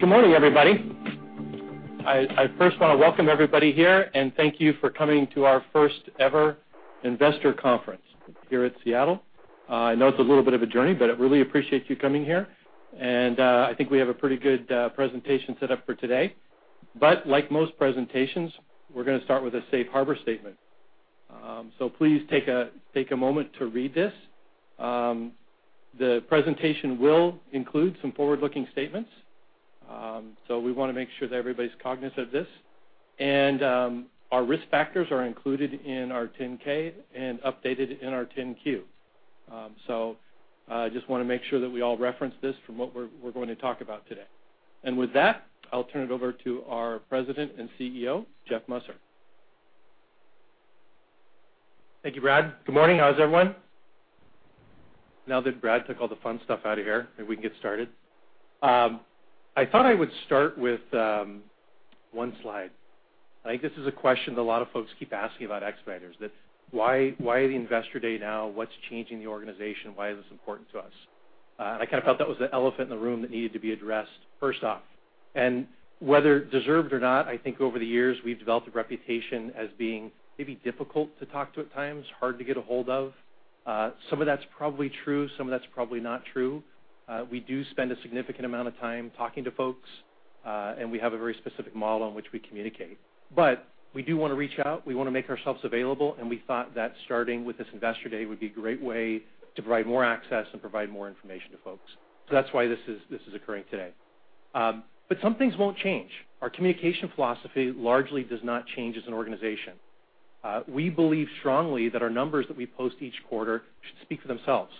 Good morning, everybody. I first want to welcome everybody here and thank you for coming to our first-ever investor conference here at Seattle. I know it's a little bit of a journey, but I really appreciate you coming here. And I think we have a pretty good presentation set up for today. But like most presentations, we're going to start with a safe harbor statement. So please take a moment to read this. The presentation will include some forward-looking statements, so we want to make sure that everybody's cognizant of this. And our risk factors are included in our 10-K and updated in our 10-Q. So I just want to make sure that we all reference this from what we're going to talk about today. And with that, I'll turn it over to our President and CEO, Jeff Musser. Thank you, Brad. Good morning. How's everyone? Now that Brad took all the fun stuff out of here, maybe we can get started. I thought I would start with one slide. I think this is a question that a lot of folks keep asking about Expeditors, that why the Investor Day now, what's changing the organization, why is this important to us. And I kind of felt that was the elephant in the room that needed to be addressed, first off. And whether deserved or not, I think over the years we've developed a reputation as being maybe difficult to talk to at times, hard to get a hold of. Some of that's probably true. Some of that's probably not true. We do spend a significant amount of time talking to folks, and we have a very specific model in which we communicate. But we do want to reach out. We want to make ourselves available. We thought that starting with this Investor Day would be a great way to provide more access and provide more information to folks. So that's why this is occurring today. But some things won't change. Our communication philosophy largely does not change as an organization. We believe strongly that our numbers that we post each quarter should speak for themselves.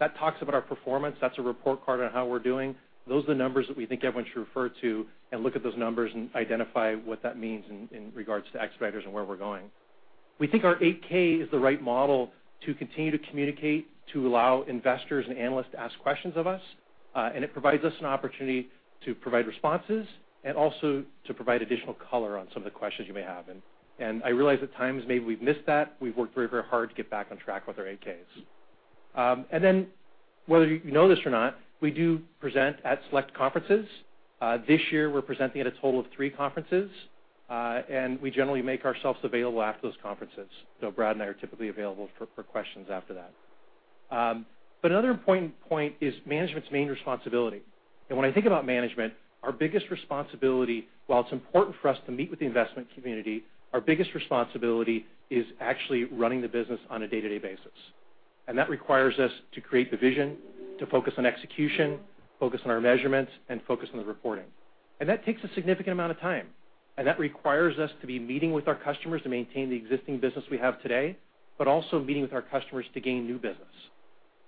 That talks about our performance. That's a report card on how we're doing. Those are the numbers that we think everyone should refer to and look at those numbers and identify what that means in regards to Expeditors and where we're going. We think our 8-K is the right model to continue to communicate, to allow investors and analysts to ask questions of us. And it provides us an opportunity to provide responses and also to provide additional color on some of the questions you may have. I realize at times maybe we've missed that. We've worked very, very hard to get back on track with our 8-Ks. And then whether you know this or not, we do present at select conferences. This year we're presenting at a total of three conferences. We generally make ourselves available after those conferences. So Brad and I are typically available for questions after that. But another important point is management's main responsibility. When I think about management, our biggest responsibility, while it's important for us to meet with the investment community, our biggest responsibility is actually running the business on a day-to-day basis. That requires us to create the vision, to focus on execution, focus on our measurements, and focus on the reporting. That takes a significant amount of time. That requires us to be meeting with our customers to maintain the existing business we have today, but also meeting with our customers to gain new business.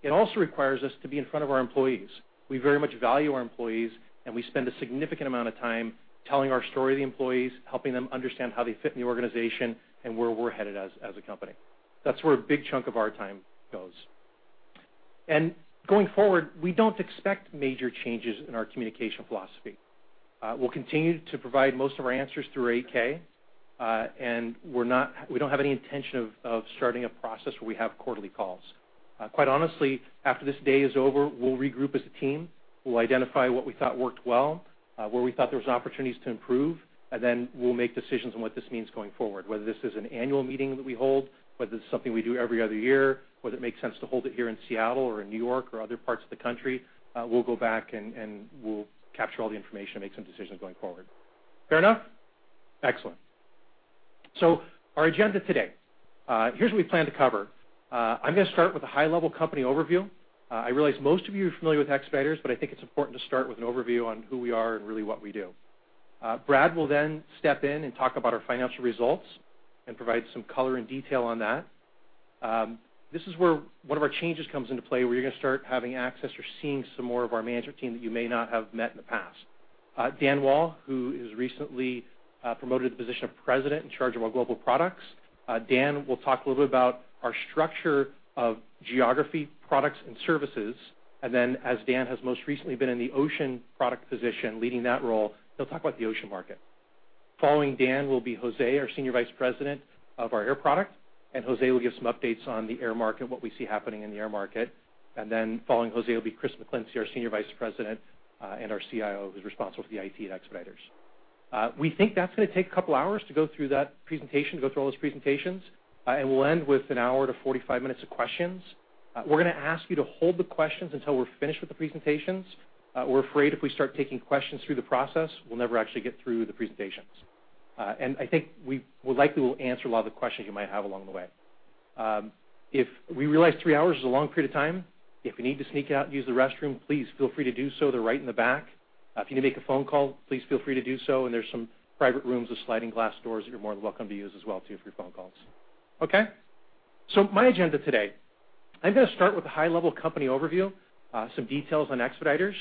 It also requires us to be in front of our employees. We very much value our employees, and we spend a significant amount of time telling our story to the employees, helping them understand how they fit in the organization and where we're headed as a company. That's where a big chunk of our time goes. And going forward, we don't expect major changes in our communication philosophy. We'll continue to provide most of our answers through 8-K, and we don't have any intention of starting a process where we have quarterly calls. Quite honestly, after this day is over, we'll regroup as a team. We'll identify what we thought worked well, where we thought there was opportunities to improve, and then we'll make decisions on what this means going forward, whether this is an annual meeting that we hold, whether it's something we do every other year, whether it makes sense to hold it here in Seattle or in New York or other parts of the country. We'll go back and we'll capture all the information and make some decisions going forward. Fair enough? Excellent. So our agenda today, here's what we plan to cover. I'm going to start with a high-level company overview. I realize most of you are familiar with Expeditors, but I think it's important to start with an overview on who we are and really what we do. Brad will then step in and talk about our financial results and provide some color and detail on that. This is where one of our changes comes into play, where you're going to start having access or seeing some more of our management team that you may not have met in the past. Dan Wall, who has recently promoted to the position of President in charge of our global products. Dan will talk a little bit about our structure of geography products and services. And then as Dan has most recently been in the ocean product position, leading that role, he'll talk about the ocean market. Following Dan will be Jose, our Senior Vice President of our air product. And Jose will give some updates on the air market, what we see happening in the air market. And then following Jose will be Chris McClincy, our Senior Vice President and our CIO, who's responsible for the IT at Expeditors. We think that's going to take a couple of hours to go through that presentation, to go through all those presentations. And we'll end with 1 hour to 45 minutes of questions. We're going to ask you to hold the questions until we're finished with the presentations. We're afraid if we start taking questions through the process, we'll never actually get through the presentations. And I think we likely will answer a lot of the questions you might have along the way. If we realize three hours is a long period of time, if you need to sneak out and use the restroom, please feel free to do so. They're right in the back. If you need to make a phone call, please feel free to do so. There's some private rooms with sliding glass doors that you're more than welcome to use as well too for your phone calls. Okay? So my agenda today, I'm going to start with a high-level company overview, some details on Expeditors.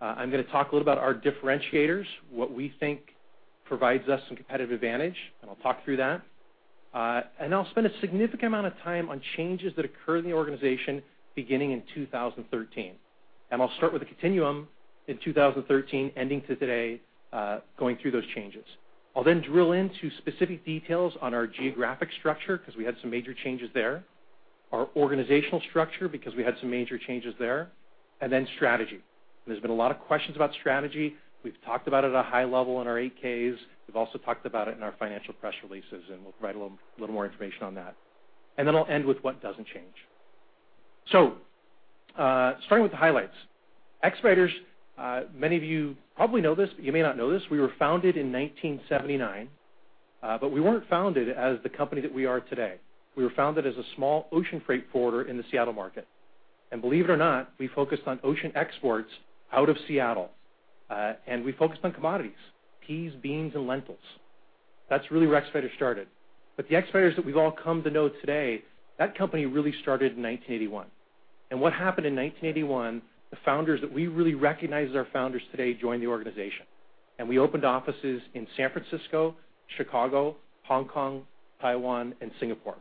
I'm going to talk a little about our differentiators, what we think provides us some competitive advantage. And I'll talk through that. And I'll spend a significant amount of time on changes that occurred in the organization beginning in 2013. And I'll start with a continuum in 2013 ending to today, going through those changes. I'll then drill into specific details on our geographic structure because we had some major changes there, our organizational structure because we had some major changes there, and then strategy. And there's been a lot of questions about strategy. We've talked about it at a high level in our 8-Ks. We've also talked about it in our financial press releases, and we'll provide a little more information on that. And then I'll end with what doesn't change. So starting with the highlights, Expeditors, many of you probably know this, but you may not know this, we were founded in 1979. But we weren't founded as the company that we are today. We were founded as a small ocean freight forwarder in the Seattle market. And believe it or not, we focused on ocean exports out of Seattle. And we focused on commodities, peas, beans, and lentils. That's really where Expeditors started. But the Expeditors that we've all come to know today, that company really started in 1981. And what happened in 1981, the founders that we really recognize as our founders today joined the organization. And we opened offices in San Francisco, Chicago, Hong Kong, Taiwan, and Singapore.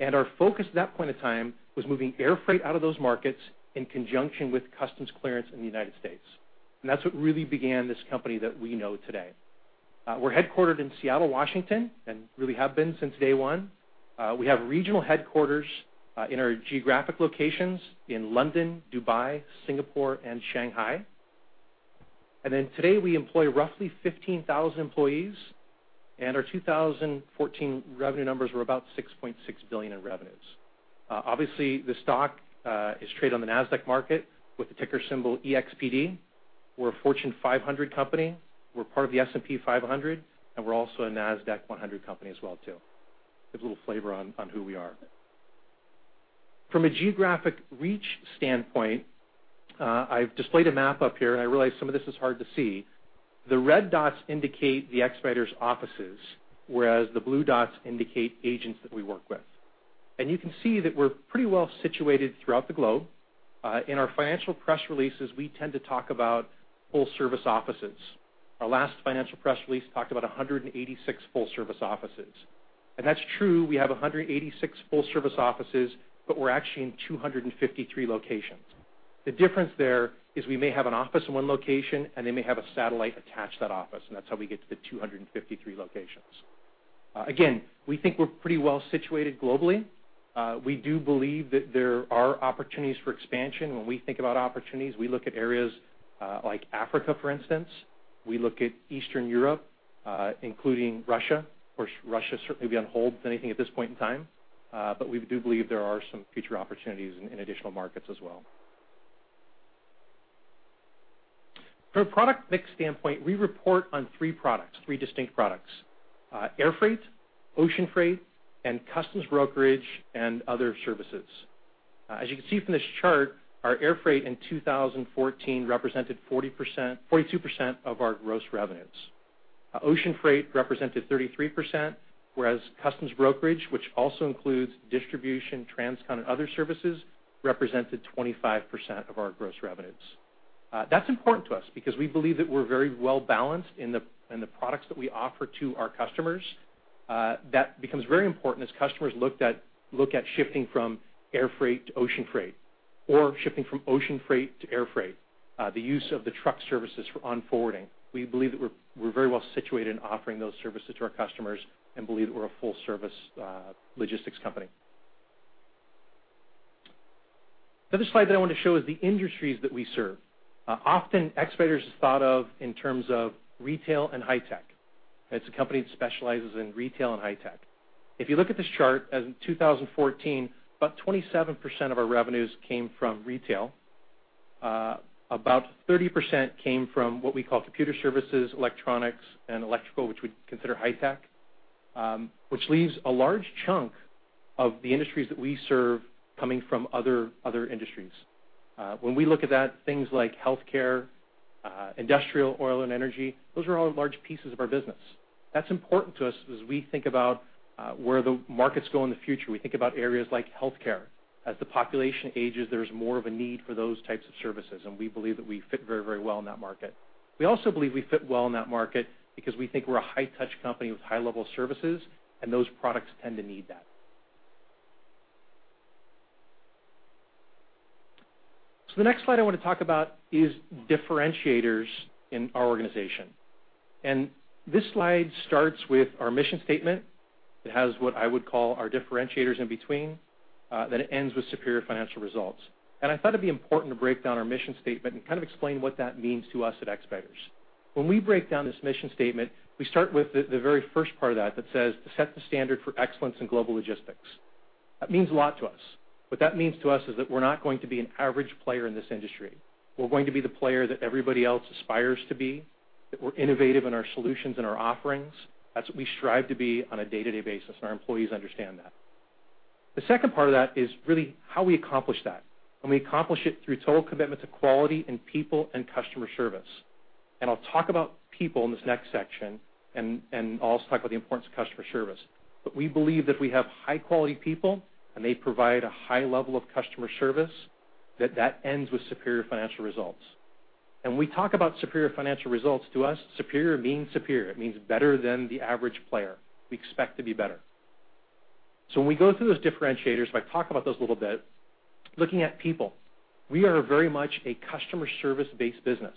Our focus at that point in time was moving air freight out of those markets in conjunction with customs clearance in the United States. That's what really began this company that we know today. We're headquartered in Seattle, Washington, and really have been since day one. We have regional headquarters in our geographic locations in London, Dubai, Singapore, and Shanghai. Then today we employ roughly 15,000 employees. Our 2014 revenue numbers were about $6.6 billion in revenues. Obviously, the stock is traded on the NASDAQ market with the ticker symbol EXPD. We're a Fortune 500 company. We're part of the S&P 500, and we're also a NASDAQ 100 company as well too. Gives a little flavor on who we are. From a geographic reach standpoint, I've displayed a map up here, and I realize some of this is hard to see. The red dots indicate the Expeditors offices, whereas the blue dots indicate agents that we work with. You can see that we're pretty well situated throughout the globe. In our financial press releases, we tend to talk about full-service offices. Our last financial press release talked about 186 full-service offices. That's true. We have 186 full-service offices, but we're actually in 253 locations. The difference there is we may have an office in one location, and they may have a satellite attached to that office. That's how we get to the 253 locations. Again, we think we're pretty well situated globally. We do believe that there are opportunities for expansion. When we think about opportunities, we look at areas like Africa, for instance. We look at Eastern Europe, including Russia. Of course, Russia certainly would be on hold if anything at this point in time. But we do believe there are some future opportunities in additional markets as well. From a product mix standpoint, we report on three products, three distinct products: Air Freight, Ocean Freight, and Customs Brokerage and other services. As you can see from this chart, our Air Freight in 2014 represented 42% of our gross revenues. Ocean Freight represented 33%, whereas Customs Brokerage, which also includes distribution, Transcon, and other services, represented 25% of our gross revenues. That's important to us because we believe that we're very well balanced in the products that we offer to our customers. That becomes very important as customers look at shifting from Air Freight to Ocean Freight or shifting from Ocean Freight to Air Freight, the use of the truck services on forwarding. We believe that we're very well situated in offering those services to our customers and believe that we're a full-service logistics company. The other slide that I wanted to show is the industries that we serve. Often, Expeditors is thought of in terms of retail and high-tech. It's a company that specializes in retail and high-tech. If you look at this chart, as in 2014, about 27% of our revenues came from retail. About 30% came from what we call computer services, electronics, and electrical, which we consider high-tech, which leaves a large chunk of the industries that we serve coming from other industries. When we look at that, things like healthcare, industrial, oil, and energy, those are all large pieces of our business. That's important to us as we think about where the markets go in the future. We think about areas like healthcare. As the population ages, there's more of a need for those types of services. And we believe that we fit very, very well in that market. We also believe we fit well in that market because we think we're a high-touch company with high-level services, and those products tend to need that. So the next slide I want to talk about is differentiators in our organization. And this slide starts with our mission statement. It has what I would call our differentiators in between. Then it ends with superior financial results. And I thought it'd be important to break down our mission statement and kind of explain what that means to us at Expeditors. When we break down this mission statement, we start with the very first part of that that says, "To set the standard for excellence in global logistics." That means a lot to us. What that means to us is that we're not going to be an average player in this industry. We're going to be the player that everybody else aspires to be, that we're innovative in our solutions and our offerings. That's what we strive to be on a day-to-day basis, and our employees understand that. The second part of that is really how we accomplish that. And we accomplish it through total commitment to quality and people and customer service. And I'll talk about people in this next section, and I'll also talk about the importance of customer service. But we believe that if we have high-quality people and they provide a high level of customer service, that that ends with superior financial results. And we talk about superior financial results to us. Superior means superior. It means better than the average player. We expect to be better. So when we go through those differentiators, if I talk about those a little bit, looking at people, we are very much a customer service-based business.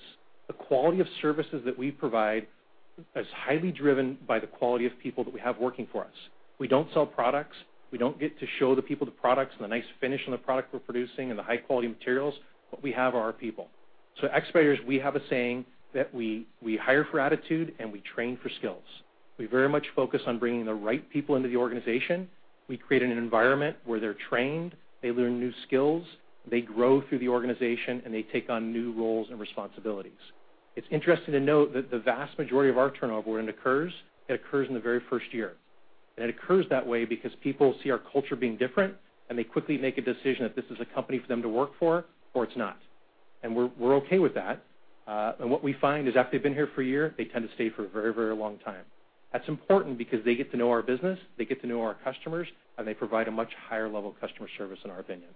The quality of services that we provide is highly driven by the quality of people that we have working for us. We don't sell products. We don't get to show the people the products and the nice finish on the product we're producing and the high-quality materials. What we have are our people. So at Expeditors, we have a saying that we hire for attitude, and we train for skills. We very much focus on bringing the right people into the organization. We create an environment where they're trained, they learn new skills, they grow through the organization, and they take on new roles and responsibilities. It's interesting to note that the vast majority of our turnover, when it occurs, it occurs in the very first year. And it occurs that way because people see our culture being different, and they quickly make a decision that this is a company for them to work for or it's not. And we're okay with that. And what we find is after they've been here for a year, they tend to stay for a very, very long time. That's important because they get to know our business, they get to know our customers, and they provide a much higher level of customer service, in our opinion.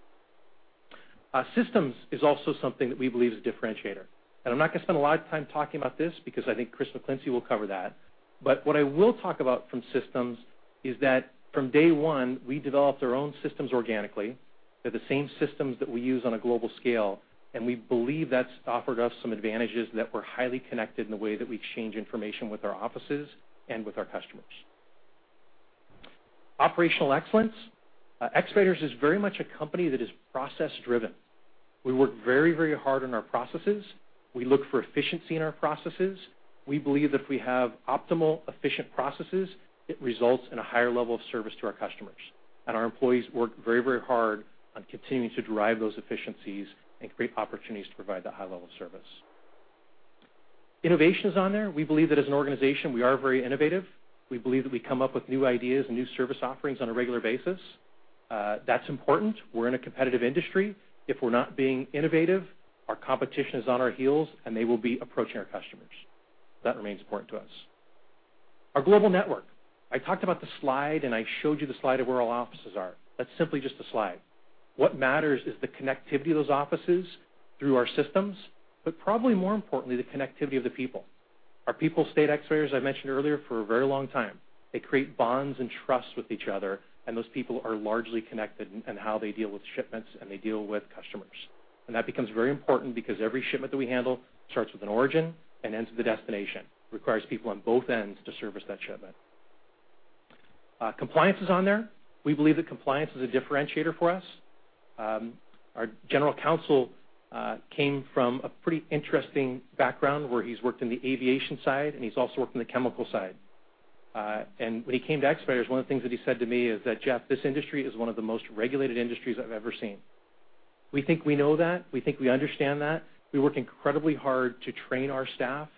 Systems is also something that we believe is a differentiator. And I'm not going to spend a lot of time talking about this because I think Chris McClincy will cover that. But what I will talk about from systems is that from day one, we developed our own systems organically. They're the same systems that we use on a global scale. And we believe that's offered us some advantages that we're highly connected in the way that we exchange information with our offices and with our customers. Operational excellence. Expeditors is very much a company that is process-driven. We work very, very hard on our processes. We look for efficiency in our processes. We believe that if we have optimal, efficient processes, it results in a higher level of service to our customers. And our employees work very, very hard on continuing to drive those efficiencies and create opportunities to provide that high level of service. Innovation is on there. We believe that as an organization, we are very innovative. We believe that we come up with new ideas and new service offerings on a regular basis. That's important. We're in a competitive industry. If we're not being innovative, our competition is on our heels, and they will be approaching our customers. That remains important to us. Our global network, I talked about the slide, and I showed you the slide of where all offices are. That's simply just a slide. What matters is the connectivity of those offices through our systems, but probably more importantly, the connectivity of the people. Our people stay at Expeditors, as I mentioned earlier, for a very long time. They create bonds and trust with each other, and those people are largely connected in how they deal with shipments and they deal with customers. That becomes very important because every shipment that we handle starts with an origin and ends at the destination, requires people on both ends to service that shipment. Compliance is on there. We believe that compliance is a differentiator for us. Our general counsel came from a pretty interesting background where he's worked in the aviation side, and he's also worked in the chemical side. When he came to Expeditors, one of the things that he said to me is that, "Jeff, this industry is one of the most regulated industries I've ever seen." We think we know that. We think we understand that. We work incredibly hard to train our staff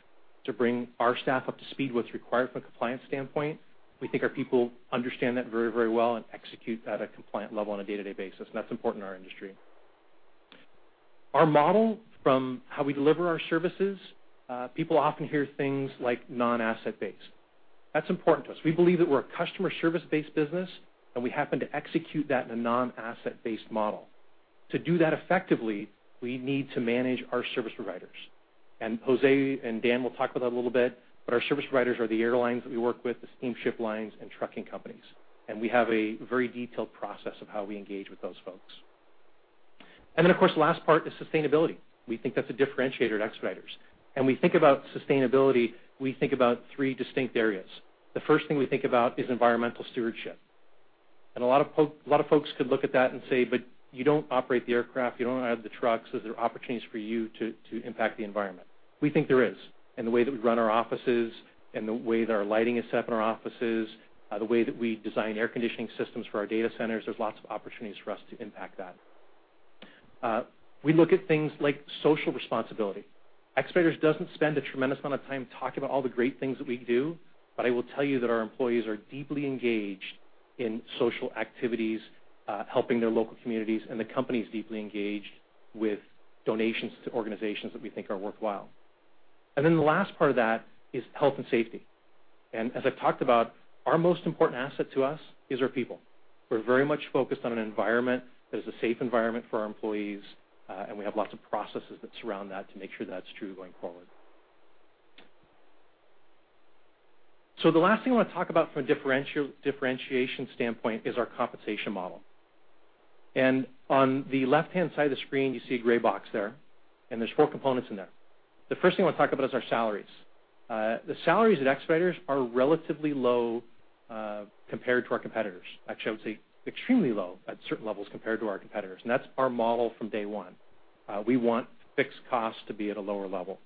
to bring our staff up to speed with requirements from a compliance standpoint. We think our people understand that very, very well and execute that at a compliant level on a day-to-day basis. That's important in our industry. Our model from how we deliver our services, people often hear things like non-asset-based. That's important to us. We believe that we're a customer service-based business, and we happen to execute that in a non-asset-based model. To do that effectively, we need to manage our service providers. Jose and Dan will talk about that a little bit. Our service providers are the airlines that we work with, the steamship lines, and trucking companies. We have a very detailed process of how we engage with those folks. Then, of course, the last part is sustainability. We think that's a differentiator at Expeditors. When we think about sustainability, we think about three distinct areas. The first thing we think about is environmental stewardship. A lot of folks could look at that and say, "But you don't operate the aircraft. You don't have the trucks. Is there opportunities for you to impact the environment?" We think there is. The way that we run our offices and the way that our lighting is set up in our offices, the way that we design air conditioning systems for our data centers, there's lots of opportunities for us to impact that. We look at things like social responsibility. Expeditors doesn't spend a tremendous amount of time talking about all the great things that we do. But I will tell you that our employees are deeply engaged in social activities, helping their local communities. The company is deeply engaged with donations to organizations that we think are worthwhile. Then the last part of that is health and safety. As I've talked about, our most important asset to us is our people. We're very much focused on an environment that is a safe environment for our employees, and we have lots of processes that surround that to make sure that's true going forward. The last thing I want to talk about from a differentiation standpoint is our compensation model. On the left-hand side of the screen, you see a gray box there. There's four components in there. The first thing I want to talk about is our salaries. The salaries at Expeditors are relatively low compared to our competitors. Actually, I would say extremely low at certain levels compared to our competitors. That's our model from day one. We want fixed costs to be at a lower level.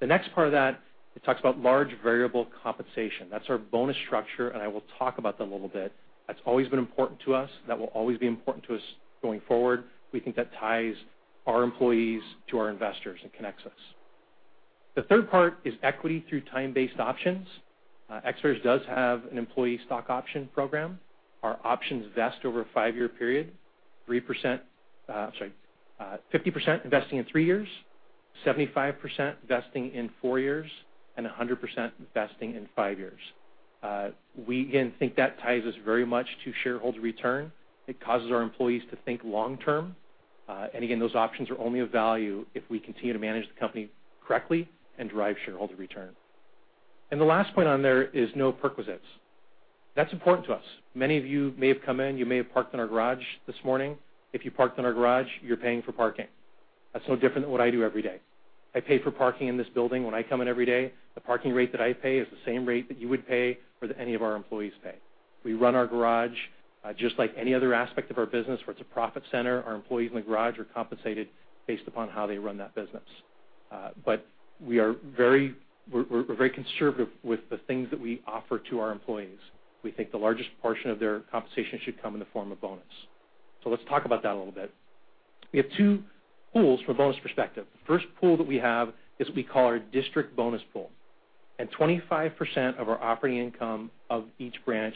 The next part of that, it talks about large variable compensation. That's our bonus structure, and I will talk about that a little bit. That's always been important to us. That will always be important to us going forward. We think that ties our employees to our investors and connects us. The third part is equity through time-based options. Expeditors does have an employee stock option program. Our options vest over a five-year period: 50% vesting in three years, 75% vesting in four years, and 100% vesting in five years. We, again, think that ties us very much to shareholder return. It causes our employees to think long-term. And again, those options are only of value if we continue to manage the company correctly and drive shareholder return. And the last point on there is no perquisites. That's important to us. Many of you may have come in. You may have parked in our garage this morning. If you parked in our garage, you're paying for parking. That's no different than what I do every day. I pay for parking in this building. When I come in every day, the parking rate that I pay is the same rate that you would pay or that any of our employees pay. We run our garage just like any other aspect of our business where it's a profit center. Our employees in the garage are compensated based upon how they run that business. But we're very conservative with the things that we offer to our employees. We think the largest portion of their compensation should come in the form of bonus. So let's talk about that a little bit. We have two pools from a bonus perspective. The first pool that we have is what we call our district bonus pool. 25% of our operating income of each branch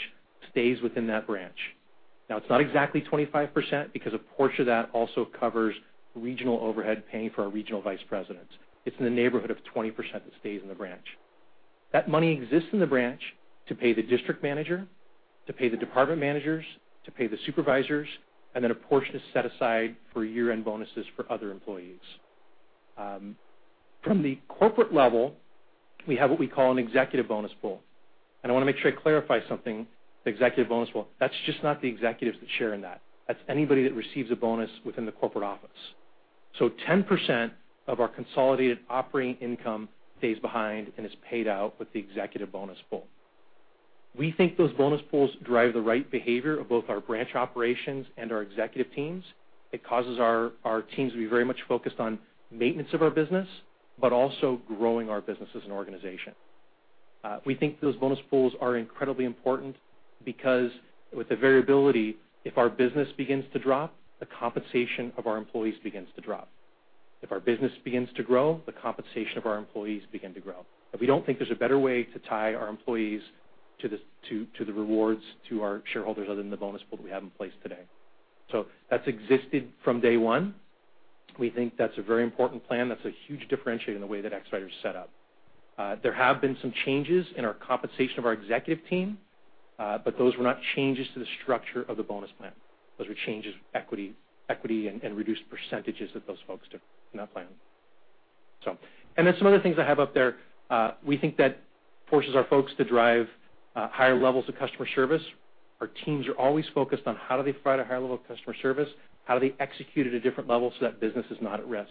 stays within that branch. Now, it's not exactly 25% because a portion of that also covers regional overhead paying for our regional vice president. It's in the neighborhood of 20% that stays in the branch. That money exists in the branch to pay the district manager, to pay the department managers, to pay the supervisors, and then a portion is set aside for year-end bonuses for other employees. From the corporate level, we have what we call an executive bonus pool. And I want to make sure I clarify something. The executive bonus pool, that's just not the executives that share in that. That's anybody that receives a bonus within the corporate office. So 10% of our consolidated operating income stays behind and is paid out with the executive bonus pool. We think those bonus pools drive the right behavior of both our branch operations and our executive teams. It causes our teams to be very much focused on maintenance of our business but also growing our business as an organization. We think those bonus pools are incredibly important because with the variability, if our business begins to drop, the compensation of our employees begins to drop. If our business begins to grow, the compensation of our employees begins to grow. We don't think there's a better way to tie our employees to the rewards to our shareholders other than the bonus pool that we have in place today. That's existed from day one. We think that's a very important plan. That's a huge differentiator in the way that Expeditors is set up. There have been some changes in our compensation of our executive team, but those were not changes to the structure of the bonus plan. Those were changes to equity and reduced percentages that those folks took in that plan. And then some other things I have up there. We think that forces our folks to drive higher levels of customer service. Our teams are always focused on how do they provide a higher level of customer service, how do they execute at a different level so that business is not at risk.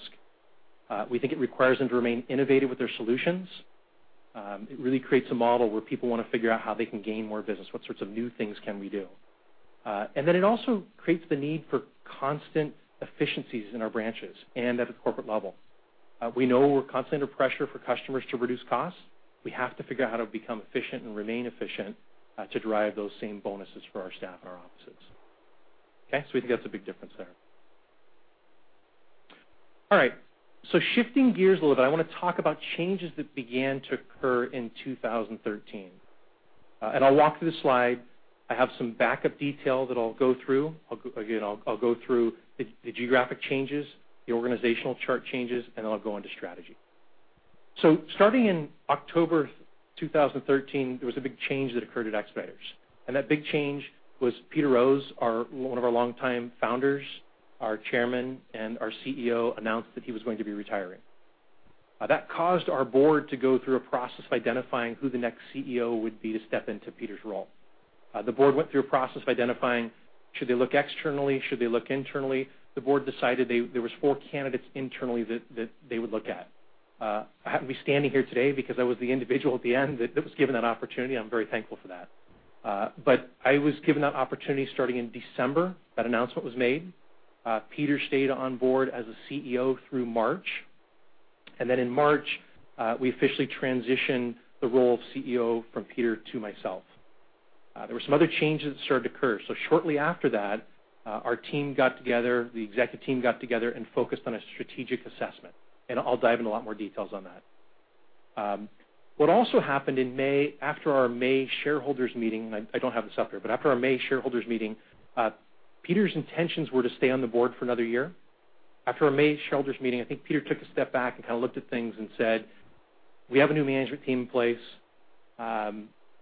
We think it requires them to remain innovative with their solutions. It really creates a model where people want to figure out how they can gain more business. What sorts of new things can we do? And then it also creates the need for constant efficiencies in our branches and at the corporate level. We know we're constantly under pressure for customers to reduce costs. We have to figure out how to become efficient and remain efficient to drive those same bonuses for our staff and our offices. So we think that's a big difference there. All right. So shifting gears a little bit, I want to talk about changes that began to occur in 2013. I'll walk through the slide. I have some backup detail that I'll go through. Again, I'll go through the geographic changes, the organizational chart changes, and then I'll go into strategy. So starting in October 2013, there was a big change that occurred at Expeditors. That big change was Peter Rose, one of our longtime founders, our Chairman and our CEO, announced that he was going to be retiring. That caused our board to go through a process of identifying who the next CEO would be to step into Peter's role. The board went through a process of identifying, should they look externally, should they look internally? The board decided there were four candidates internally that they would look at. I happen to be standing here today because I was the individual at the end that was given that opportunity. I'm very thankful for that. But I was given that opportunity starting in December. That announcement was made. Peter stayed on board as a CEO through March. Then in March, we officially transitioned the role of CEO from Peter to myself. There were some other changes that started to occur. Shortly after that, our team got together, the executive team got together, and focused on a strategic assessment. I'll dive into a lot more details on that. What also happened in May, after our May shareholders' meeting and I don't have this up here. After our May shareholders' meeting, Peter's intentions were to stay on the board for another year. After our May shareholders' meeting, I think Peter took a step back and kind of looked at things and said, "We have a new management team in place.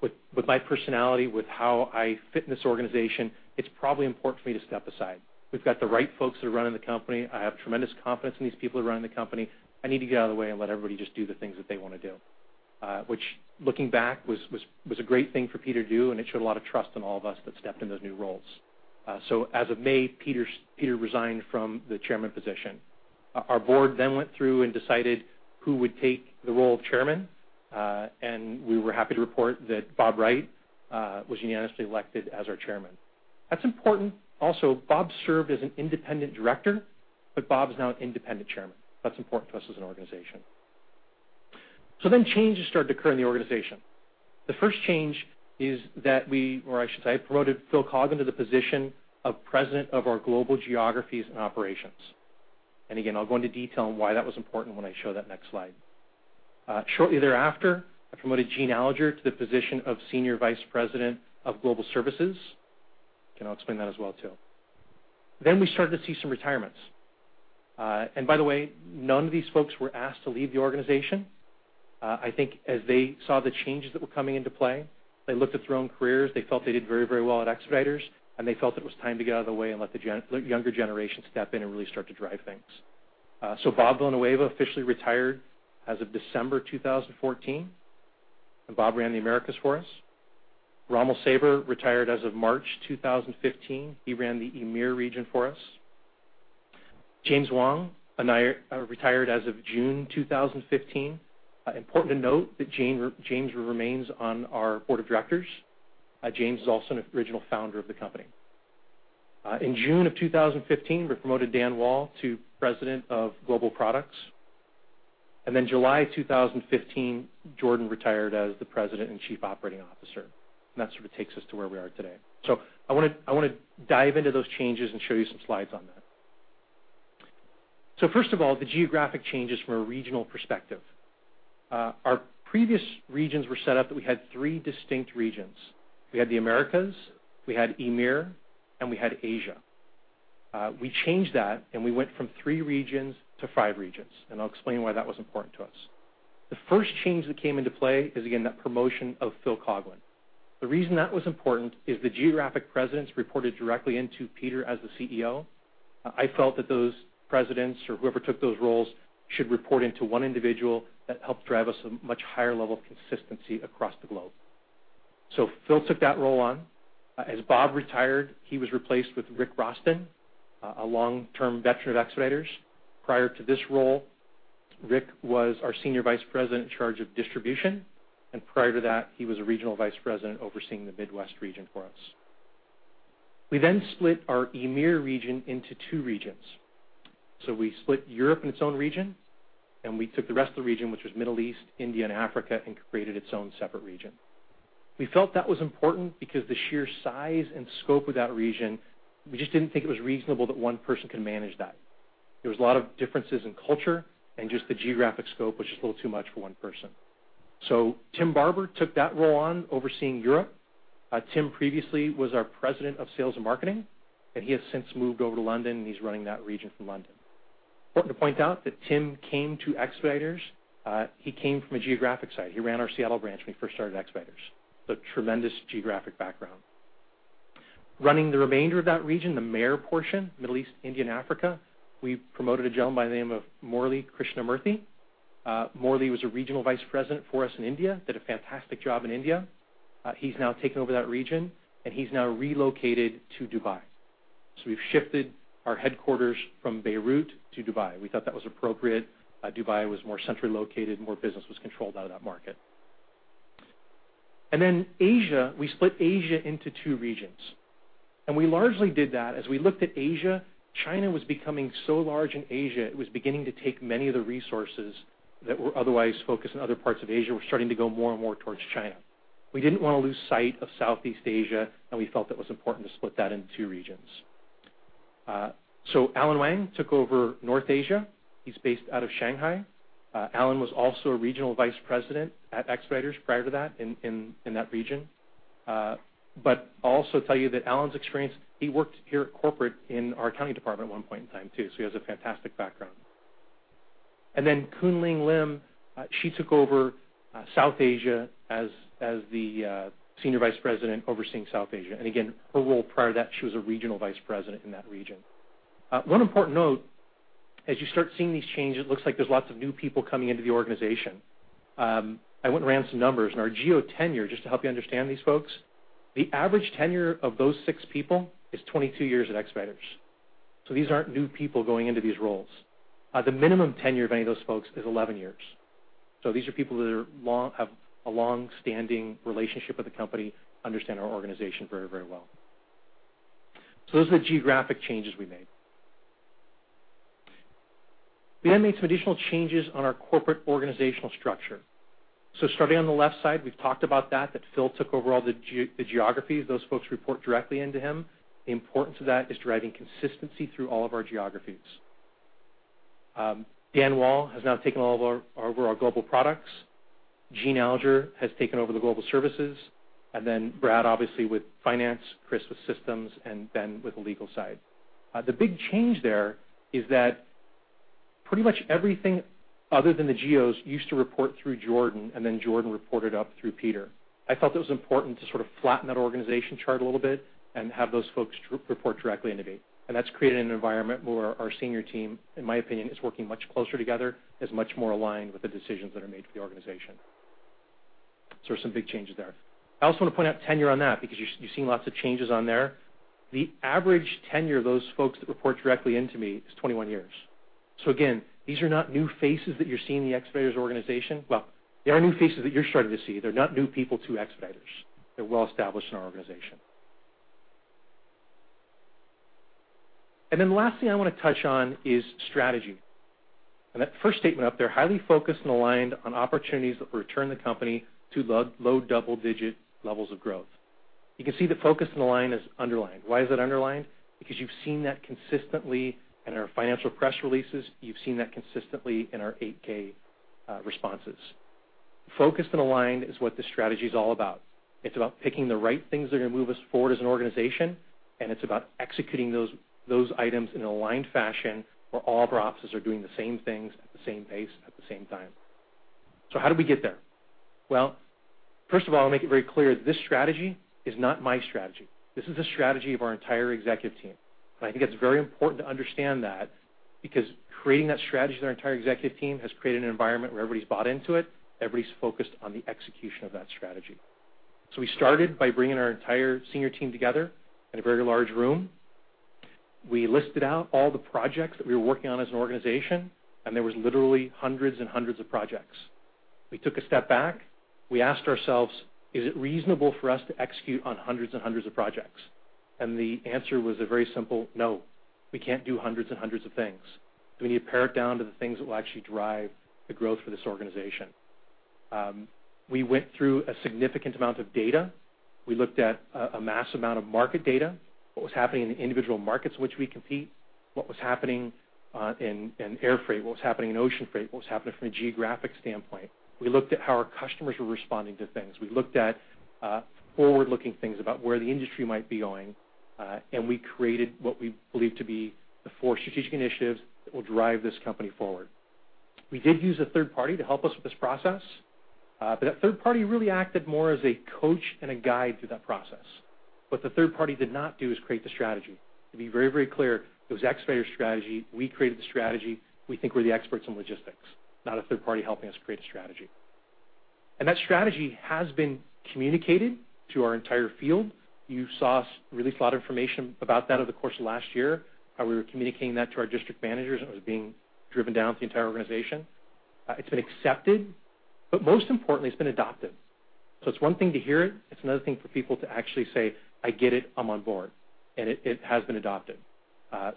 With my personality, with how I fit in this organization, it's probably important for me to step aside. We've got the right folks that are running the company. I have tremendous confidence in these people that are running the company. I need to get out of the way and let everybody just do the things that they want to do," which, looking back, was a great thing for Peter to do, and it showed a lot of trust in all of us that stepped in those new roles. As of May, Peter resigned from the Chairman position. Our board then went through and decided who would take the role of chairman. And we were happy to report that Bob Wright was unanimously elected as our chairman. That's important. Also, Bob served as an independent director, but Bob's now an independent chairman. That's important to us as an organization. So then changes started to occur in the organization. The first change is that we or I should say, I promoted Phil Coughlin to the position of President of our Global Geographies and Operations. And again, I'll go into detail on why that was important when I show that next slide. Shortly thereafter, I promoted Gene Alger to the position of Senior Vice President of Global Services. Again, I'll explain that as well too. Then we started to see some retirements. And by the way, none of these folks were asked to leave the organization. I think as they saw the changes that were coming into play, they looked at their own careers. They felt they did very, very well at Expeditors, and they felt that it was time to get out of the way and let the younger generation step in and really start to drive things. Bob Villanueva officially retired as of December 2014. Bob ran the Americas for us. Rommel Saber retired as of March 2015. He ran the Near/Middle East region for us. James Wang retired as of June 2015. Important to note that James remains on our board of directors. James is also an original founder of the company. In June of 2015, we promoted Dan Wall to President of Global Products. In July 2015, Jordan retired as the President and Chief Operating Officer. That sort of takes us to where we are today. I want to dive into those changes and show you some slides on that. First of all, the geographic changes from a regional perspective. Our previous regions were set up that we had three distinct regions. We had the Americas, we had EMEA, and we had Asia. We changed that, and we went from three regions to five regions. I'll explain why that was important to us. The first change that came into play is, again, that promotion of Phil Coughlin. The reason that was important is the geographic presidents reported directly into Peter as the CEO. I felt that those presidents or whoever took those roles should report into one individual that helped drive us a much higher level of consistency across the globe. Phil took that role on. As Bob retired, he was replaced with Rick Rostan, a long-term veteran of Expeditors. Prior to this role, Rick was our senior vice president in charge of distribution. Prior to that, he was a regional vice president overseeing the Midwest region for us. We then split our EMEA region into two regions. We split Europe in its own region, and we took the rest of the region, which was Middle East, India, and Africa, and created its own separate region. We felt that was important because the sheer size and scope of that region, we just didn't think it was reasonable that one person could manage that. There was a lot of differences in culture, and just the geographic scope was just a little too much for one person. Tim Barber took that role on overseeing Europe. Tim previously was our president of sales and marketing, and he has since moved over to London, and he's running that region from London. Important to point out that Tim came to Expeditors. He came from a geographic side. He ran our Seattle branch when he first started Expeditors. So tremendous geographic background. Running the remainder of that region, the major portion, Middle East, India, and Africa, we promoted a gentleman by the name of Murlidhar Krishnamurthy. Murlidhar was a regional vice president for us in India. He did a fantastic job in India. He's now taken over that region, and he's now relocated to Dubai. So we've shifted our headquarters from Beirut to Dubai. We thought that was appropriate. Dubai was more centrally located. More business was controlled out of that market. And then Asia. We split Asia into two regions. And we largely did that as we looked at Asia. China was becoming so large in Asia, it was beginning to take many of the resources that were otherwise focused in other parts of Asia. We're starting to go more and more towards China. We didn't want to lose sight of Southeast Asia, and we felt that was important to split that into two regions. So Allen Wang took over North Asia. He's based out of Shanghai. Allen was also a Regional Vice President at Expeditors prior to that in that region. But I'll also tell you that Allen's experience, he worked here at corporate in our accounting department at one point in time too. So he has a fantastic background. And then Khoon Ling Lim, she took over South Asia as the Senior Vice President overseeing South Asia. And again, her role prior to that, she was a Regional Vice President in that region. One important note, as you start seeing these changes, it looks like there's lots of new people coming into the organization. I went and ran some numbers. Our Geo-tenure, just to help you understand these folks, the average tenure of those six people is 22 years at Expeditors. These aren't new people going into these roles. The minimum tenure of any of those folks is 11 years. These are people that have a longstanding relationship with the company, understand our organization very, very well. Those are the geographic changes we made. We then made some additional changes on our corporate organizational structure. Starting on the left side, we've talked about that, that Phil took over all the geographies. Those folks report directly into him. The importance of that is driving consistency through all of our geographies. Dan Wall has now taken over our global products. Gene Alger has taken over the global services. And then Brad, obviously, with finance. Chris with systems. And Ben with the legal side. The big change there is that pretty much everything other than the Geos used to report through Jordan, and then Jordan reported up through Peter. I felt it was important to sort of flatten that organization chart a little bit and have those folks report directly into me. And that's created an environment where our senior team, in my opinion, is working much closer together. It's much more aligned with the decisions that are made for the organization. So there's some big changes there. I also want to point out tenure on that because you've seen lots of changes on there. The average tenure of those folks that report directly into me is 21 years. So again, these are not new faces that you're seeing in the Expeditors organization. Well, they are new faces that you're starting to see. They're not new people to Expeditors. They're well established in our organization. And then the last thing I want to touch on is strategy. And that first statement up there, highly focused and aligned on opportunities that will return the company to low, double-digit levels of growth. You can see that focused and aligned is underlined. Why is that underlined? Because you've seen that consistently in our financial press releases. You've seen that consistently in our 8-K responses. Focused and aligned is what this strategy is all about. It's about picking the right things that are going to move us forward as an organization, and it's about executing those items in an aligned fashion where all of our offices are doing the same things at the same pace, at the same time. So how did we get there? Well, first of all, I'll make it very clear. This strategy is not my strategy. This is a strategy of our entire executive team. And I think it's very important to understand that because creating that strategy to our entire executive team has created an environment where everybody's bought into it. Everybody's focused on the execution of that strategy. So we started by bringing our entire senior team together in a very large room. We listed out all the projects that we were working on as an organization, and there were literally hundreds and hundreds of projects. We took a step back. We asked ourselves, "Is it reasonable for us to execute on hundreds and hundreds of projects?" And the answer was a very simple, "No. We can't do hundreds and hundreds of things. We need to pare it down to the things that will actually drive the growth for this organization." We went through a significant amount of data. We looked at a mass amount of market data, what was happening in the individual markets in which we compete, what was happening in air freight, what was happening in ocean freight, what was happening from a geographic standpoint. We looked at how our customers were responding to things. We looked at forward-looking things about where the industry might be going, and we created what we believe to be the four strategic initiatives that will drive this company forward. We did use a third party to help us with this process, but that third party really acted more as a coach and a guide through that process. What the third party did not do is create the strategy. To be very, very clear, it was Expeditors' strategy. We created the strategy. We think we're the experts in logistics, not a third party helping us create a strategy. And that strategy has been communicated to our entire field. You saw released a lot of information about that over the course of last year, how we were communicating that to our district managers, and it was being driven down to the entire organization. It's been accepted. But most importantly, it's been adopted. So it's one thing to hear it. It's another thing for people to actually say, "I get it. I'm on board." And it has been adopted.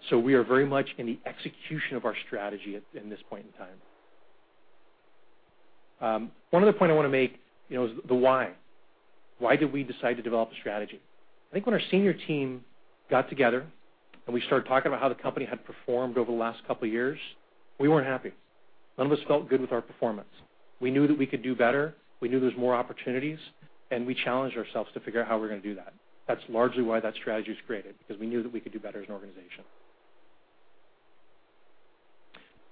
So we are very much in the execution of our strategy at this point in time. One other point I want to make is the why. Why did we decide to develop a strategy? I think when our senior team got together and we started talking about how the company had performed over the last couple of years, we weren't happy. None of us felt good with our performance. We knew that we could do better. We knew there were more opportunities, and we challenged ourselves to figure out how we were going to do that. That's largely why that strategy was created, because we knew that we could do better as an organization.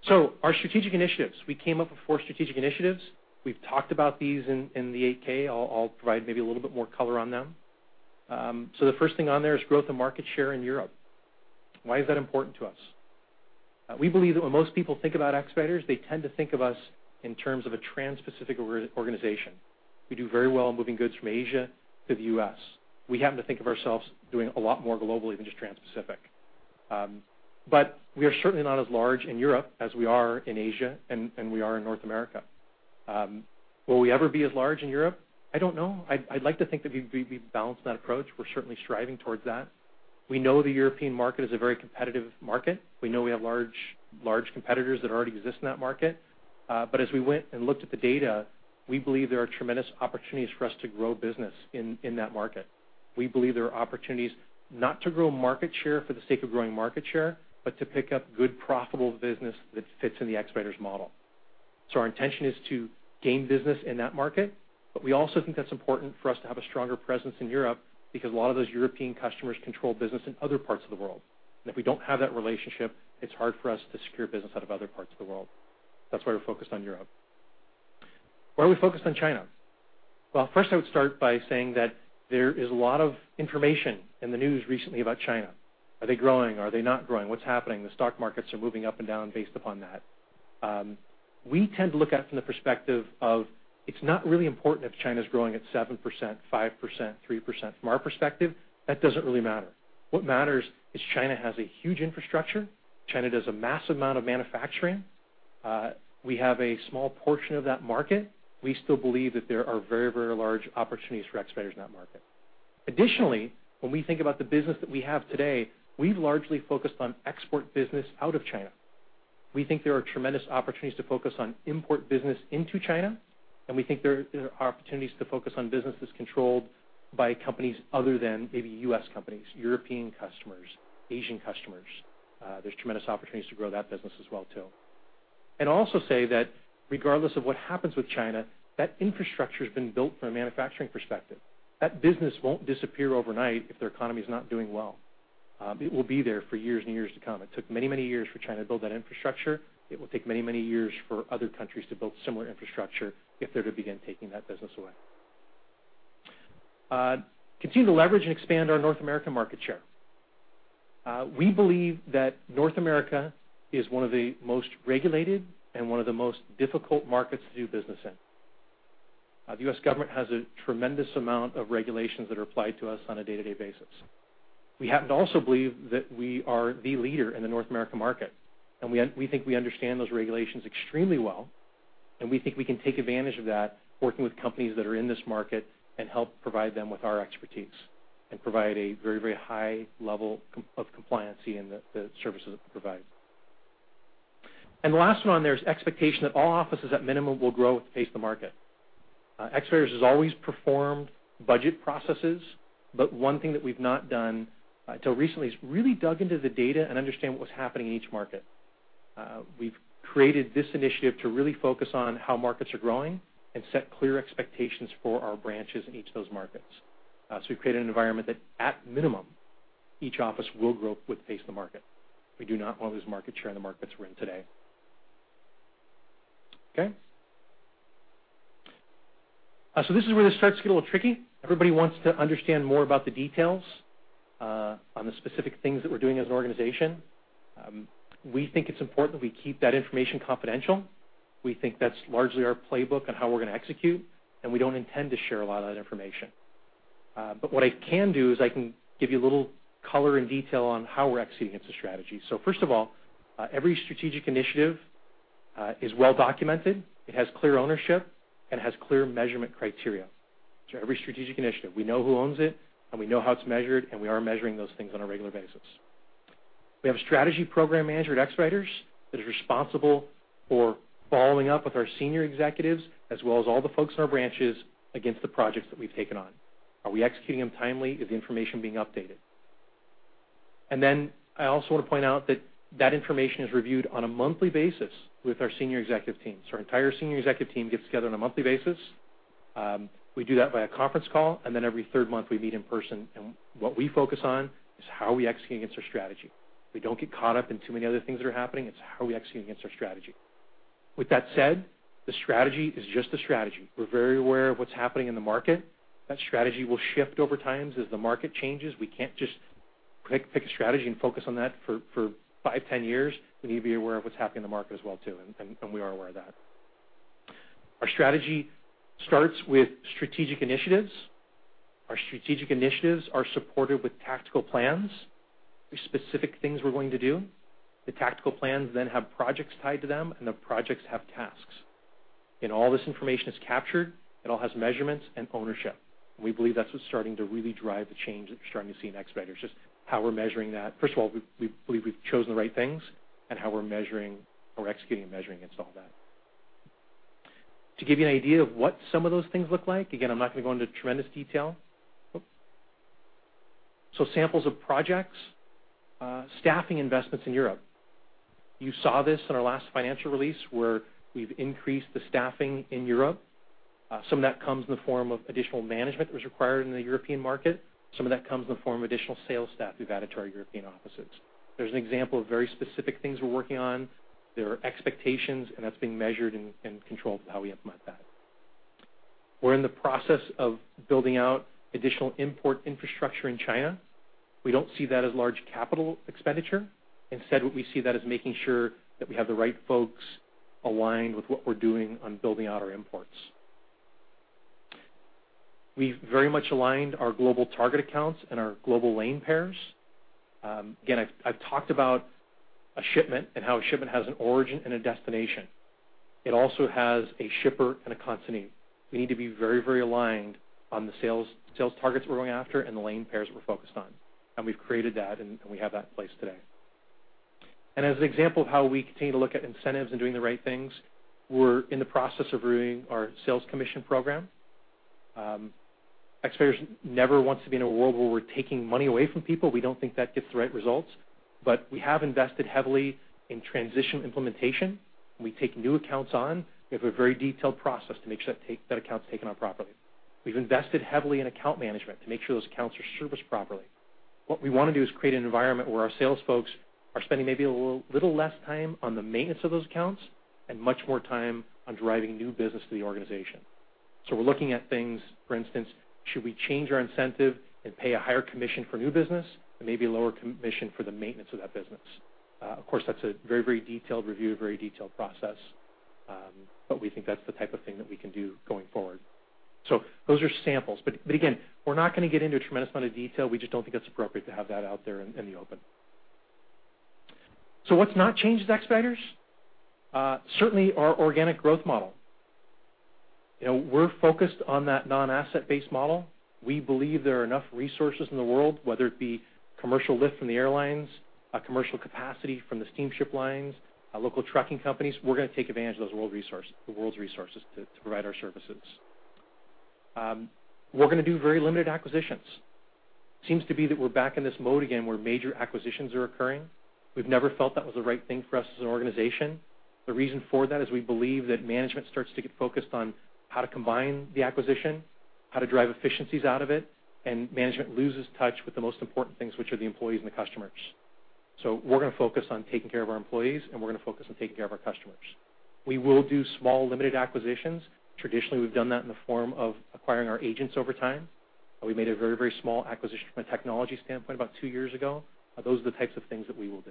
So our strategic initiatives. We came up with four strategic initiatives. We've talked about these in the 8-K. I'll provide maybe a little bit more color on them. So the first thing on there is growth and market share in Europe. Why is that important to us? We believe that when most people think about Expeditors, they tend to think of us in terms of a trans-Pacific organization. We do very well moving goods from Asia to the U.S. We happen to think of ourselves doing a lot more globally than just trans-Pacific. But we are certainly not as large in Europe as we are in Asia, and we are in North America. Will we ever be as large in Europe? I don't know. I'd like to think that we balance that approach. We're certainly striving towards that. We know the European market is a very competitive market. We know we have large competitors that already exist in that market. But as we went and looked at the data, we believe there are tremendous opportunities for us to grow business in that market. We believe there are opportunities not to grow market share for the sake of growing market share, but to pick up good, profitable business that fits in the Expeditors' model. So our intention is to gain business in that market, but we also think that's important for us to have a stronger presence in Europe because a lot of those European customers control business in other parts of the world. And if we don't have that relationship, it's hard for us to secure business out of other parts of the world. That's why we're focused on Europe. Why are we focused on China? Well, first, I would start by saying that there is a lot of information in the news recently about China. Are they growing? Are they not growing? What's happening? The stock markets are moving up and down based upon that. We tend to look at it from the perspective of, "It's not really important if China's growing at 7%, 5%, 3%." From our perspective, that doesn't really matter. What matters is China has a huge infrastructure. China does a massive amount of manufacturing. We have a small portion of that market. We still believe that there are very, very large opportunities for Expeditors in that market. Additionally, when we think about the business that we have today, we've largely focused on export business out of China. We think there are tremendous opportunities to focus on import business into China, and we think there are opportunities to focus on business that's controlled by companies other than maybe U.S. companies, European customers, Asian customers. There's tremendous opportunities to grow that business as well too. I'll also say that regardless of what happens with China, that infrastructure has been built from a manufacturing perspective. That business won't disappear overnight if their economy is not doing well. It will be there for years and years to come. It took many, many years for China to build that infrastructure. It will take many, many years for other countries to build similar infrastructure if they're to begin taking that business away. Continue to leverage and expand our North American market share. We believe that North America is one of the most regulated and one of the most difficult markets to do business in. The U.S. government has a tremendous amount of regulations that are applied to us on a day-to-day basis. We happen to also believe that we are the leader in the North American market, and we think we understand those regulations extremely well. And we think we can take advantage of that working with companies that are in this market and help provide them with our expertise and provide a very, very high level of compliancy in the services that we provide. And the last one on there is expectation that all offices, at minimum, will grow at the pace of the market. Expeditors has always performed budget processes, but one thing that we've not done until recently is really dug into the data and understand what was happening in each market. We've created this initiative to really focus on how markets are growing and set clear expectations for our branches in each of those markets. So we've created an environment that, at minimum, each office will grow with the pace of the market. We do not want to lose market share in the markets we're in today. Okay? This is where this starts to get a little tricky. Everybody wants to understand more about the details on the specific things that we're doing as an organization. We think it's important that we keep that information confidential. We think that's largely our playbook on how we're going to execute, and we don't intend to share a lot of that information. But what I can do is I can give you a little color and detail on how we're executing it as a strategy. First of all, every strategic initiative is well-documented. It has clear ownership and has clear measurement criteria. Every strategic initiative, we know who owns it, and we know how it's measured, and we are measuring those things on a regular basis. We have a strategy program manager at Expeditors that is responsible for following up with our senior executives as well as all the folks in our branches against the projects that we've taken on. Are we executing them timely? Is the information being updated? And then I also want to point out that that information is reviewed on a monthly basis with our senior executive team. So our entire senior executive team gets together on a monthly basis. We do that via conference call, and then every third month, we meet in person. And what we focus on is how we execute against our strategy. We don't get caught up in too many other things that are happening. It's how we execute against our strategy. With that said, the strategy is just a strategy. We're very aware of what's happening in the market. That strategy will shift over time as the market changes. We can't just pick a strategy and focus on that for five, 10 years. We need to be aware of what's happening in the market as well too, and we are aware of that. Our strategy starts with strategic initiatives. Our strategic initiatives are supported with tactical plans, specific things we're going to do. The tactical plans then have projects tied to them, and the projects have tasks. All this information is captured. It all has measurements and ownership. We believe that's what's starting to really drive the change that you're starting to see in Expeditors, just how we're measuring that. First of all, we believe we've chosen the right things and how we're executing and measuring against all that. To give you an idea of what some of those things look like, again, I'm not going to go into tremendous detail. So samples of projects, staffing investments in Europe. You saw this in our last financial release where we've increased the staffing in Europe. Some of that comes in the form of additional management that was required in the European market. Some of that comes in the form of additional sales staff we've added to our European offices. There's an example of very specific things we're working on. There are expectations, and that's being measured and controlled with how we implement that. We're in the process of building out additional import infrastructure in China. We don't see that as large capital expenditure. Instead, what we see that is making sure that we have the right folks aligned with what we're doing on building out our imports. We've very much aligned our global target accounts and our global lane pairs. Again, I've talked about a shipment and how a shipment has an origin and a destination. It also has a shipper and a consignee. We need to be very, very aligned on the sales targets we're going after and the lane pairs that we're focused on. And we've created that, and we have that in place today. And as an example of how we continue to look at incentives and doing the right things, we're in the process of reviewing our sales commission program. Expeditors never wants to be in a world where we're taking money away from people. We don't think that gets the right results. But we have invested heavily in transition implementation. We take new accounts on. We have a very detailed process to make sure that account's taken on properly. We've invested heavily in account management to make sure those accounts are serviced properly. What we want to do is create an environment where our sales folks are spending maybe a little less time on the maintenance of those accounts and much more time on driving new business to the organization. So we're looking at things, for instance, should we change our incentive and pay a higher commission for new business and maybe a lower commission for the maintenance of that business? Of course, that's a very, very detailed review, a very detailed process, but we think that's the type of thing that we can do going forward. So those are samples. But again, we're not going to get into a tremendous amount of detail. We just don't think that's appropriate to have that out there in the open. So what's not changed at Expeditors? Certainly, our organic growth model. We're focused on that non-asset-based model. We believe there are enough resources in the world, whether it be commercial lift from the airlines, commercial capacity from the steamship lines, local trucking companies. We're going to take advantage of those world resources to provide our services. We're going to do very limited acquisitions. Seems to be that we're back in this mode again where major acquisitions are occurring. We've never felt that was the right thing for us as an organization. The reason for that is we believe that management starts to get focused on how to combine the acquisition, how to drive efficiencies out of it, and management loses touch with the most important things, which are the employees and the customers. So we're going to focus on taking care of our employees, and we're going to focus on taking care of our customers. We will do small, limited acquisitions. Traditionally, we've done that in the form of acquiring our agents over time. We made a very, very small acquisition from a technology standpoint about two years ago. Those are the types of things that we will do.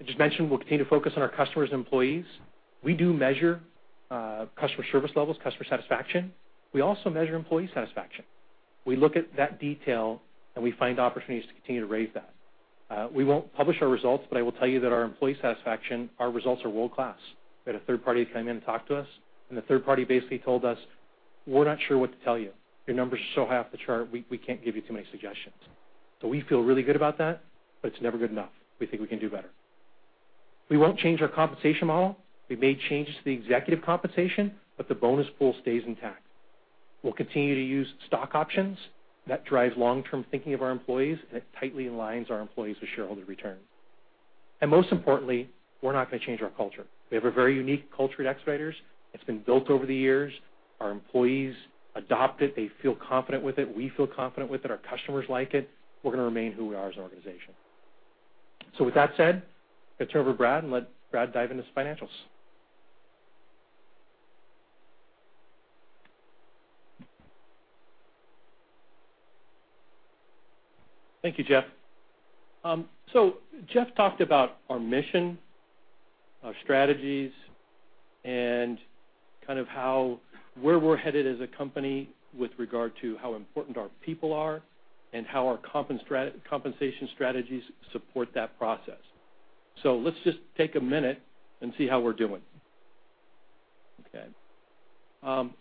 I just mentioned we'll continue to focus on our customers and employees. We do measure customer service levels, customer satisfaction. We also measure employee satisfaction. We look at that detail, and we find opportunities to continue to raise that. We won't publish our results, but I will tell you that our employee satisfaction, our results are world-class. We had a third party come in and talk to us, and the third party basically told us, "We're not sure what to tell you. Your numbers are so high off the chart, we can't give you too many suggestions." So we feel really good about that, but it's never good enough. We think we can do better. We won't change our compensation model. We made changes to the executive compensation, but the bonus pool stays intact. We'll continue to use stock options. That drives long-term thinking of our employees, and it tightly aligns our employees with shareholder return. And most importantly, we're not going to change our culture. We have a very unique culture at Expeditors. It's been built over the years. Our employees adopt it. They feel confident with it. We feel confident with it. Our customers like it. We're going to remain who we are as an organization. So with that said, I'm going to turn over to Brad and let Brad dive into his financials. Thank you, Jeff. So, Jeff talked about our mission, our strategies, and kind of where we're headed as a company with regard to how important our people are and how our compensation strategies support that process. So let's just take a minute and see how we're doing. Okay?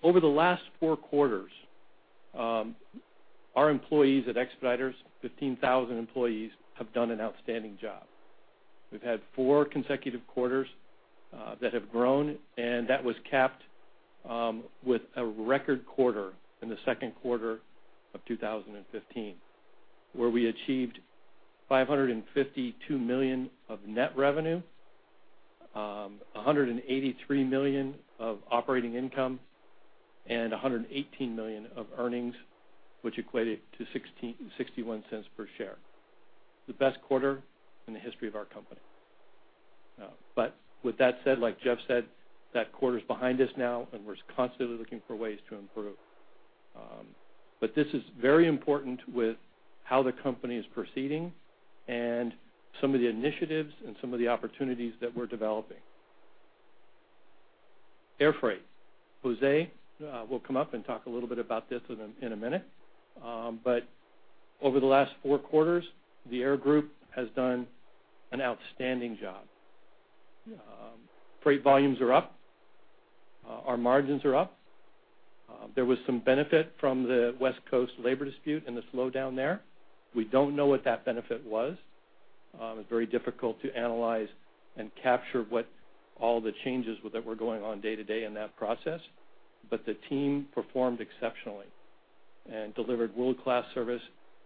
Over the last four quarters, our employees at Expeditors, 15,000 employees, have done an outstanding job. We've had four consecutive quarters that have grown, and that was capped with a record quarter in the second quarter of 2015 where we achieved $552 million of net revenue, $183 million of operating income, and $118 million of earnings, which equated to $0.61 per share. The best quarter in the history of our company. But with that said, like Jeff said, that quarter's behind us now, and we're constantly looking for ways to improve. But this is very important with how the company is proceeding and some of the initiatives and some of the opportunities that we're developing. Air freight. Jose will come up and talk a little bit about this in a minute. But over the last four quarters, the air group has done an outstanding job. Freight volumes are up. Our margins are up. There was some benefit from the West Coast labor dispute and the slowdown there. We don't know what that benefit was. It's very difficult to analyze and capture all the changes that were going on day to day in that process. But the team performed exceptionally and delivered world-class service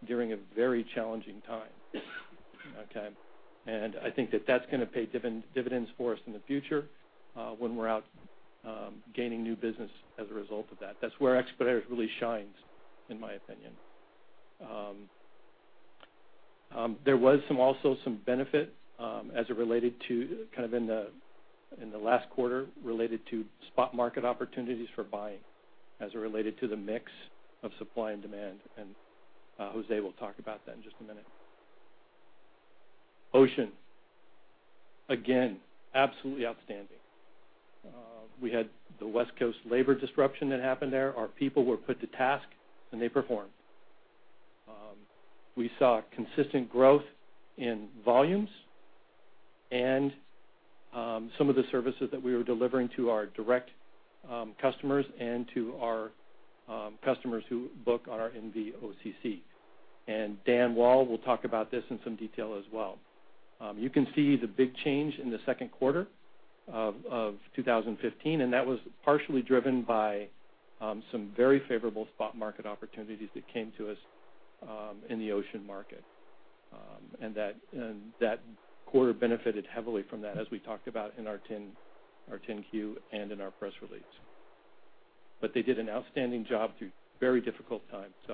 during a very challenging time. Okay? And I think that that's going to pay dividends for us in the future when we're out gaining new business as a result of that. That's where Expeditors really shines, in my opinion. There was also some benefit as it related to kind of in the last quarter related to spot market opportunities for buying as it related to the mix of supply and demand. Jose will talk about that in just a minute. Ocean. Again, absolutely outstanding. We had the West Coast labor disruption that happened there. Our people were put to task, and they performed. We saw consistent growth in volumes and some of the services that we were delivering to our direct customers and to our customers who book on our NVOCC. Dan Wall will talk about this in some detail as well. You can see the big change in the second quarter of 2015, and that was partially driven by some very favorable spot market opportunities that came to us in the ocean market. That quarter benefited heavily from that, as we talked about in our 10-Q and in our press release. But they did an outstanding job through very difficult times. So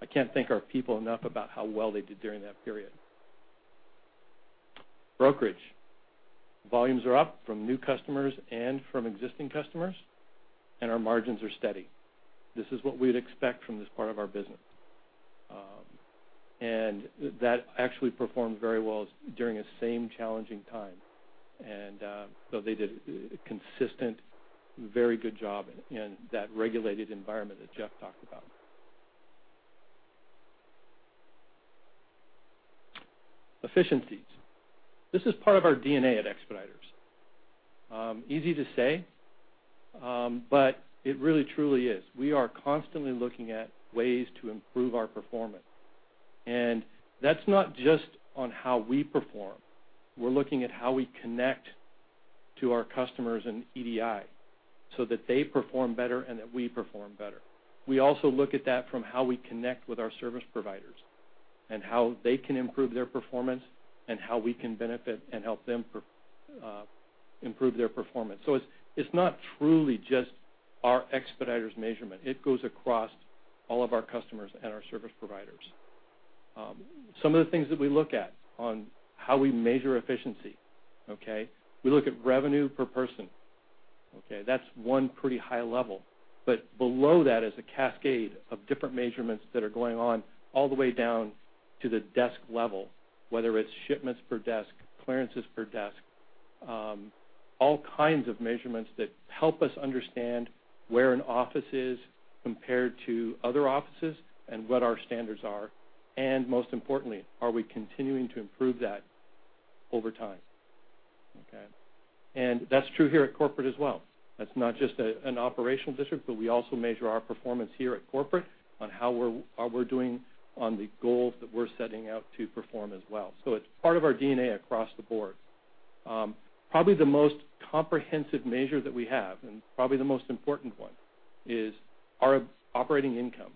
I can't thank our people enough about how well they did during that period. Brokerage. Volumes are up from new customers and from existing customers, and our margins are steady. This is what we would expect from this part of our business. And that actually performed very well during a same challenging time. And so they did a consistent, very good job in that regulated environment that Jeff talked about. Efficiencies. This is part of our DNA at Expeditors. Easy to say, but it really, truly is. We are constantly looking at ways to improve our performance. And that's not just on how we perform. We're looking at how we connect to our customers and EDI so that they perform better and that we perform better. We also look at that from how we connect with our service providers and how they can improve their performance and how we can benefit and help them improve their performance. So it's not truly just our Expeditors measurement. It goes across all of our customers and our service providers. Some of the things that we look at on how we measure efficiency, okay? We look at revenue per person. Okay? That's one pretty high level. But below that is a cascade of different measurements that are going on all the way down to the desk level, whether it's shipments per desk, clearances per desk, all kinds of measurements that help us understand where an office is compared to other offices and what our standards are. Most importantly, are we continuing to improve that over time? Okay? That's true here at corporate as well. That's not just an operational district, but we also measure our performance here at corporate on how we're doing on the goals that we're setting out to perform as well. So it's part of our DNA across the board. Probably the most comprehensive measure that we have and probably the most important one is our operating income.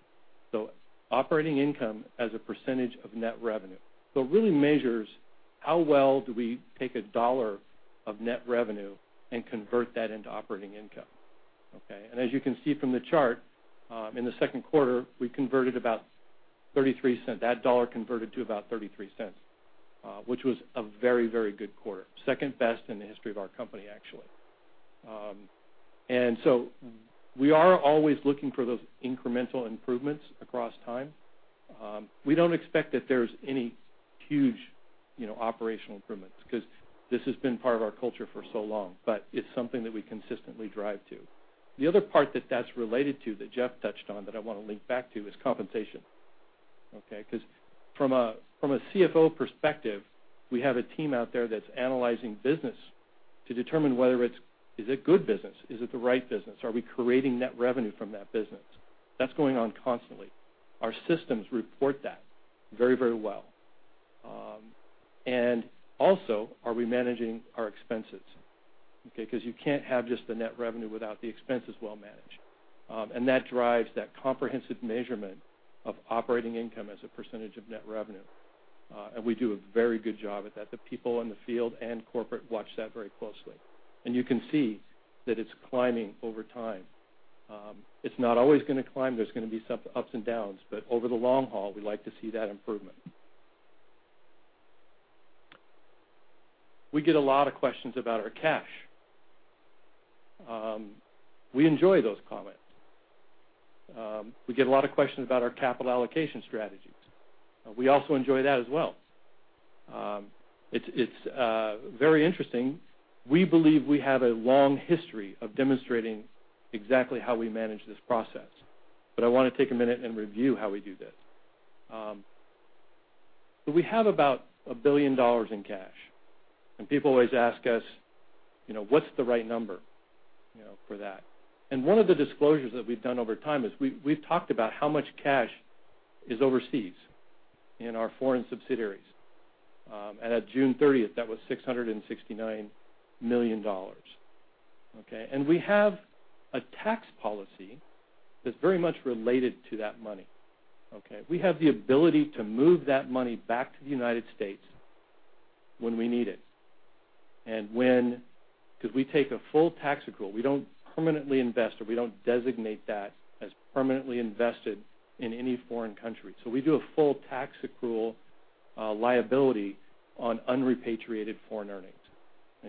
So operating income as a percentage of net revenue. So it really measures how well do we take a dollar of net revenue and convert that into operating income? Okay? And as you can see from the chart, in the second quarter, we converted about $0.33. That dollar converted to about $0.33, which was a very, very good quarter. Second best in the history of our company, actually. So we are always looking for those incremental improvements across time. We don't expect that there's any huge operational improvements because this has been part of our culture for so long, but it's something that we consistently drive to. The other part that's related to that Jeff touched on that I want to link back to is compensation. Okay? Because from a CFO perspective, we have a team out there that's analyzing business to determine whether it's good business? Is it the right business? Are we creating net revenue from that business? That's going on constantly. Our systems report that very, very well. And also, are we managing our expenses? Okay? Because you can't have just the net revenue without the expenses well managed. And that drives that comprehensive measurement of operating income as a percentage of net revenue. We do a very good job at that. The people in the field and corporate watch that very closely. You can see that it's climbing over time. It's not always going to climb. There's going to be some ups and downs. Over the long haul, we like to see that improvement. We get a lot of questions about our cash. We enjoy those comments. We get a lot of questions about our capital allocation strategies. We also enjoy that as well. It's very interesting. We believe we have a long history of demonstrating exactly how we manage this process. I want to take a minute and review how we do this. We have about $1 billion in cash. People always ask us, "What's the right number for that?" One of the disclosures that we've done over time is we've talked about how much cash is overseas in our foreign subsidiaries. At June 30th, that was $669 million. Okay? We have a tax policy that's very much related to that money. Okay? We have the ability to move that money back to the United States when we need it because we take a full tax accrual. We don't permanently invest, or we don't designate that as permanently invested in any foreign country. So we do a full tax accrual liability on unrepatriated foreign earnings.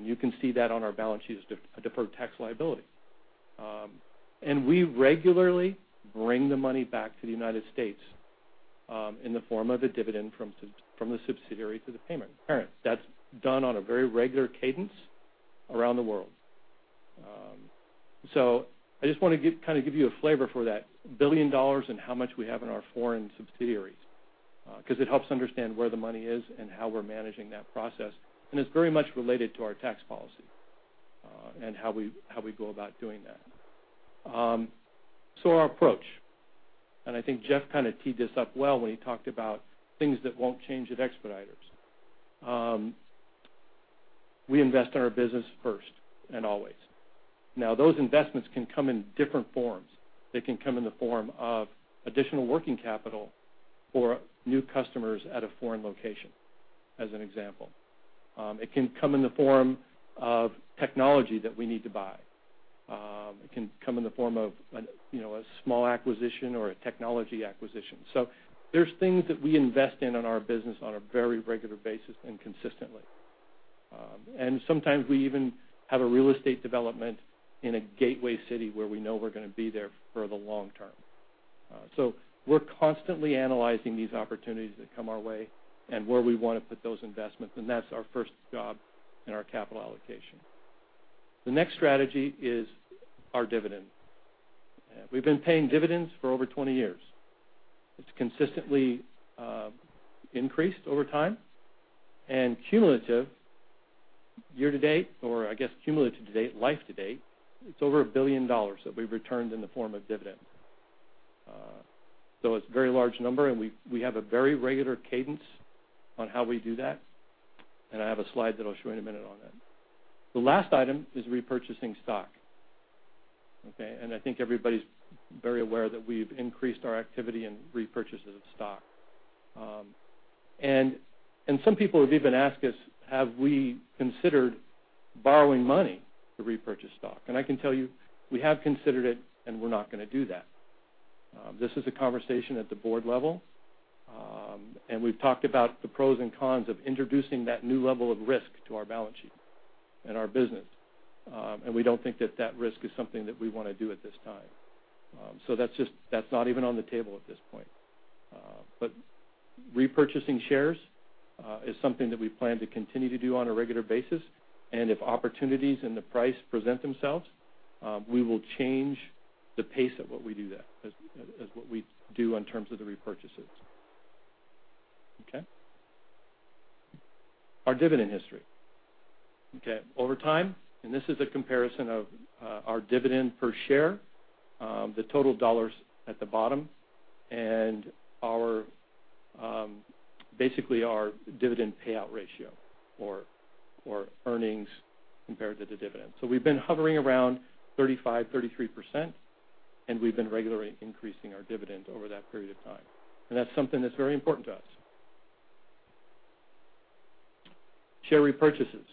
You can see that on our balance sheet as a deferred tax liability. We regularly bring the money back to the United States in the form of a dividend from the subsidiary to the parent. That's done on a very regular cadence around the world. So I just want to kind of give you a flavor for that $1 billion and how much we have in our foreign subsidiaries because it helps understand where the money is and how we're managing that process. And it's very much related to our tax policy and how we go about doing that. So our approach. And I think Jeff kind of teed this up well when he talked about things that won't change at Expeditors. We invest in our business first and always. Now, those investments can come in different forms. They can come in the form of additional working capital for new customers at a foreign location, as an example. It can come in the form of technology that we need to buy. It can come in the form of a small acquisition or a technology acquisition. So there's things that we invest in on our business on a very regular basis and consistently. And sometimes we even have a real estate development in a gateway city where we know we're going to be there for the long term. So we're constantly analyzing these opportunities that come our way and where we want to put those investments. And that's our first job in our capital allocation. The next strategy is our dividend. We've been paying dividends for over 20 years. It's consistently increased over time. And cumulative, year to date or I guess cumulative to date, life to date, it's over $1 billion that we've returned in the form of dividends. So it's a very large number, and we have a very regular cadence on how we do that. And I have a slide that I'll show you in a minute on that. The last item is repurchasing stock. Okay? And I think everybody's very aware that we've increased our activity in repurchases of stock. And some people have even asked us, "Have we considered borrowing money to repurchase stock?" And I can tell you, we have considered it, and we're not going to do that. This is a conversation at the board level. And we've talked about the pros and cons of introducing that new level of risk to our balance sheet and our business. And we don't think that that risk is something that we want to do at this time. So that's not even on the table at this point. But repurchasing shares is something that we plan to continue to do on a regular basis. If opportunities in the price present themselves, we will change the pace at what we do that as what we do in terms of the repurchases. Okay? Our dividend history. Okay? Over time and this is a comparison of our dividend per share, the total dollars at the bottom, and basically our dividend payout ratio or earnings compared to the dividend. So we've been hovering around 35%-33%, and we've been regularly increasing our dividend over that period of time. And that's something that's very important to us. Share repurchases.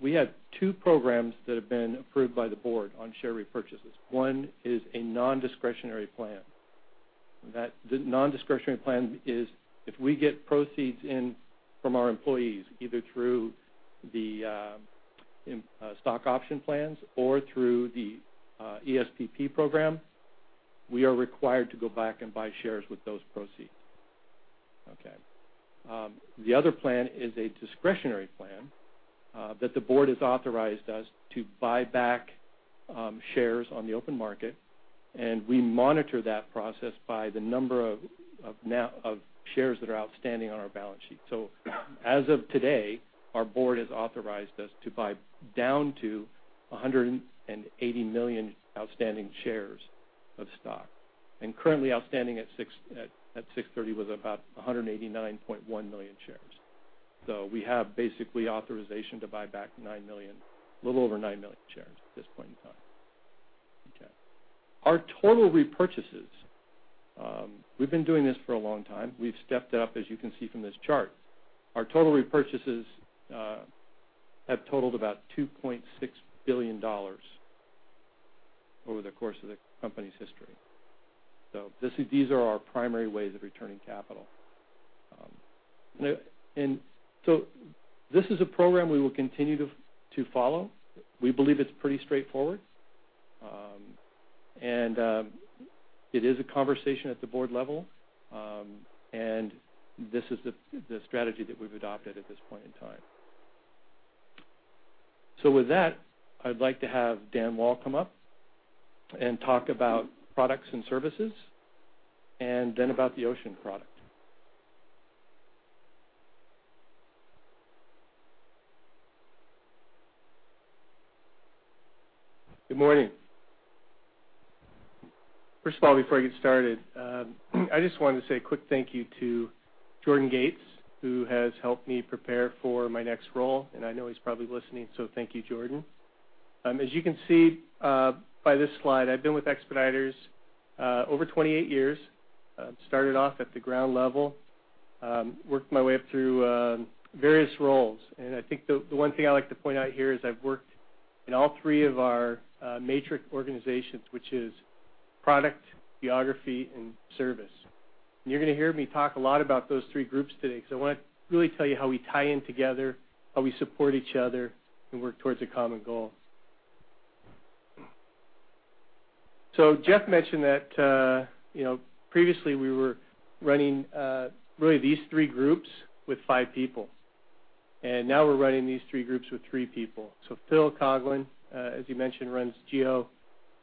We have two programs that have been approved by the board on share repurchases. One is a nondiscretionary plan. That nondiscretionary plan is if we get proceeds in from our employees, either through the stock option plans or through the ESPP program, we are required to go back and buy shares with those proceeds. Okay? The other plan is a discretionary plan that the board has authorized us to buy back shares on the open market. We monitor that process by the number of shares that are outstanding on our balance sheet. As of today, our board has authorized us to buy down to 180 million outstanding shares of stock. Currently, outstanding at 6:30 P.M. was about 189.1 million shares. We have basically authorization to buy back nine million, a little over nine million shares at this point in time. Okay? Our total repurchases. We've been doing this for a long time. We've stepped it up, as you can see from this chart. Our total repurchases have totaled about $2.6 billion over the course of the company's history. These are our primary ways of returning capital. This is a program we will continue to follow. We believe it's pretty straightforward. It is a conversation at the board level. This is the strategy that we've adopted at this point in time. With that, I'd like to have Dan Wall come up and talk about products and services and then about the ocean product. Good morning. First of all, before I get started, I just wanted to say a quick thank you to Jordan Gates, who has helped me prepare for my next role. I know he's probably listening. Thank you, Jordan. As you can see by this slide, I've been with Expeditors over 28 years. Started off at the ground level, worked my way up through various roles. I think the one thing I like to point out here is I've worked in all three of our matrix organizations, which is product, geography, and service. You're going to hear me talk a lot about those three groups today because I want to really tell you how we tie in together, how we support each other, and work towards a common goal. So, Jeff mentioned that previously, we were running really these three groups with five people. And now we're running these three groups with three people. So, Phil Coughlin, as he mentioned, runs Geo,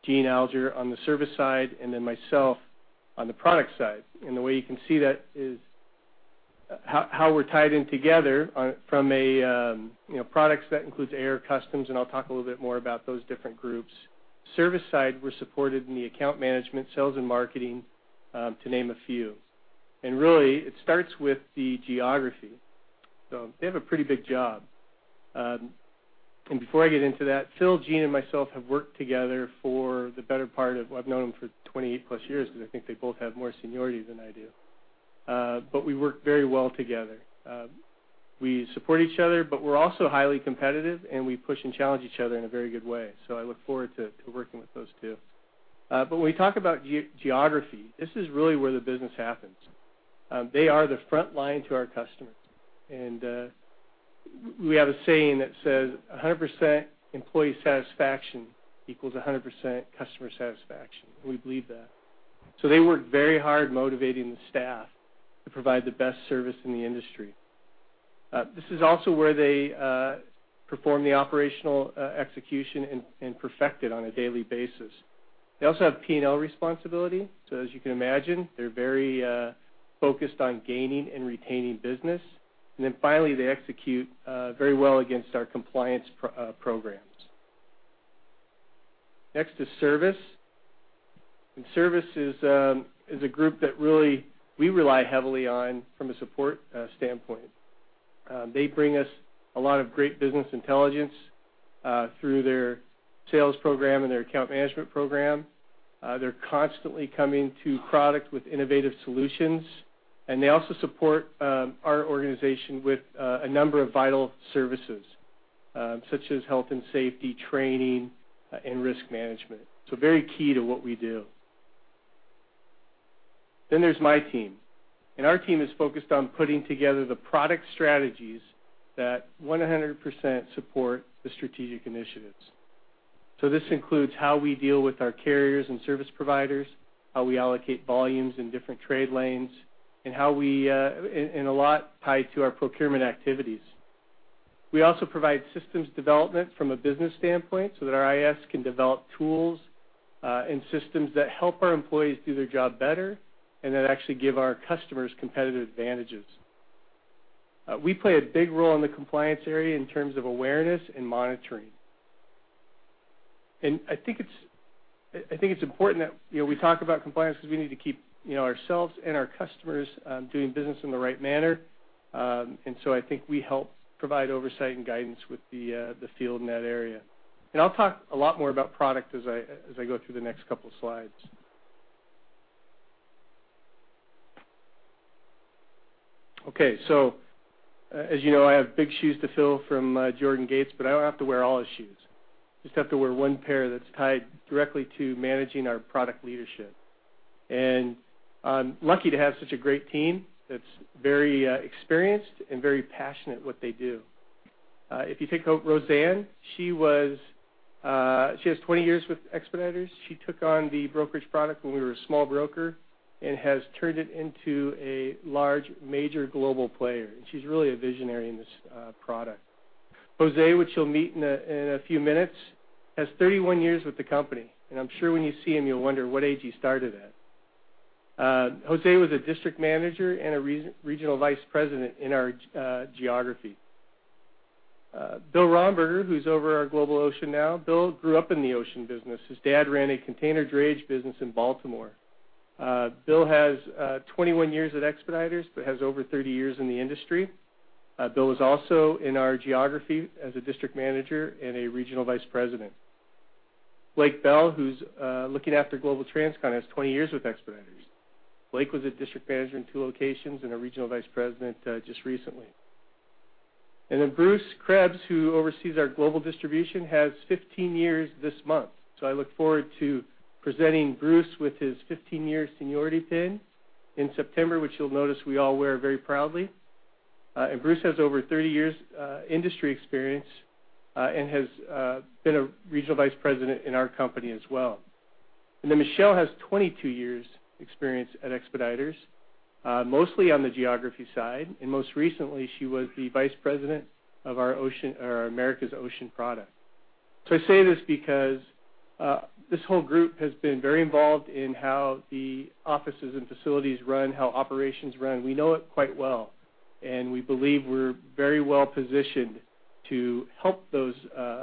Gene Alger on the service side, and then myself on the product side. And the way you can see that is how we're tied in together from products that includes air customs. And I'll talk a little bit more about those different groups. Service side, we're supported in the account management, sales, and marketing, to name a few. And really, it starts with the geography. So, they have a pretty big job. Before I get into that, Phil, Gene, and myself have worked together for the better part of. I've known them for 28+ years because I think they both have more seniority than I do. We work very well together. We support each other, but we're also highly competitive, and we push and challenge each other in a very good way. I look forward to working with those two. When we talk about geography, this is really where the business happens. They are the front line to our customers. We have a saying that says, "100% employee satisfaction equals 100% customer satisfaction." We believe that. They work very hard, motivating the staff to provide the best service in the industry. This is also where they perform the operational execution and perfect it on a daily basis. They also have P&L responsibility. So as you can imagine, they're very focused on gaining and retaining business. And then finally, they execute very well against our compliance programs. Next is service. And service is a group that really we rely heavily on from a support standpoint. They bring us a lot of great business intelligence through their sales program and their account management program. They're constantly coming to product with innovative solutions. And they also support our organization with a number of vital services such as health and safety, training, and risk management. So very key to what we do. Then there's my team. And our team is focused on putting together the product strategies that 100% support the strategic initiatives. So this includes how we deal with our carriers and service providers, how we allocate volumes in different trade lanes, and a lot tied to our procurement activities. We also provide systems development from a business standpoint so that our IS can develop tools and systems that help our employees do their job better and that actually give our customers competitive advantages. We play a big role in the compliance area in terms of awareness and monitoring. And I think it's important that we talk about compliance because we need to keep ourselves and our customers doing business in the right manner. And so I think we help provide oversight and guidance with the field in that area. And I'll talk a lot more about product as I go through the next couple of slides. Okay. So as you know, I have big shoes to fill from Jordan Gates. But I don't have to wear all his shoes. Just have to wear one pair that's tied directly to managing our product leadership. I'm lucky to have such a great team that's very experienced and very passionate with what they do. If you take Rosanne, she has 20 years with Expeditors. She took on the brokerage product when we were a small broker and has turned it into a large, major global player. She's really a visionary in this product. Jose, which you'll meet in a few minutes, has 31 years with the company. I'm sure when you see him, you'll wonder, "What age he started at?" Jose was a district manager and a regional vice president in our geography. Bill Romberger, who's over our Global Ocean now, Bill grew up in the ocean business. His dad ran a container drayage business in Baltimore. Bill has 21 years at Expeditors but has over 30 years in the industry. Bill was also in our geography as a district manager and a regional vice president. Blake Bell, who's looking after Global Transcon, has 20 years with Expeditors. Blake was a district manager in two locations and a regional vice president just recently. And then Bruce Krebs, who oversees our Global Distribution, has 15 years this month. So I look forward to presenting Bruce with his 15-year seniority pin in September, which you'll notice we all wear very proudly. And Bruce has over 30 years' industry experience and has been a regional vice president in our company as well. And then Michele has 22 years' experience at Expeditors, mostly on the geography side. And most recently, she was the vice president of Americas' Ocean Product. So I say this because this whole group has been very involved in how the offices and facilities run, how operations run. We know it quite well. We believe we're very well positioned to help those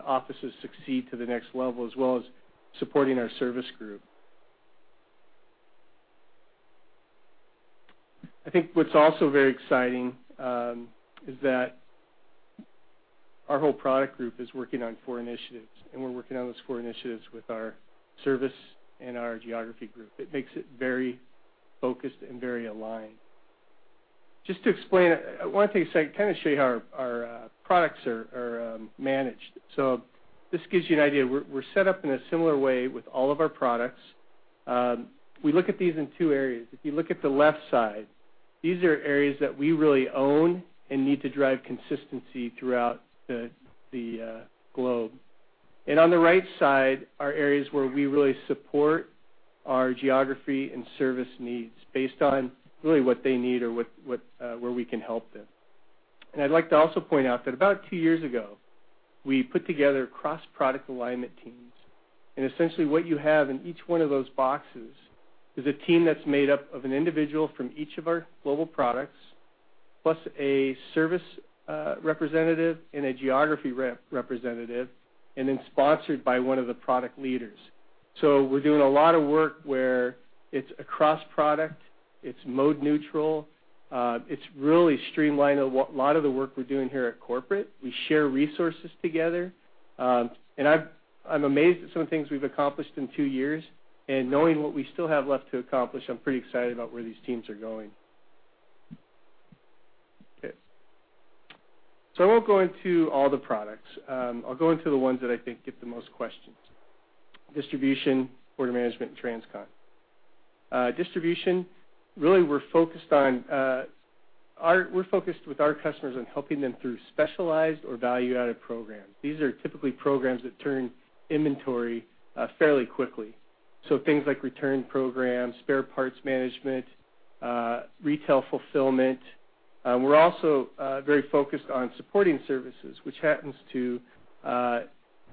offices succeed to the next level as well as supporting our service group. I think what's also very exciting is that our whole product group is working on four initiatives. We're working on those four initiatives with our service and our geography group. It makes it very focused and very aligned. Just to explain it, I want to take a second to kind of show you how our products are managed. This gives you an idea. We're set up in a similar way with all of our products. We look at these in two areas. If you look at the left side, these are areas that we really own and need to drive consistency throughout the globe. On the right side are areas where we really support our geography and service needs based on really what they need or where we can help them. I'd like to also point out that about two years ago, we put together cross-product alignment teams. Essentially, what you have in each one of those boxes is a team that's made up of an individual from each of our global products plus a service representative and a geography representative and then sponsored by one of the product leaders. So we're doing a lot of work where it's a cross-product. It's mode neutral. It's really streamlined a lot of the work we're doing here at corporate. We share resources together. I'm amazed at some of the things we've accomplished in two years. Knowing what we still have left to accomplish, I'm pretty excited about where these teams are going. Okay. So I won't go into all the products. I'll go into the ones that I think get the most questions: Distribution, Order Management, and Transcon. Distribution, really, we're focused with our customers on helping them through specialized or value-added programs. These are typically programs that turn inventory fairly quickly. So things like return programs, spare parts management, retail fulfillment. We're also very focused on supporting services, which happens to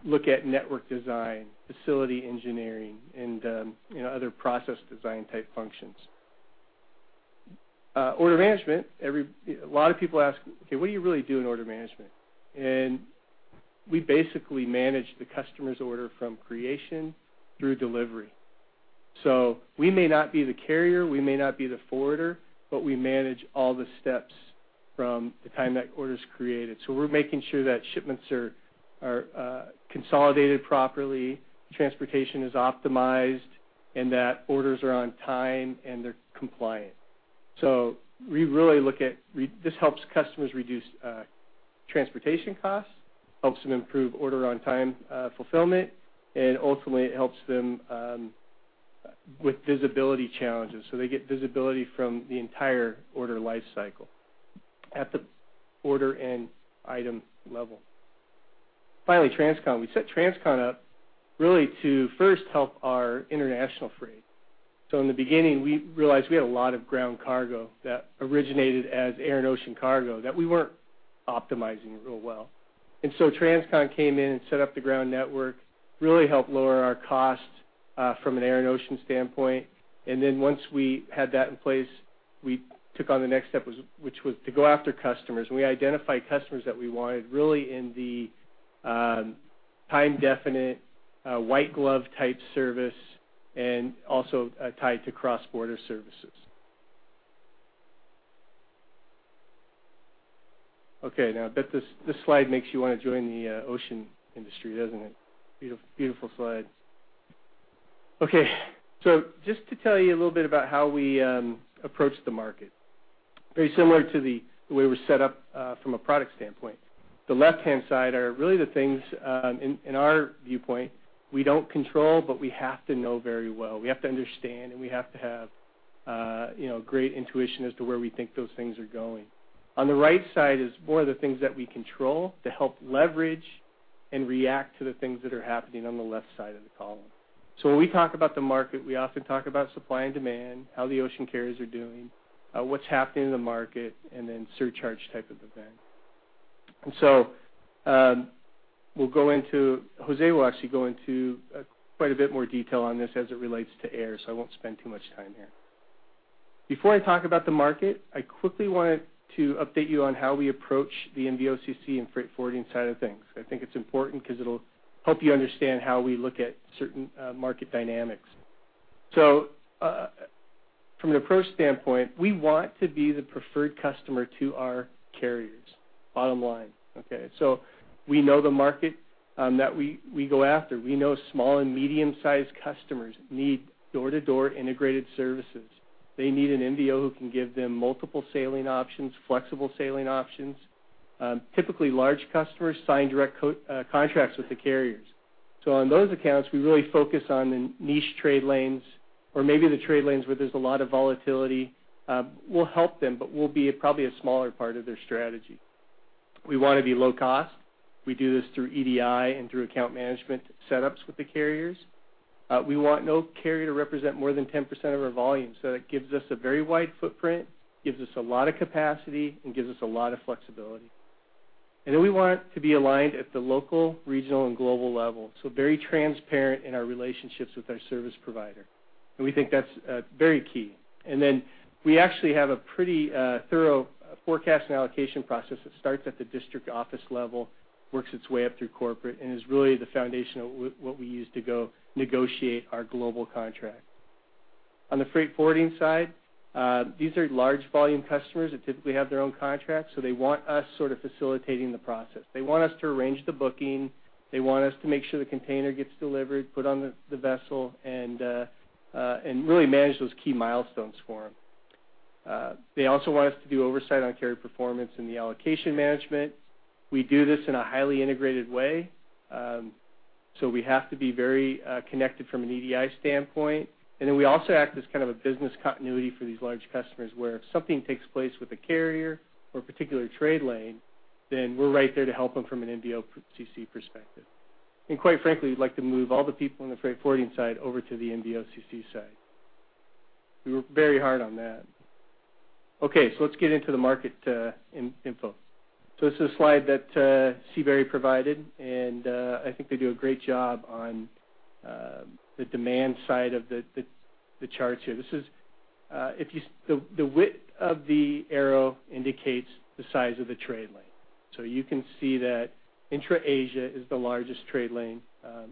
look at network design, facility engineering, and other process design-type functions. Order Management, a lot of people ask, "Okay. What do you really do in Order Management?" We basically manage the customer's order from creation through delivery. So we may not be the carrier. We may not be the forwarder. But we manage all the steps from the time that order's created. So we're making sure that shipments are consolidated properly, transportation is optimized, and that orders are on time and they're compliant. So we really look at this helps customers reduce transportation costs, helps them improve order-on-time fulfillment, and ultimately, it helps them with visibility challenges. So they get visibility from the entire order lifecycle at the order and item level. Finally, Transcon. We set Transcon up really to first help our international freight. So in the beginning, we realized we had a lot of ground cargo that originated as air and ocean cargo that we weren't optimizing real well. And so Transcon came in and set up the ground network, really helped lower our costs from an air and ocean standpoint. And then once we had that in place, we took on the next step, which was to go after customers. And we identified customers that we wanted really in the time-definite, white-glove-type service and also tied to cross-border services. Okay. Now, I bet this slide makes you want to join the ocean industry, doesn't it? Beautiful slide. Okay. So just to tell you a little bit about how we approached the market, very similar to the way we're set up from a product standpoint. The left-hand side are really the things, in our viewpoint, we don't control, but we have to know very well. We have to understand. And we have to have great intuition as to where we think those things are going. On the right side is more of the things that we control to help leverage and react to the things that are happening on the left side of the column. So when we talk about the market, we often talk about supply and demand, how the ocean carriers are doing, what's happening in the market, and then surcharge type of event. And so we'll go into Jose will actually go into quite a bit more detail on this as it relates to air. So I won't spend too much time here. Before I talk about the market, I quickly wanted to update you on how we approach the NVOCC and freight forwarding side of things. I think it's important because it'll help you understand how we look at certain market dynamics. So from an approach standpoint, we want to be the preferred customer to our carriers, bottom line. Okay. So we know the market that we go after. We know small and medium-sized customers need door-to-door integrated services. They need an NVO who can give them multiple sailing options, flexible sailing options. Typically, large customers sign direct contracts with the carriers. So on those accounts, we really focus on the niche trade lanes or maybe the trade lanes where there's a lot of volatility. We'll help them, but we'll be probably a smaller part of their strategy. We want to be low-cost. We do this through EDI and through account management setups with the carriers. We want no carrier to represent more than 10% of our volume. So that gives us a very wide footprint, gives us a lot of capacity, and gives us a lot of flexibility. And then we want to be aligned at the local, regional, and global level, so very transparent in our relationships with our service provider. And we think that's very key. And then we actually have a pretty thorough forecast and allocation process that starts at the district office level, works its way up through corporate, and is really the foundation of what we use to go negotiate our global contract. On the freight forwarding side, these are large-volume customers that typically have their own contracts. So they want us sort of facilitating the process. They want us to arrange the booking. They want us to make sure the container gets delivered, put on the vessel, and really manage those key milestones for them. They also want us to do oversight on carrier performance and the allocation management. We do this in a highly integrated way. So we have to be very connected from an EDI standpoint. And then we also act as kind of a business continuity for these large customers where if something takes place with a carrier or a particular trade lane, then we're right there to help them from an NVOCC perspective. And quite frankly, we'd like to move all the people on the freight forwarding side over to the NVOCC side. We work very hard on that. Okay. So let's get into the market info. So this is a slide that Seabury provided. And I think they do a great job on the demand side of the charts here. The width of the arrow indicates the size of the trade lane. So you can see that Intra-Asia is the largest trade lane,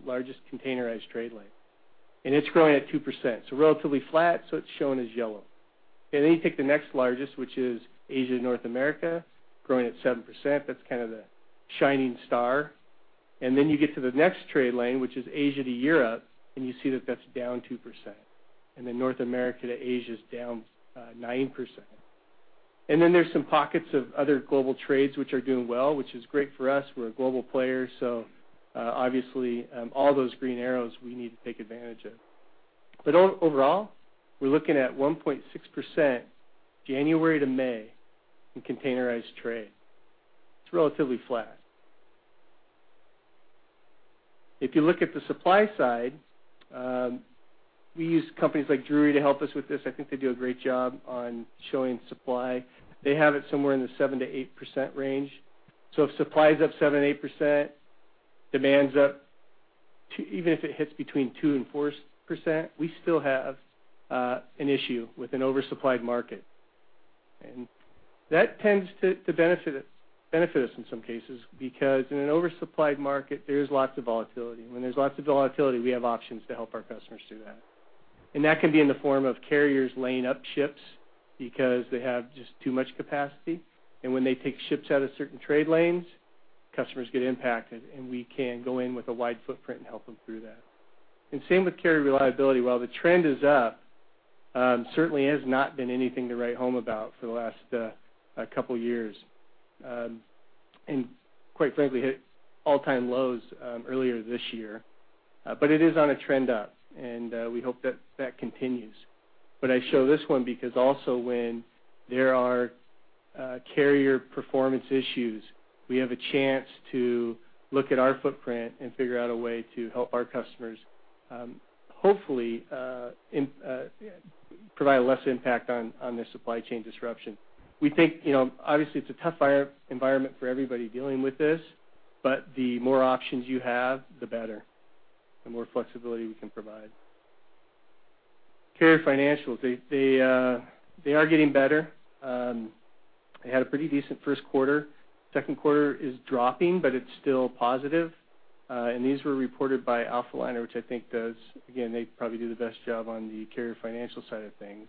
largest containerized trade lane. And it's growing at 2%. So relatively flat. So it's shown as yellow. And then you take the next largest, which is Asia to North America, growing at 7%. That's kind of the shining star. Then you get to the next trade lane, which is Asia to Europe. And you see that that's down 2%. And then North America to Asia's down 9%. And then there's some pockets of other global trades which are doing well, which is great for us. We're a global player. So obviously, all those green arrows, we need to take advantage of. But overall, we're looking at 1.6% January to May in containerized trade. It's relatively flat. If you look at the supply side, we use companies like Drewry to help us with this. I think they do a great job on showing supply. They have it somewhere in the 7%-8% range. If supply's up 7%-8%, demand's up even if it hits between 2% and 4%, we still have an issue with an oversupplied market. That tends to benefit us in some cases because in an oversupplied market, there is lots of volatility. When there's lots of volatility, we have options to help our customers do that. That can be in the form of carriers laying up ships because they have just too much capacity. When they take ships out of certain trade lanes, customers get impacted. We can go in with a wide footprint and help them through that. Same with carrier reliability. While the trend is up, it certainly has not been anything to write home about for the last couple of years. Quite frankly, it hit all-time lows earlier this year. It is on a trend up. We hope that that continues. But I show this one because also when there are carrier performance issues, we have a chance to look at our footprint and figure out a way to help our customers, hopefully, provide a less impact on this supply chain disruption. We think, obviously, it's a tough environment for everybody dealing with this. But the more options you have, the better, the more flexibility we can provide. Carrier financials, they are getting better. They had a pretty decent first quarter. Second quarter is dropping, but it's still positive. And these were reported by Alphaliner, which I think does again, they probably do the best job on the carrier financial side of things.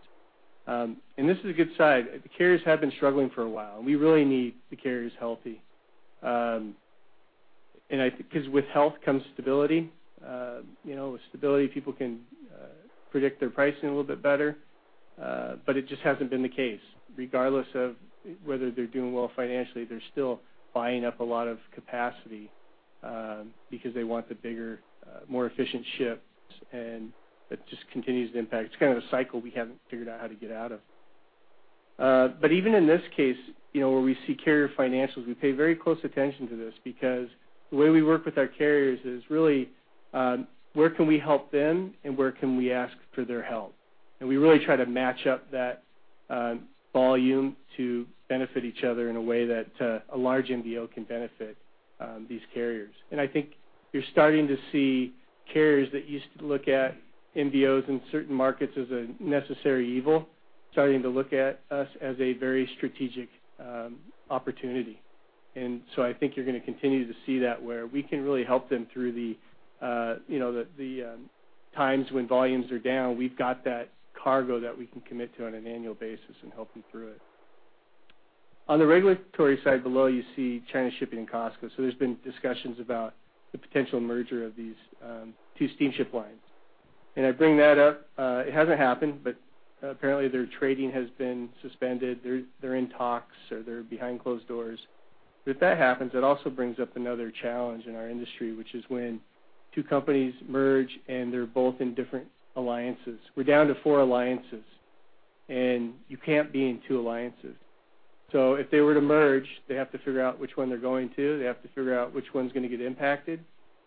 And this is a good side. The carriers have been struggling for a while. And we really need the carriers healthy because with health comes stability. With stability, people can predict their pricing a little bit better. But it just hasn't been the case. Regardless of whether they're doing well financially, they're still buying up a lot of capacity because they want the bigger, more efficient ship. And that just continues to impact. It's kind of a cycle we haven't figured out how to get out of. But even in this case where we see carrier financials, we pay very close attention to this because the way we work with our carriers is really where can we help them, and where can we ask for their help? And we really try to match up that volume to benefit each other in a way that a large NVO can benefit these carriers. And I think you're starting to see carriers that used to look at NVOs in certain markets as a necessary evil starting to look at us as a very strategic opportunity. And so I think you're going to continue to see that where we can really help them through the times when volumes are down. We've got that cargo that we can commit to on an annual basis and help them through it. On the regulatory side below, you see China Shipping and COSCO. So there's been discussions about the potential merger of these two steamship lines. And I bring that up. It hasn't happened. But apparently, their trading has been suspended. They're in talks, or they're behind closed doors. But if that happens, it also brings up another challenge in our industry, which is when two companies merge, and they're both in different alliances. We're down to four alliances. You can't be in two alliances. So if they were to merge, they have to figure out which one they're going to. They have to figure out which one's going to get impacted.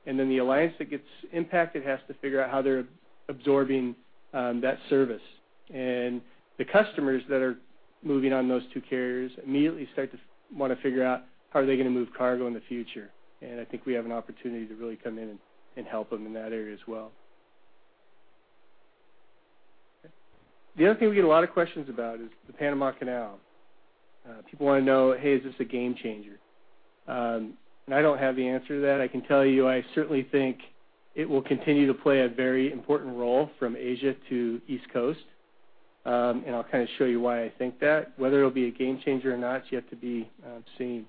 And then the alliance that gets impacted has to figure out how they're absorbing that service. And the customers that are moving on those two carriers immediately start to want to figure out, "How are they going to move cargo in the future?" And I think we have an opportunity to really come in and help them in that area as well. The other thing we get a lot of questions about is the Panama Canal. People want to know, "Hey, is this a game changer?" And I don't have the answer to that. I can tell you I certainly think it will continue to play a very important role from Asia to East Coast. I'll kind of show you why I think that. Whether it'll be a game changer or not, you have to be seen.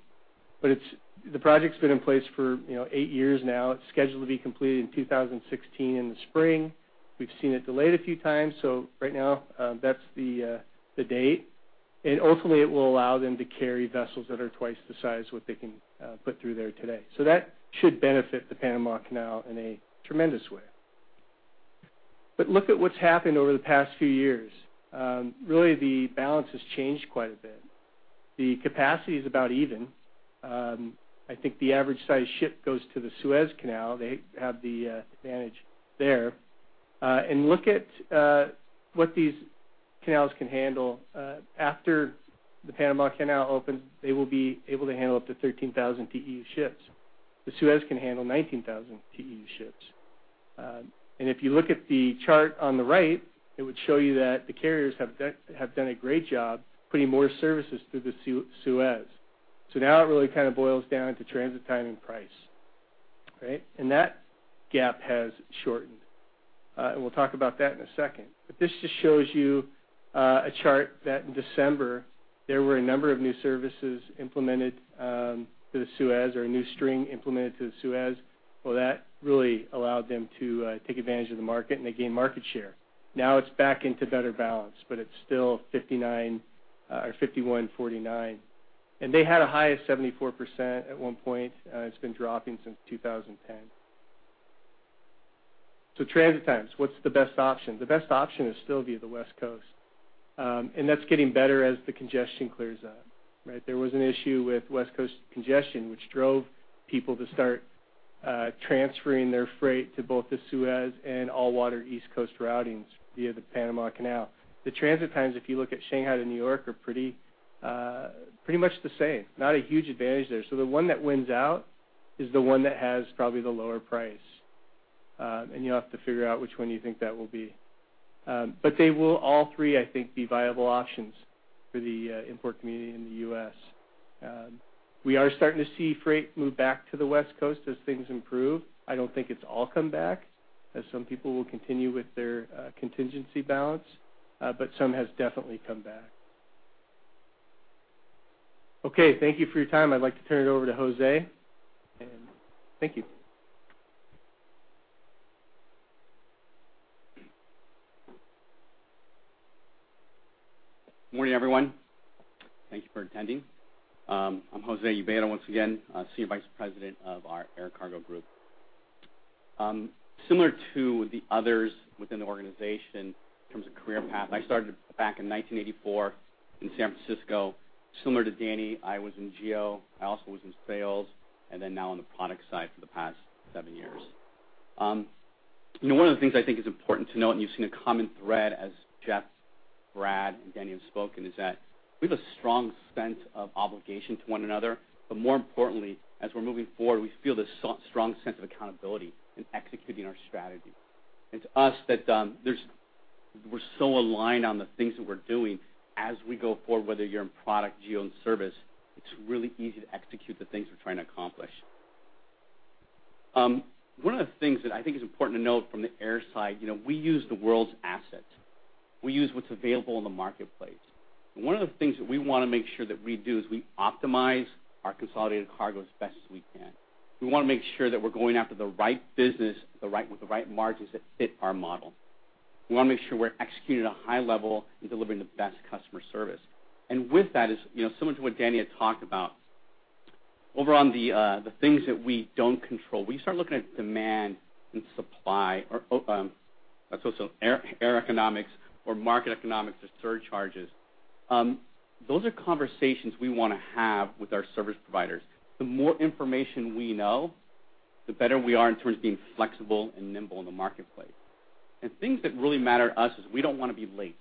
The project's been in place for eight years now. It's scheduled to be completed in 2016 in the spring. We've seen it delayed a few times. Right now, that's the date. Ultimately, it will allow them to carry vessels that are twice the size of what they can put through there today. That should benefit the Panama Canal in a tremendous way. Look at what's happened over the past few years. Really, the balance has changed quite a bit. The capacity is about even. I think the average-sized ship goes to the Suez Canal. They have the advantage there. Look at what these canals can handle. After the Panama Canal opens, they will be able to handle up to 13,000 TEU ships. The Suez can handle 19,000 TEU ships. If you look at the chart on the right, it would show you that the carriers have done a great job putting more services through the Suez. Now, it really kind of boils down to transit time and price. Right? That gap has shortened. We'll talk about that in a second. But this just shows you a chart that in December, there were a number of new services implemented to the Suez or a new string implemented to the Suez. Well, that really allowed them to take advantage of the market, and they gained market share. Now, it's back into better balance. But it's still 51/49. They had a high of 74% at one point. It's been dropping since 2010. So transit times, what's the best option? The best option is still via the West Coast. That's getting better as the congestion clears up. Right? There was an issue with West Coast congestion, which drove people to start transferring their freight to both the Suez and all-water East Coast routings via the Panama Canal. The transit times, if you look at Shanghai to New York, are pretty much the same. Not a huge advantage there. The one that wins out is the one that has probably the lower price. You'll have to figure out which one you think that will be. But they will all three, I think, be viable options for the import community in the U.S.. We are starting to see freight move back to the West Coast as things improve. I don't think it's all come back as some people will continue with their contingency balance. But some has definitely come back. Okay. Thank you for your time. I'd like to turn it over to Jose. And thank you. Good morning, everyone. Thank you for attending. I'm Jose Ubeda once again, Senior Vice President of our Air Cargo Group. Similar to the others within the organization in terms of career path, I started back in 1984 in San Francisco. Similar to Danny, I was in geo. I also was in sales and then now on the product side for the past seven years. One of the things I think is important to note, and you've seen a common thread as Jeff, Brad, and Danny have spoken, is that we have a strong sense of obligation to one another. But more importantly, as we're moving forward, we feel this strong sense of accountability in executing our strategy. It's us that we're so aligned on the things that we're doing as we go forward, whether you're in product, Geo, and service. It's really easy to execute the things we're trying to accomplish. One of the things that I think is important to note from the air side is we use the world's assets. We use what's available in the marketplace. And one of the things that we want to make sure that we do is we optimize our consolidated cargo as best as we can. We want to make sure that we're going after the right business with the right margins that fit our model. We want to make sure we're executing at a high level and delivering the best customer service. And with that is similar to what Danny had talked about. Over on the things that we don't control, we start looking at demand and supply, or that's also air economics or market economics or surcharges. Those are conversations we want to have with our service providers. The more information we know, the better we are in terms of being flexible and nimble in the marketplace. Things that really matter to us is we don't want to be late.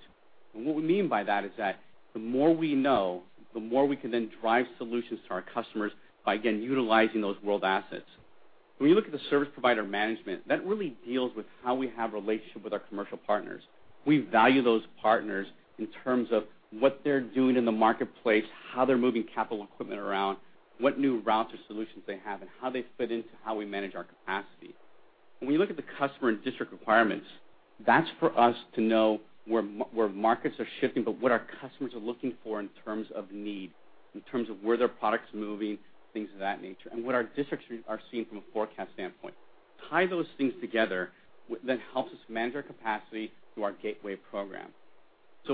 What we mean by that is that the more we know, the more we can then drive solutions to our customers by, again, utilizing those world assets. When you look at the service provider management, that really deals with how we have a relationship with our commercial partners. We value those partners in terms of what they're doing in the marketplace, how they're moving capital equipment around, what new routes or solutions they have, and how they fit into how we manage our capacity. When you look at the customer and district requirements, that's for us to know where markets are shifting but what our customers are looking for in terms of need, in terms of where their product's moving, things of that nature, and what our districts are seeing from a forecast standpoint. Tie those things together. That helps us manage our capacity through our gateway program.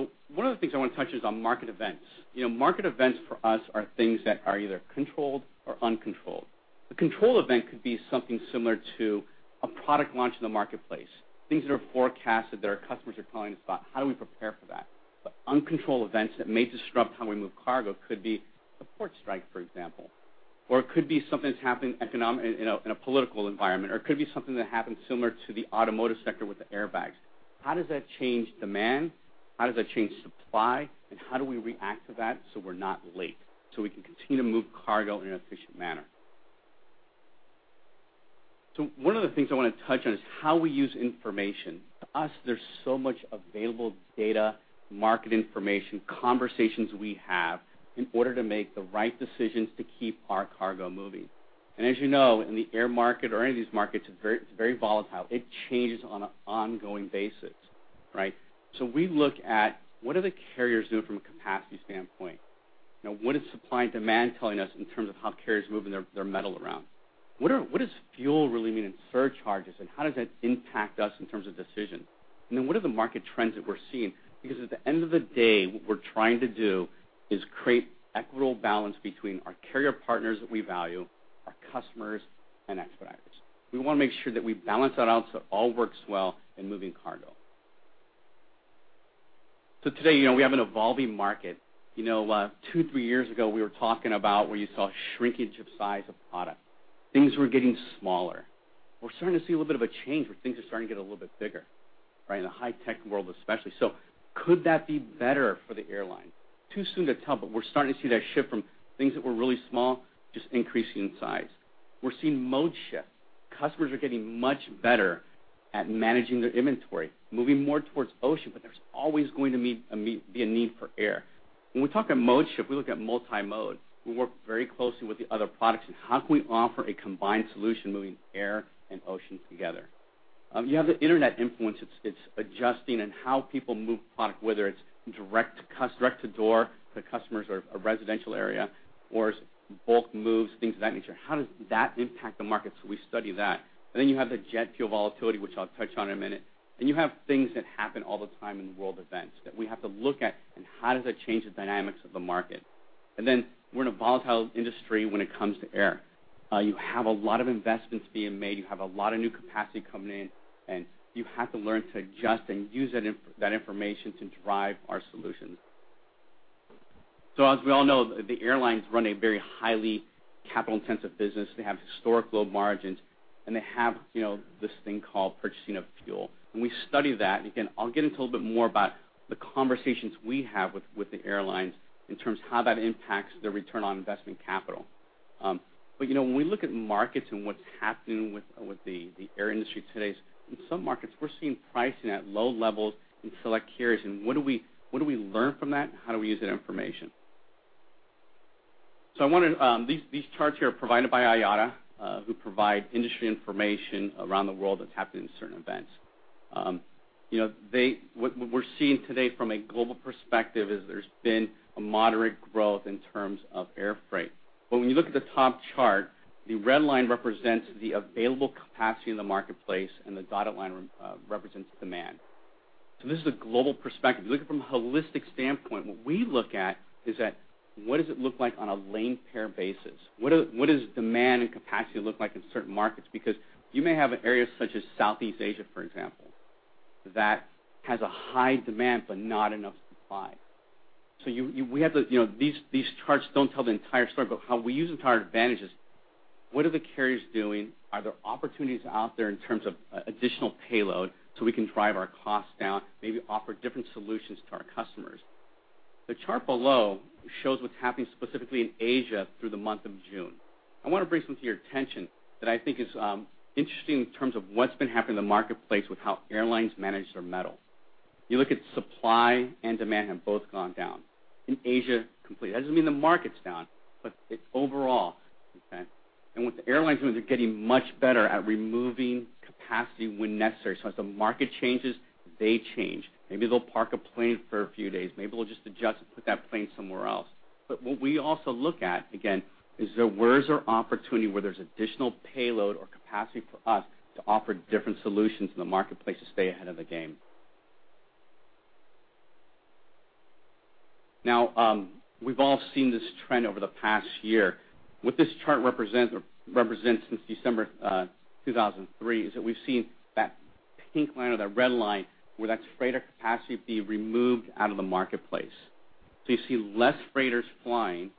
One of the things I want to touch on is on market events. Market events for us are things that are either controlled or uncontrolled. A control event could be something similar to a product launch in the marketplace, things that are forecasted that our customers are calling us about. How do we prepare for that? But uncontrolled events that may disrupt how we move cargo could be a port strike, for example. Or it could be something that's happening in a political environment. Or it could be something that happens similar to the automotive sector with the airbags. How does that change demand? How does that change supply? And how do we react to that so we're not late so we can continue to move cargo in an efficient manner? So one of the things I want to touch on is how we use information. To us, there's so much available data, market information, conversations we have in order to make the right decisions to keep our cargo moving. As you know, in the air market or any of these markets, it's very volatile. It changes on an ongoing basis. Right? So we look at what are the carriers doing from a capacity standpoint? What is supply and demand telling us in terms of how carriers are moving their metal around? What does fuel really mean in surcharges? And how does that impact us in terms of decisions? And then what are the market trends that we're seeing? Because at the end of the day, what we're trying to do is create equitable balance between our carrier partners that we value, our customers, and Expeditors. We want to make sure that we balance that out so it all works well in moving cargo. So today, we have an evolving market. Two to three years ago, we were talking about where you saw a shrinkage of size of product, things were getting smaller. We're starting to see a little bit of a change where things are starting to get a little bit bigger, right, in the high-tech world especially. So could that be better for the airline? Too soon to tell, but we're starting to see that shift from things that were really small just increasing in size. We're seeing mode shifts. Customers are getting much better at managing their inventory, moving more towards ocean. But there's always going to be a need for air. When we talk about mode shift, we look at multi-mode. We work very closely with the other products. And how can we offer a combined solution moving air and ocean together? You have the Internet influence. It's adjusting in how people move product, whether it's direct-to-door, the customers or a residential area, or it's bulk moves, things of that nature. How does that impact the market? We study that. Then you have the jet fuel volatility, which I'll touch on in a minute. You have things that happen all the time in the world events that we have to look at. How does that change the dynamics of the market? Then we're in a volatile industry when it comes to air. You have a lot of investments being made. You have a lot of new capacity coming in. You have to learn to adjust and use that information to drive our solutions. As we all know, the airlines run a very highly capital-intensive business. They have historic low margins. They have this thing called purchasing of fuel. We study that. Again, I'll get into a little bit more about the conversations we have with the airlines in terms of how that impacts their return on invested capital. But when we look at markets and what's happening with the air industry today, in some markets, we're seeing pricing at low levels in select carriers. And what do we learn from that? How do we use that information? So, I want to these charts here are provided by IATA, who provide industry information around the world that's happened in certain events. What we're seeing today from a global perspective is there's been a moderate growth in terms of air freight. But when you look at the top chart, the red line represents the available capacity in the marketplace. And the dotted line represents demand. So this is a global perspective. If you look at it from a holistic standpoint, what we look at is that what does it look like on a lane-pair basis? What does demand and capacity look like in certain markets? Because you may have an area such as Southeast Asia, for example, that has a high demand but not enough supply. So, these charts don't tell the entire story. But how we use it to our advantage is what are the carriers doing? Are there opportunities out there in terms of additional payload so we can drive our costs down, maybe offer different solutions to our customers? The chart below shows what's happening specifically in Asia through the month of June. I want to bring something to your attention that I think is interesting in terms of what's been happening in the marketplace with how airlines manage their metal. You look at supply and demand have both gone down in Asia completely. That doesn't mean the market's down, but overall. Okay? And what the airlines are doing, they're getting much better at removing capacity when necessary. So as the market changes, they change. Maybe they'll park a plane for a few days. Maybe they'll just adjust and put that plane somewhere else. But what we also look at, again, is where is our opportunity where there's additional payload or capacity for us to offer different solutions in the marketplace to stay ahead of the game? Now, we've all seen this trend over the past year. What this chart represents since December 2003 is that we've seen that pink line or that red line where that's freighter capacity being removed out of the marketplace. So you see less freighters flying,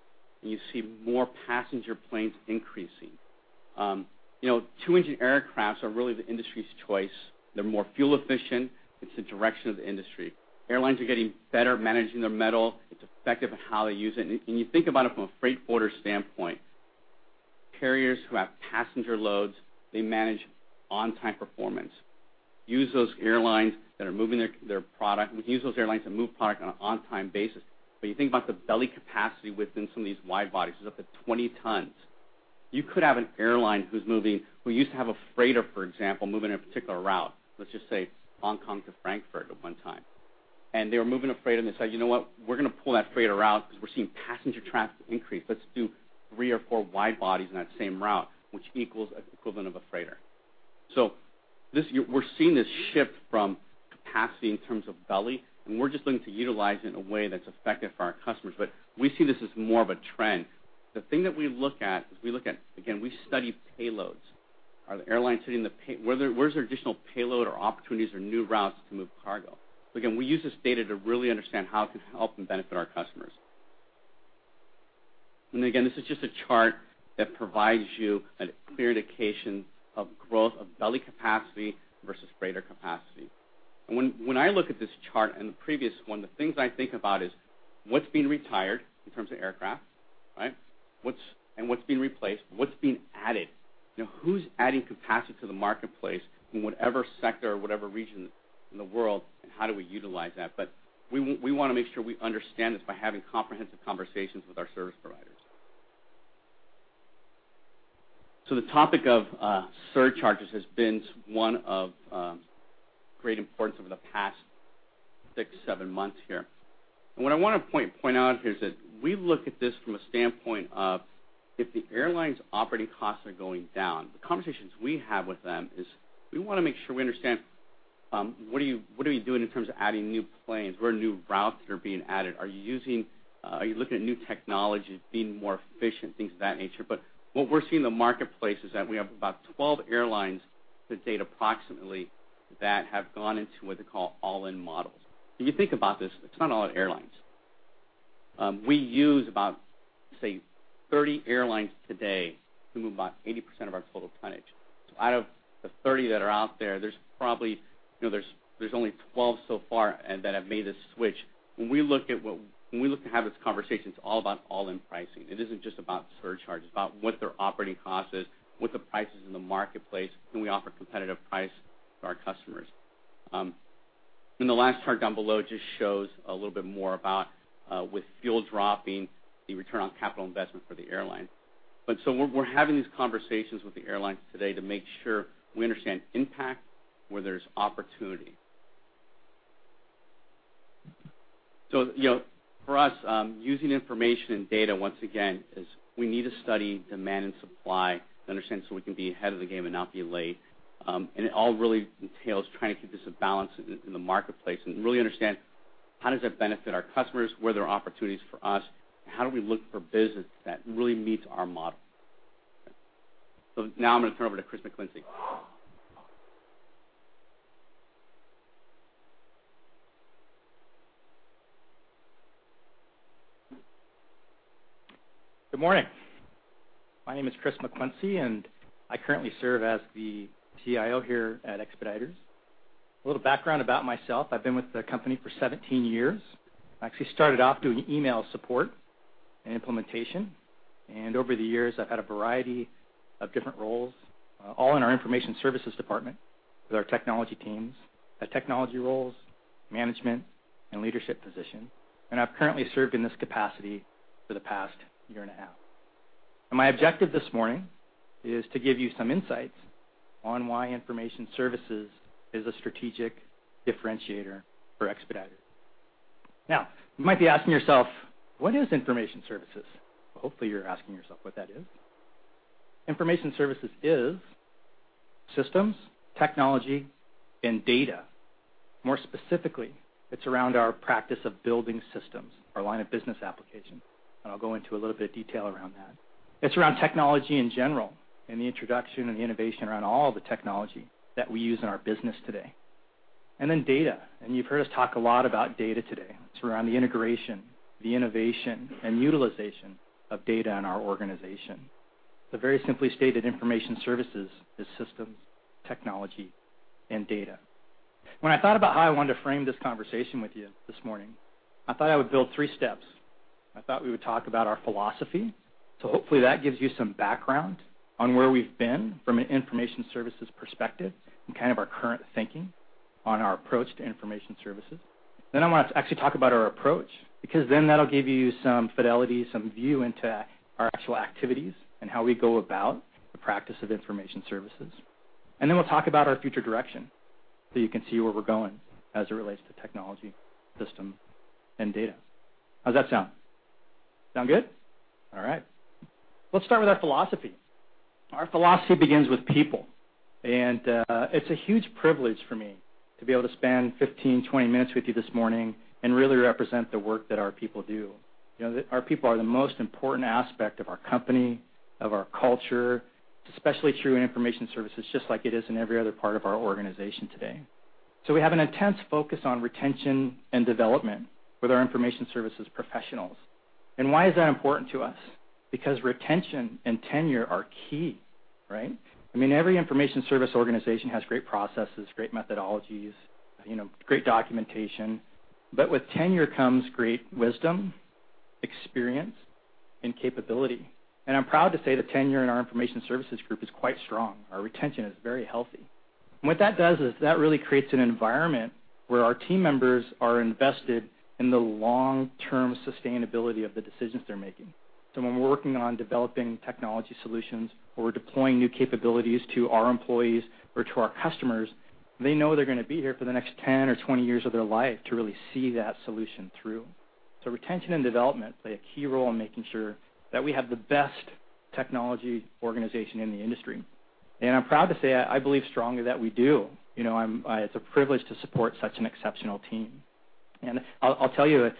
and you see more passenger planes increasing. Two-engine aircraft are really the industry's choice. They're more fuel-efficient. It's the direction of the industry. Airlines are getting better at managing their metal. It's effective at how they use it. And you think about it from a freight-forwarder standpoint, carriers who have passenger loads, they manage on-time performance. Use those airlines that are moving their product we can use those airlines that move product on an on-time basis. But you think about the belly capacity within some of these wide bodies. It's up to 20 tons. You could have an airline who's moving who used to have a freighter, for example, moving a particular route, let's just say Hong Kong to Frankfurt at one time. And they were moving a freighter, and they said, "You know what? We're going to pull that freighter out because we're seeing passenger traffic increase. Let's do 3 or 4 wide bodies on that same route," which equals an equivalent of a freighter. So we're seeing this shift from capacity in terms of belly. And we're just looking to utilize it in a way that's effective for our customers. But we see this as more of a trend. The thing that we look at is we look at, again, we study payloads. Are the airlines sitting in the where's their additional payload or opportunities or new routes to move cargo? So again, we use this data to really understand how it can help and benefit our customers. And again, this is just a chart that provides you a clear indication of growth of belly capacity versus freighter capacity. And when I look at this chart and the previous one, the things I think about is what's being retired in terms of aircraft, right, and what's being replaced, what's being added, who's adding capacity to the marketplace in whatever sector or whatever region in the world, and how do we utilize that? But we want to make sure we understand this by having comprehensive conversations with our service providers. So the topic of surcharges has been one of great importance over the past six-seven months here. And what I want to point out here is that we look at this from a standpoint of if the airline's operating costs are going down, the conversations we have with them is we want to make sure we understand what are we doing in terms of adding new planes? Where are new routes that are being added? Are you looking at new technologies being more efficient, things of that nature? But what we're seeing in the marketplace is that we have about 12 airlines to date approximately that have gone into what they call all-in models. If you think about this, it's not all airlines. We use about, say, 30 airlines today to move about 80% of our total tonnage. So out of the 30 that are out there, there's probably only 12 so far that have made this switch. When we look to have this conversation, it's all about all-in pricing. It isn't just about surcharges. It's about what their operating cost is, what the price is in the marketplace, can we offer competitive price to our customers? The last chart down below just shows a little bit more about, with fuel dropping, the return on capital investment for the airline. But so we're having these conversations with the airlines today to make sure we understand impact where there's opportunity. So for us, using information and data, once again, is we need to study demand and supply to understand so we can be ahead of the game and not be late. And it all really entails trying to keep this a balance in the marketplace and really understand how does that benefit our customers, where there are opportunities for us, and how do we look for business that really meets our model? So now I'm going to turn over to Chris McClincy. Good morning. My name is Chris McClincy, and I currently serve as the CIO here at Expeditors. A little background about myself. I've been with the company for 17 years. I actually started off doing email support and implementation. Over the years, I've had a variety of different roles, all in our Information Services department with our technology teams, technology roles, management, and leadership positions. I've currently served in this capacity for the past year and a half. My objective this morning is to give you some insights on why Information Services is a strategic differentiator for Expeditors. Now, you might be asking yourself, "What is Information Services?" Well, hopefully, you're asking yourself what that is. Information Services is systems, technology, and data. More specifically, it's around our practice of building systems, our line of business applications. I'll go into a little bit of detail around that. It's around technology in general and the introduction and the innovation around all the technology that we use in our business today. And then data. And you've heard us talk a lot about data today. It's around the integration, the innovation, and utilization of data in our organization. So very simply stated, Information Services is systems, technology, and data. When I thought about how I wanted to frame this conversation with you this morning, I thought I would build three steps. I thought we would talk about our philosophy. So hopefully, that gives you some background on where we've been from an Information Services perspective and kind of our current thinking on our approach to Information Services. Then I want to actually talk about our approach because then that'll give you some fidelity, some view into our actual activities and how we go about the practice of Information Services. Then we'll talk about our future direction so you can see where we're going as it relates to technology, system, and data. How's that sound? Sound good? All right. Let's start with our philosophy. Our philosophy begins with people. It's a huge privilege for me to be able to spend 15, 20 minutes with you this morning and really represent the work that our people do. Our people are the most important aspect of our company, of our culture. It's especially true in Information Services just like it is in every other part of our organization today. So we have an intense focus on retention and development with our Information Services professionals. Why is that important to us? Because retention and tenure are key, right? I mean, every information service organization has great processes, great methodologies, great documentation. But with tenure comes great wisdom, experience, and capability. I'm proud to say the tenure in our Information Services group is quite strong. Our retention is very healthy. What that does is that really creates an environment where our team members are invested in the long-term sustainability of the decisions they're making. When we're working on developing technology solutions or we're deploying new capabilities to our employees or to our customers, they know they're going to be here for the next 10 or 20 years of their life to really see that solution through. Retention and development play a key role in making sure that we have the best technology organization in the industry. I'm proud to say I believe strongly that we do. It's a privilege to support such an exceptional team. And I'll tell you,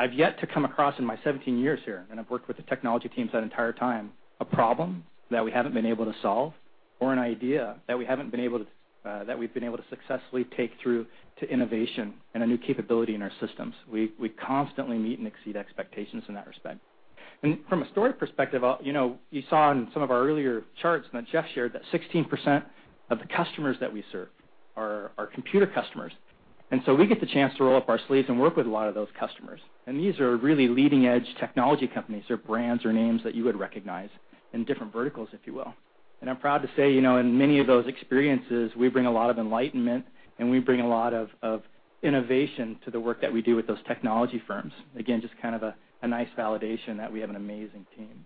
I've yet to come across in my 17 years here, and I've worked with the technology teams that entire time, a problem that we haven't been able to solve or an idea that we've been able to successfully take through to innovation and a new capability in our systems. We constantly meet and exceed expectations in that respect. And from a story perspective, you saw in some of our earlier charts that Jeff shared that 16% of the customers that we serve are computer customers. And so we get the chance to roll up our sleeves and work with a lot of those customers. And these are really leading-edge technology companies or brands or names that you would recognize in different verticals, if you will. And I'm proud to say in many of those experiences, we bring a lot of enlightenment, and we bring a lot of innovation to the work that we do with those technology firms. Again, just kind of a nice validation that we have an amazing team.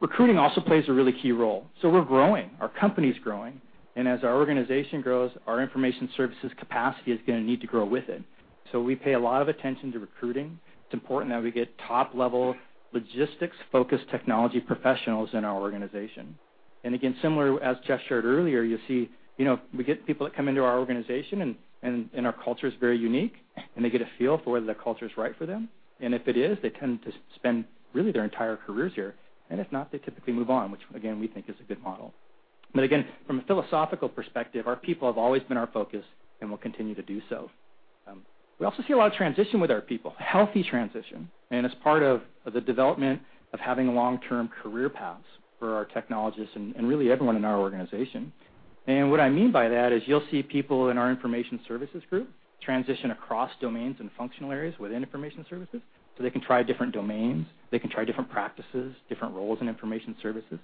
Recruiting also plays a really key role. So we're growing. Our company's growing. And as our organization grows, our Information Services capacity is going to need to grow with it. So we pay a lot of attention to recruiting. It's important that we get top-level logistics-focused technology professionals in our organization. And again, similarly, as Jeff shared earlier, you'll see we get people that come into our organization, and our culture is very unique. And they get a feel for whether the culture is right for them. And if it is, they tend to spend really their entire careers here. And if not, they typically move on, which, again, we think is a good model. But again, from a philosophical perspective, our people have always been our focus and will continue to do so. We also see a lot of transition with our people, healthy transition. And it's part of the development of having long-term career paths for our technologists and really everyone in our organization. And what I mean by that is you'll see people in our Information Services group transition across domains and functional areas within Information Services so they can try different domains. They can try different practices, different roles in Information Services.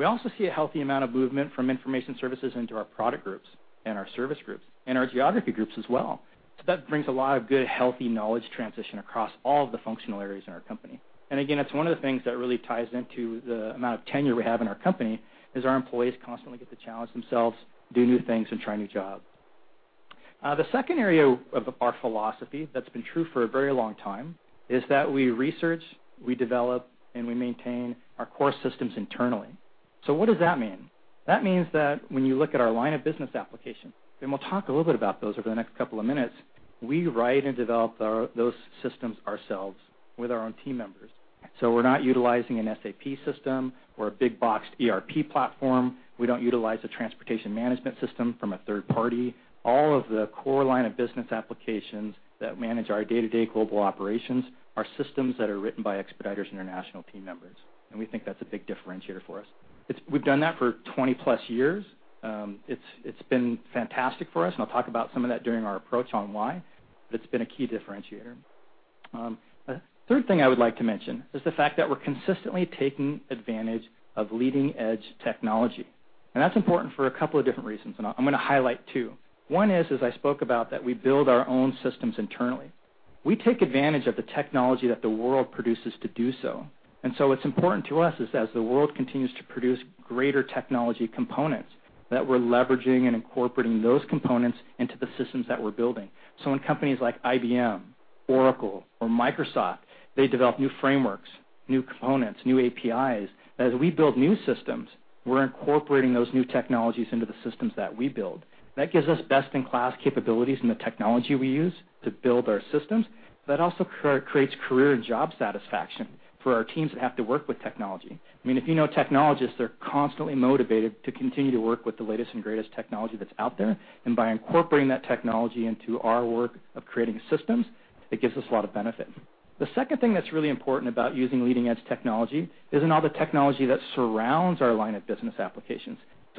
We also see a healthy amount of movement from Information Services into our product groups and our service groups and our geography groups as well. So that brings a lot of good, healthy knowledge transition across all of the functional areas in our company. Again, it's one of the things that really ties into the amount of tenure we have in our company: our employees constantly get to challenge themselves, do new things, and try new jobs. The second area of our philosophy that's been true for a very long time is that we research, we develop, and we maintain our core systems internally. What does that mean? That means that when you look at our line of business applications and we'll talk a little bit about those over the next couple of minutes, we write and develop those systems ourselves with our own team members. We're not utilizing an SAP system or a big-box ERP platform. We don't utilize a transportation management system from a third party. All of the core line of business applications that manage our day-to-day global operations are systems that are written by Expeditors International team members. And we think that's a big differentiator for us. We've done that for 20+ years. It's been fantastic for us. And I'll talk about some of that during our approach on why. But it's been a key differentiator. The third thing I would like to mention is the fact that we're consistently taking advantage of leading-edge technology. And that's important for a couple of different reasons. And I'm going to highlight two. One is, as I spoke about, that we build our own systems internally. We take advantage of the technology that the world produces to do so. What's important to us is, as the world continues to produce greater technology components, that we're leveraging and incorporating those components into the systems that we're building. In companies like IBM, Oracle, or Microsoft, they develop new frameworks, new components, new APIs. As we build new systems, we're incorporating those new technologies into the systems that we build. That gives us best-in-class capabilities in the technology we use to build our systems. That also creates career and job satisfaction for our teams that have to work with technology. I mean, if you know technologists, they're constantly motivated to continue to work with the latest and greatest technology that's out there. By incorporating that technology into our work of creating systems, it gives us a lot of benefit. The second thing that's really important about using leading-edge technology is in all the technology that surrounds our line of business applications.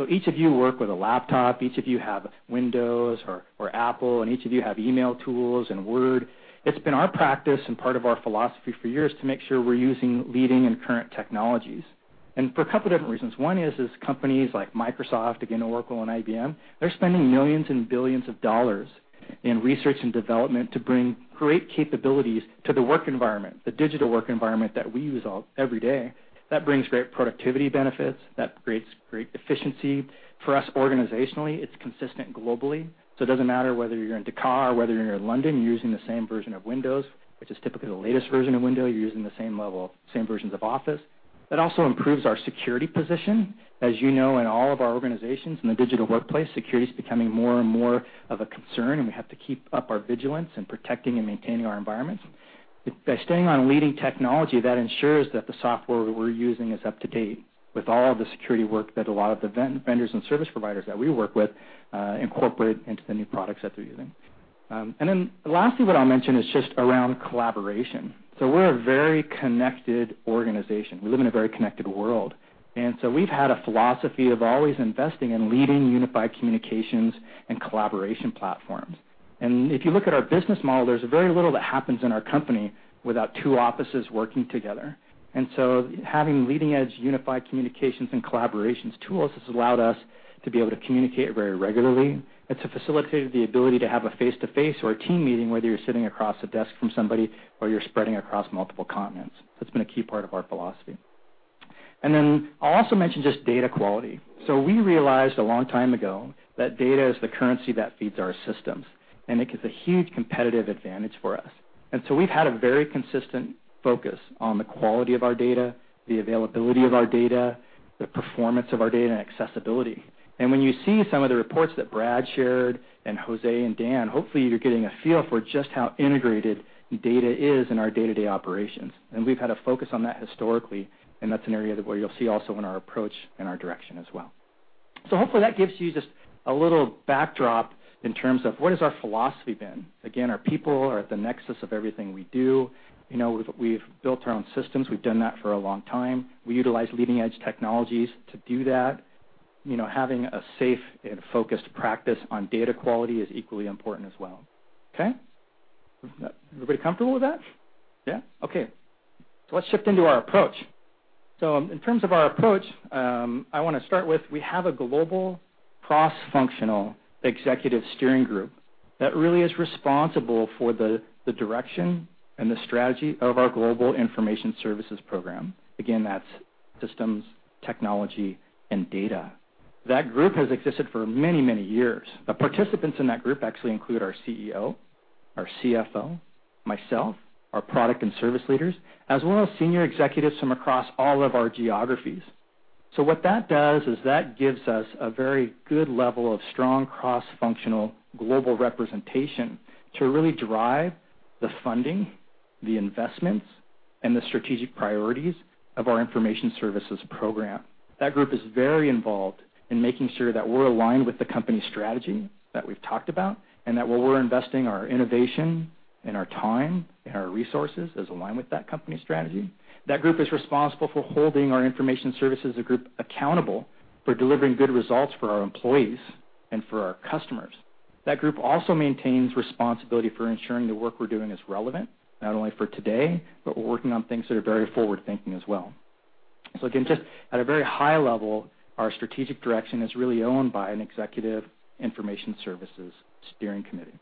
Each of you work with a laptop. Each of you have Windows or Apple. Each of you have email tools and Word. It's been our practice and part of our philosophy for years to make sure we're using leading and current technologies. For a couple of different reasons. One is companies like Microsoft, again, Oracle, and IBM, they're spending millions and billions of dollars in research and development to bring great capabilities to the work environment, the digital work environment that we use every day. That brings great productivity benefits. That creates great efficiency. For us organizationally, it's consistent globally. So it doesn't matter whether you're in Dakar or whether you're in London. You're using the same version of Windows, which is typically the latest version of Windows. You're using the same level, same versions of Office. That also improves our security position. As you know, in all of our organizations and the digital workplace, security is becoming more and more of a concern. We have to keep up our vigilance in protecting and maintaining our environments. By staying on leading technology, that ensures that the software we're using is up to date with all of the security work that a lot of the vendors and service providers that we work with incorporate into the new products that they're using. Then lastly, what I'll mention is just around collaboration. We're a very connected organization. We live in a very connected world. We've had a philosophy of always investing in leading unified communications and collaboration platforms. If you look at our business model, there's very little that happens in our company without two offices working together. So having leading-edge unified communications and collaborations tools has allowed us to be able to communicate very regularly. It's facilitated the ability to have a face-to-face or a team meeting whether you're sitting across a desk from somebody or you're spreading across multiple continents. That's been a key part of our philosophy. Then I'll also mention just data quality. We realized a long time ago that data is the currency that feeds our systems. And it gives a huge competitive advantage for us. We've had a very consistent focus on the quality of our data, the availability of our data, the performance of our data, and accessibility. And when you see some of the reports that Brad shared and Jose and Dan, hopefully, you're getting a feel for just how integrated data is in our day-to-day operations. And we've had a focus on that historically. And that's an area where you'll see also in our approach and our direction as well. So hopefully, that gives you just a little backdrop in terms of what has our philosophy been. Again, our people are at the nexus of everything we do. We've built our own systems. We've done that for a long time. We utilize leading-edge technologies to do that. Having a safe and focused practice on data quality is equally important as well. Okay? Everybody comfortable with that? Yeah? Okay. So let's shift into our approach. So in terms of our approach, I want to start with, we have a global cross-functional executive steering group that really is responsible for the direction and the strategy of our global Information Services program. Again, that's systems, technology, and data. That group has existed for many, many years. The participants in that group actually include our CEO, our CFO, myself, our product and service leaders, as well as senior executives from across all of our geographies. So what that does is that gives us a very good level of strong cross-functional global representation to really drive the funding, the investments, and the strategic priorities of our Information Services program. That group is very involved in making sure that we're aligned with the company strategy that we've talked about and that while we're investing our innovation and our time and our resources is aligned with that company strategy, that group is responsible for holding our Information Services group accountable for delivering good results for our employees and for our customers. That group also maintains responsibility for ensuring the work we're doing is relevant, not only for today, but we're working on things that are very forward-thinking as well. So again, just at a very high level, our strategic direction is really owned by an Executive Information Services Steering Committee.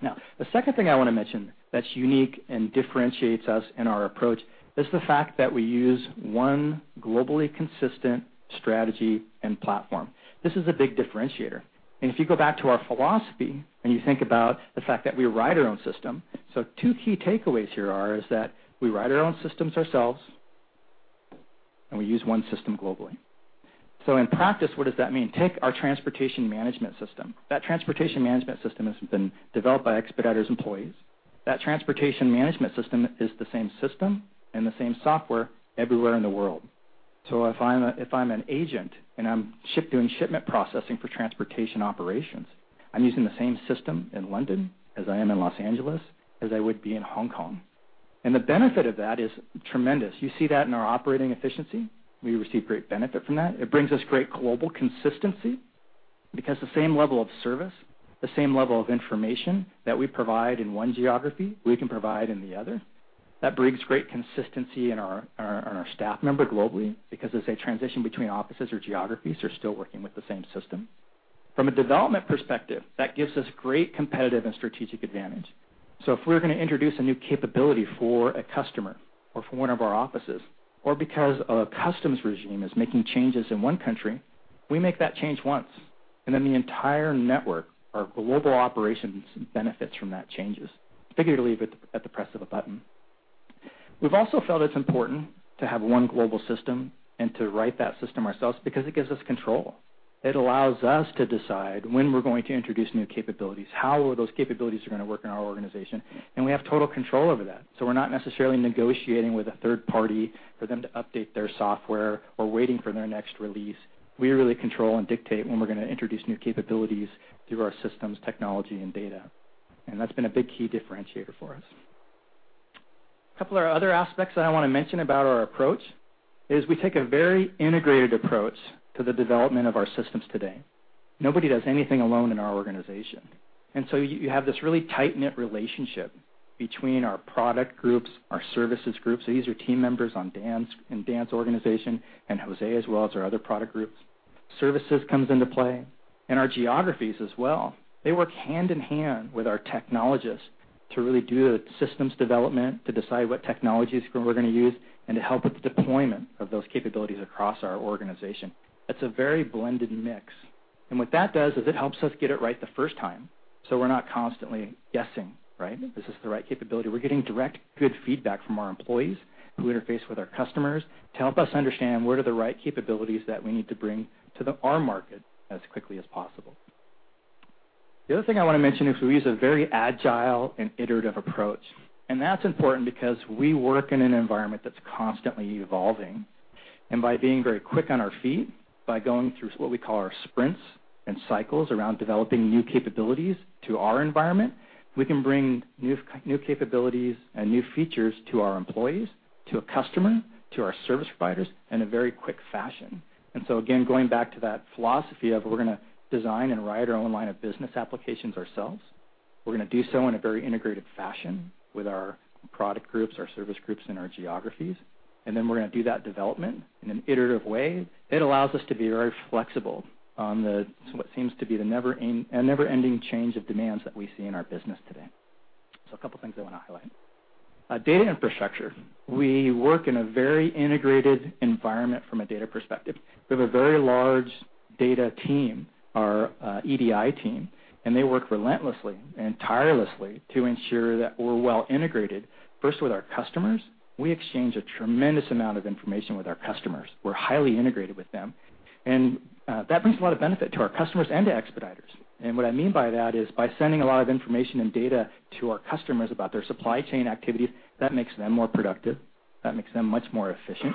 Now, the second thing I want to mention that's unique and differentiates us in our approach is the fact that we use one globally consistent strategy and platform. This is a big differentiator. If you go back to our philosophy and you think about the fact that we write our own system so two key takeaways here are is that we write our own systems ourselves, and we use one system globally. So in practice, what does that mean? Take our transportation management system. That transportation management system has been developed by Expeditors employees. That transportation management system is the same system and the same software everywhere in the world. So if I'm an agent and I'm doing shipment processing for transportation operations, I'm using the same system in London as I am in Los Angeles as I would be in Hong Kong. And the benefit of that is tremendous. You see that in our operating efficiency. We receive great benefit from that. It brings us great global consistency because the same level of service, the same level of information that we provide in one geography, we can provide in the other. That brings great consistency in our staff member globally because, as they transition between offices or geographies, they're still working with the same system. From a development perspective, that gives us great competitive and strategic advantage. So if we're going to introduce a new capability for a customer or for one of our offices or because a customs regime is making changes in one country, we make that change once. And then the entire network, our global operations benefits from that changes, figuratively at the press of a button. We've also felt it's important to have one global system and to write that system ourselves because it gives us control. It allows us to decide when we're going to introduce new capabilities, how those capabilities are going to work in our organization. And we have total control over that. So we're not necessarily negotiating with a third party for them to update their software or waiting for their next release. We really control and dictate when we're going to introduce new capabilities through our systems, technology, and data. And that's been a big key differentiator for us. A couple of other aspects that I want to mention about our approach is we take a very integrated approach to the development of our systems today. Nobody does anything alone in our organization. And so you have this really tight-knit relationship between our product groups, our services groups. So these are team members in Dan's organization and Jose as well as our other product groups. Services comes into play. Our geographies as well. They work hand in hand with our technologists to really do the systems development, to decide what technologies we're going to use, and to help with the deployment of those capabilities across our organization. It's a very blended mix. What that does is it helps us get it right the first time. We're not constantly guessing, right, "This is the right capability." We're getting direct, good feedback from our employees who interface with our customers to help us understand, "Where are the right capabilities that we need to bring to our market as quickly as possible?" The other thing I want to mention is we use a very agile and iterative approach. That's important because we work in an environment that's constantly evolving. By being very quick on our feet, by going through what we call our sprints and cycles around developing new capabilities to our environment, we can bring new capabilities and new features to our employees, to a customer, to our service providers in a very quick fashion. So again, going back to that philosophy of we're going to design and write our own line of business applications ourselves, we're going to do so in a very integrated fashion with our product groups, our service groups, and our geographies. Then we're going to do that development in an iterative way. It allows us to be very flexible on what seems to be the never-ending change of demands that we see in our business today. A couple of things I want to highlight. Data infrastructure. We work in a very integrated environment from a data perspective. We have a very large data team, our EDI team. They work relentlessly and tirelessly to ensure that we're well integrated. First, with our customers. We exchange a tremendous amount of information with our customers. We're highly integrated with them. That brings a lot of benefit to our customers and to Expeditors. What I mean by that is by sending a lot of information and data to our customers about their supply chain activities, that makes them more productive. That makes them much more efficient.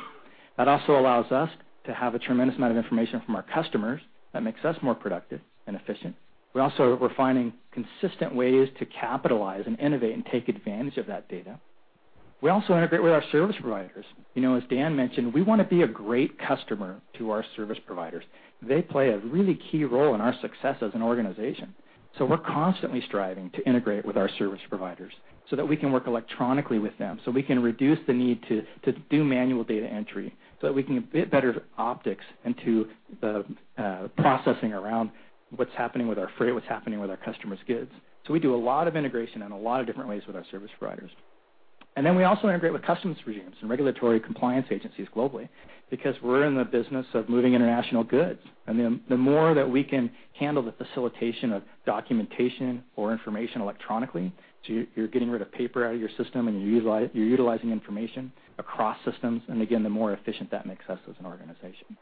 That also allows us to have a tremendous amount of information from our customers. That makes us more productive and efficient. We're also finding consistent ways to capitalize and innovate and take advantage of that data. We also integrate with our service providers. As Dan mentioned, we want to be a great customer to our service providers. They play a really key role in our success as an organization. So we're constantly striving to integrate with our service providers so that we can work electronically with them, so we can reduce the need to do manual data entry, so that we can get better optics into the processing around what's happening with our freight, what's happening with our customers' goods. So we do a lot of integration in a lot of different ways with our service providers. And then we also integrate with customs regimes and regulatory compliance agencies globally because we're in the business of moving international goods. And the more that we can handle the facilitation of documentation or information electronically so you're getting rid of paper out of your system and you're utilizing information across systems, and again, the more efficient that makes us as an organization.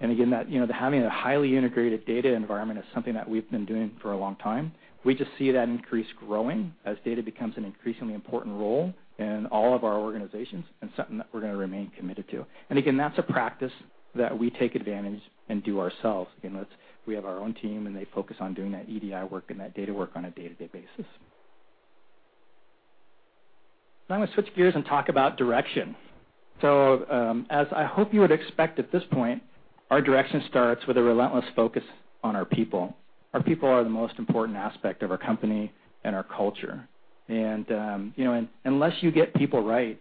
And again, having a highly integrated data environment is something that we've been doing for a long time. We just see that increase growing as data becomes an increasingly important role in all of our organizations and something that we're going to remain committed to. And again, that's a practice that we take advantage and do ourselves. Again, we have our own team, and they focus on doing that EDI work and that data work on a day-to-day basis. Now I'm going to switch gears and talk about direction. So as I hope you would expect at this point, our direction starts with a relentless focus on our people. Our people are the most important aspect of our company and our culture. And unless you get people right,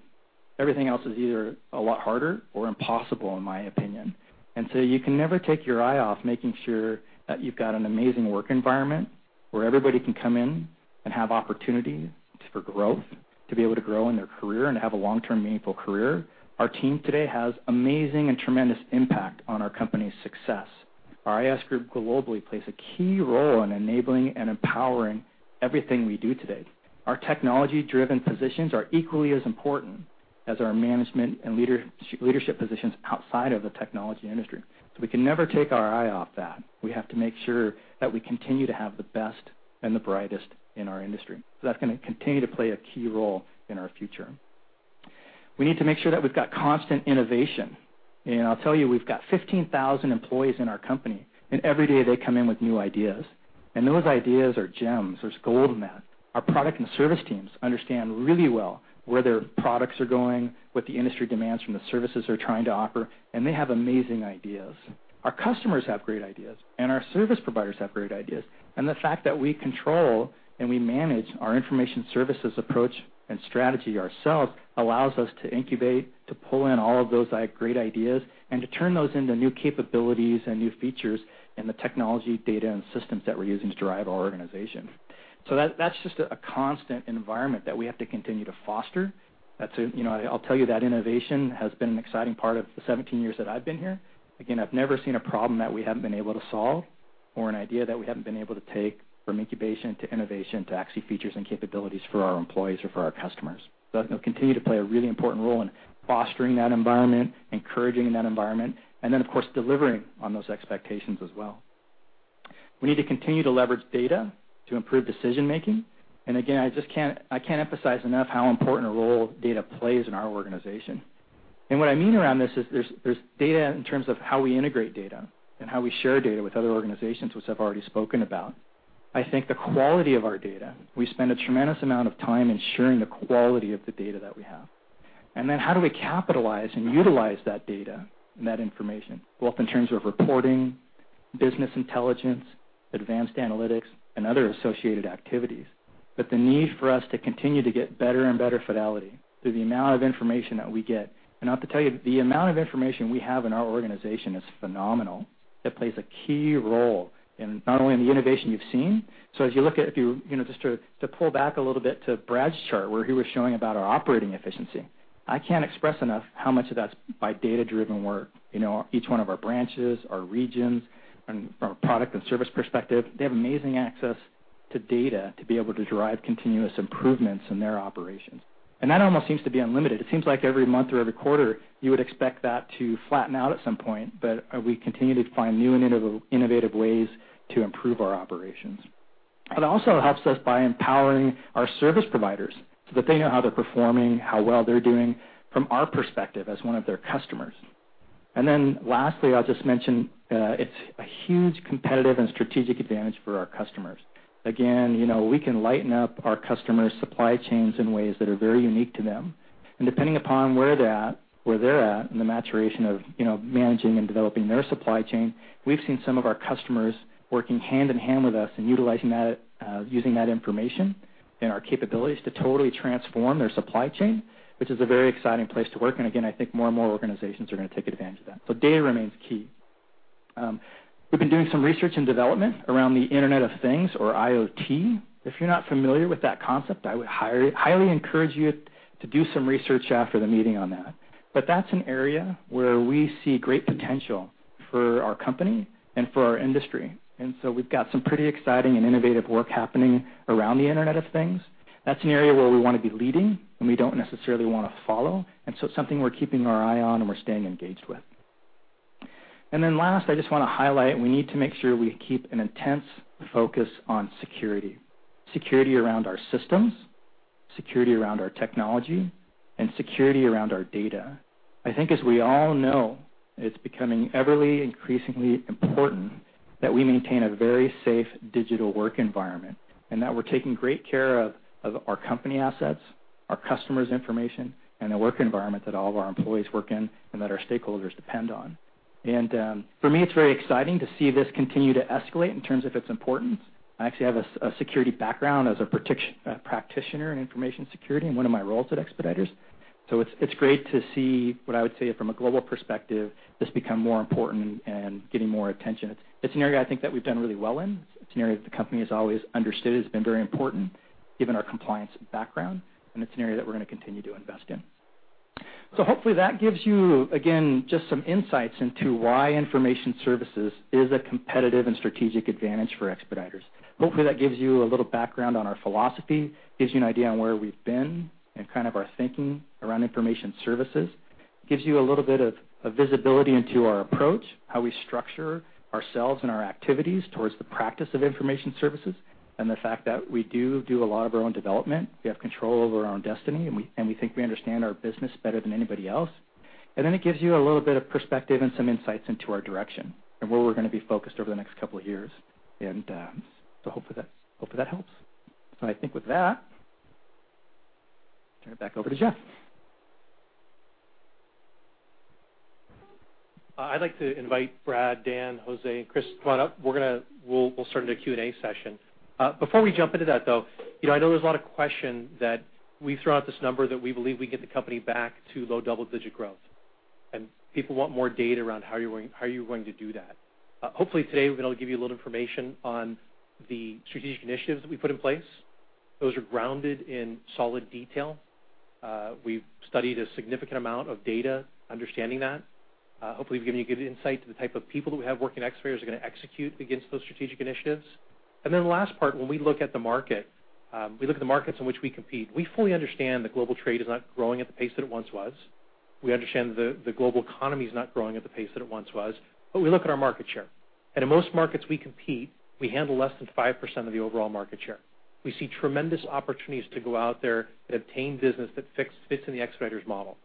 everything else is either a lot harder or impossible, in my opinion. So you can never take your eye off making sure that you've got an amazing work environment where everybody can come in and have opportunities for growth, to be able to grow in their career and to have a long-term, meaningful career. Our team today has amazing and tremendous impact on our company's success. Our IS group globally plays a key role in enabling and empowering everything we do today. Our technology-driven positions are equally as important as our management and leadership positions outside of the technology industry. So we can never take our eye off that. We have to make sure that we continue to have the best and the brightest in our industry. So that's going to continue to play a key role in our future. We need to make sure that we've got constant innovation. I'll tell you, we've got 15,000 employees in our company. Every day, they come in with new ideas. Those ideas are gems. There's gold in that. Our product and service teams understand really well where their products are going, what the industry demands from the services they're trying to offer. They have amazing ideas. Our customers have great ideas. Our service providers have great ideas. The fact that we control and we manage our Information Services approach and strategy ourselves allows us to incubate, to pull in all of those great ideas, and to turn those into new capabilities and new features in the technology, data, and systems that we're using to drive our organization. So that's just a constant environment that we have to continue to foster. I'll tell you, that innovation has been an exciting part of the 17 years that I've been here. Again, I've never seen a problem that we haven't been able to solve or an idea that we haven't been able to take from incubation to innovation to actually features and capabilities for our employees or for our customers. So it'll continue to play a really important role in fostering that environment, encouraging that environment, and then, of course, delivering on those expectations as well. We need to continue to leverage data to improve decision-making. And again, I can't emphasize enough how important a role data plays in our organization. And what I mean around this is there's data in terms of how we integrate data and how we share data with other organizations, which I've already spoken about. I think the quality of our data, we spend a tremendous amount of time ensuring the quality of the data that we have. And then how do we capitalize and utilize that data and that information, both in terms of reporting, business intelligence, advanced analytics, and other associated activities? But the need for us to continue to get better and better fidelity through the amount of information that we get and, not to tell you, the amount of information we have in our organization is phenomenal. It plays a key role not only in the innovation you've seen. So as you look at if you just to pull back a little bit to Brad's chart where he was showing about our operating efficiency, I can't express enough how much of that's by data-driven work. Each one of our branches, our regions, from a product and service perspective, they have amazing access to data to be able to drive continuous improvements in their operations. And that almost seems to be unlimited. It seems like every month or every quarter, you would expect that to flatten out at some point. But we continue to find new and innovative ways to improve our operations. But it also helps us by empowering our service providers so that they know how they're performing, how well they're doing from our perspective as one of their customers. And then lastly, I'll just mention it's a huge competitive and strategic advantage for our customers. Again, we can lighten up our customers' supply chains in ways that are very unique to them. And depending upon where they're at in the maturation of managing and developing their supply chain, we've seen some of our customers working hand in hand with us and utilizing that information and our capabilities to totally transform their supply chain, which is a very exciting place to work. And again, I think more and more organizations are going to take advantage of that. So data remains key. We've been doing some research and development around the Internet of Things or IoT. If you're not familiar with that concept, I would highly encourage you to do some research after the meeting on that. But that's an area where we see great potential for our company and for our industry. And so we've got some pretty exciting and innovative work happening around the Internet of Things. That's an area where we want to be leading, and we don't necessarily want to follow. And so it's something we're keeping our eye on and we're staying engaged with. And then last, I just want to highlight, we need to make sure we keep an intense focus on security, security around our systems, security around our technology, and security around our data. I think, as we all know, it's becoming ever increasingly important that we maintain a very safe digital work environment and that we're taking great care of our company assets, our customers' information, and the work environment that all of our employees work in and that our stakeholders depend on. For me, it's very exciting to see this continue to escalate in terms of its importance. I actually have a security background as a practitioner in information security in one of my roles at Expeditors. So it's great to see what I would say from a global perspective, this become more important and getting more attention. It's an area, I think, that we've done really well in. It's an area that the company has always understood has been very important given our compliance background. It's an area that we're going to continue to invest in. So hopefully, that gives you, again, just some insights into why Information Services is a competitive and strategic advantage for Expeditors. Hopefully, that gives you a little background on our philosophy, gives you an idea on where we've been and kind of our thinking around Information Services, gives you a little bit of visibility into our approach, how we structure ourselves and our activities towards the practice of Information Services, and the fact that we do do a lot of our own development. We have control over our own destiny, and we think we understand our business better than anybody else. And then it gives you a little bit of perspective and some insights into our direction and where we're going to be focused over the next couple of years. And so hopefully, that helps. So I think with that, turn it back over to Jeff. I'd like to invite Brad, Dan, Jose, and Chris to come on up. We'll start into a Q&A session. Before we jump into that, though, I know there's a lot of questions that we've thrown out this number that we believe we can get the company back to low double-digit growth. People want more data around how you're going to do that. Hopefully, today, we're going to give you a little information on the strategic initiatives that we put in place. Those are grounded in solid detail. We've studied a significant amount of data understanding that. Hopefully, we've given you good insight to the type of people that we have working at Expeditors who are going to execute against those strategic initiatives. Then the last part, when we look at the market, we look at the markets in which we compete. We fully understand the global trade is not growing at the pace that it once was. We understand the global economy is not growing at the pace that it once was. But we look at our market share. And in most markets we compete, we handle less than 5% of the overall market share. We see tremendous opportunities to go out there and obtain business that fits in the Expeditors model.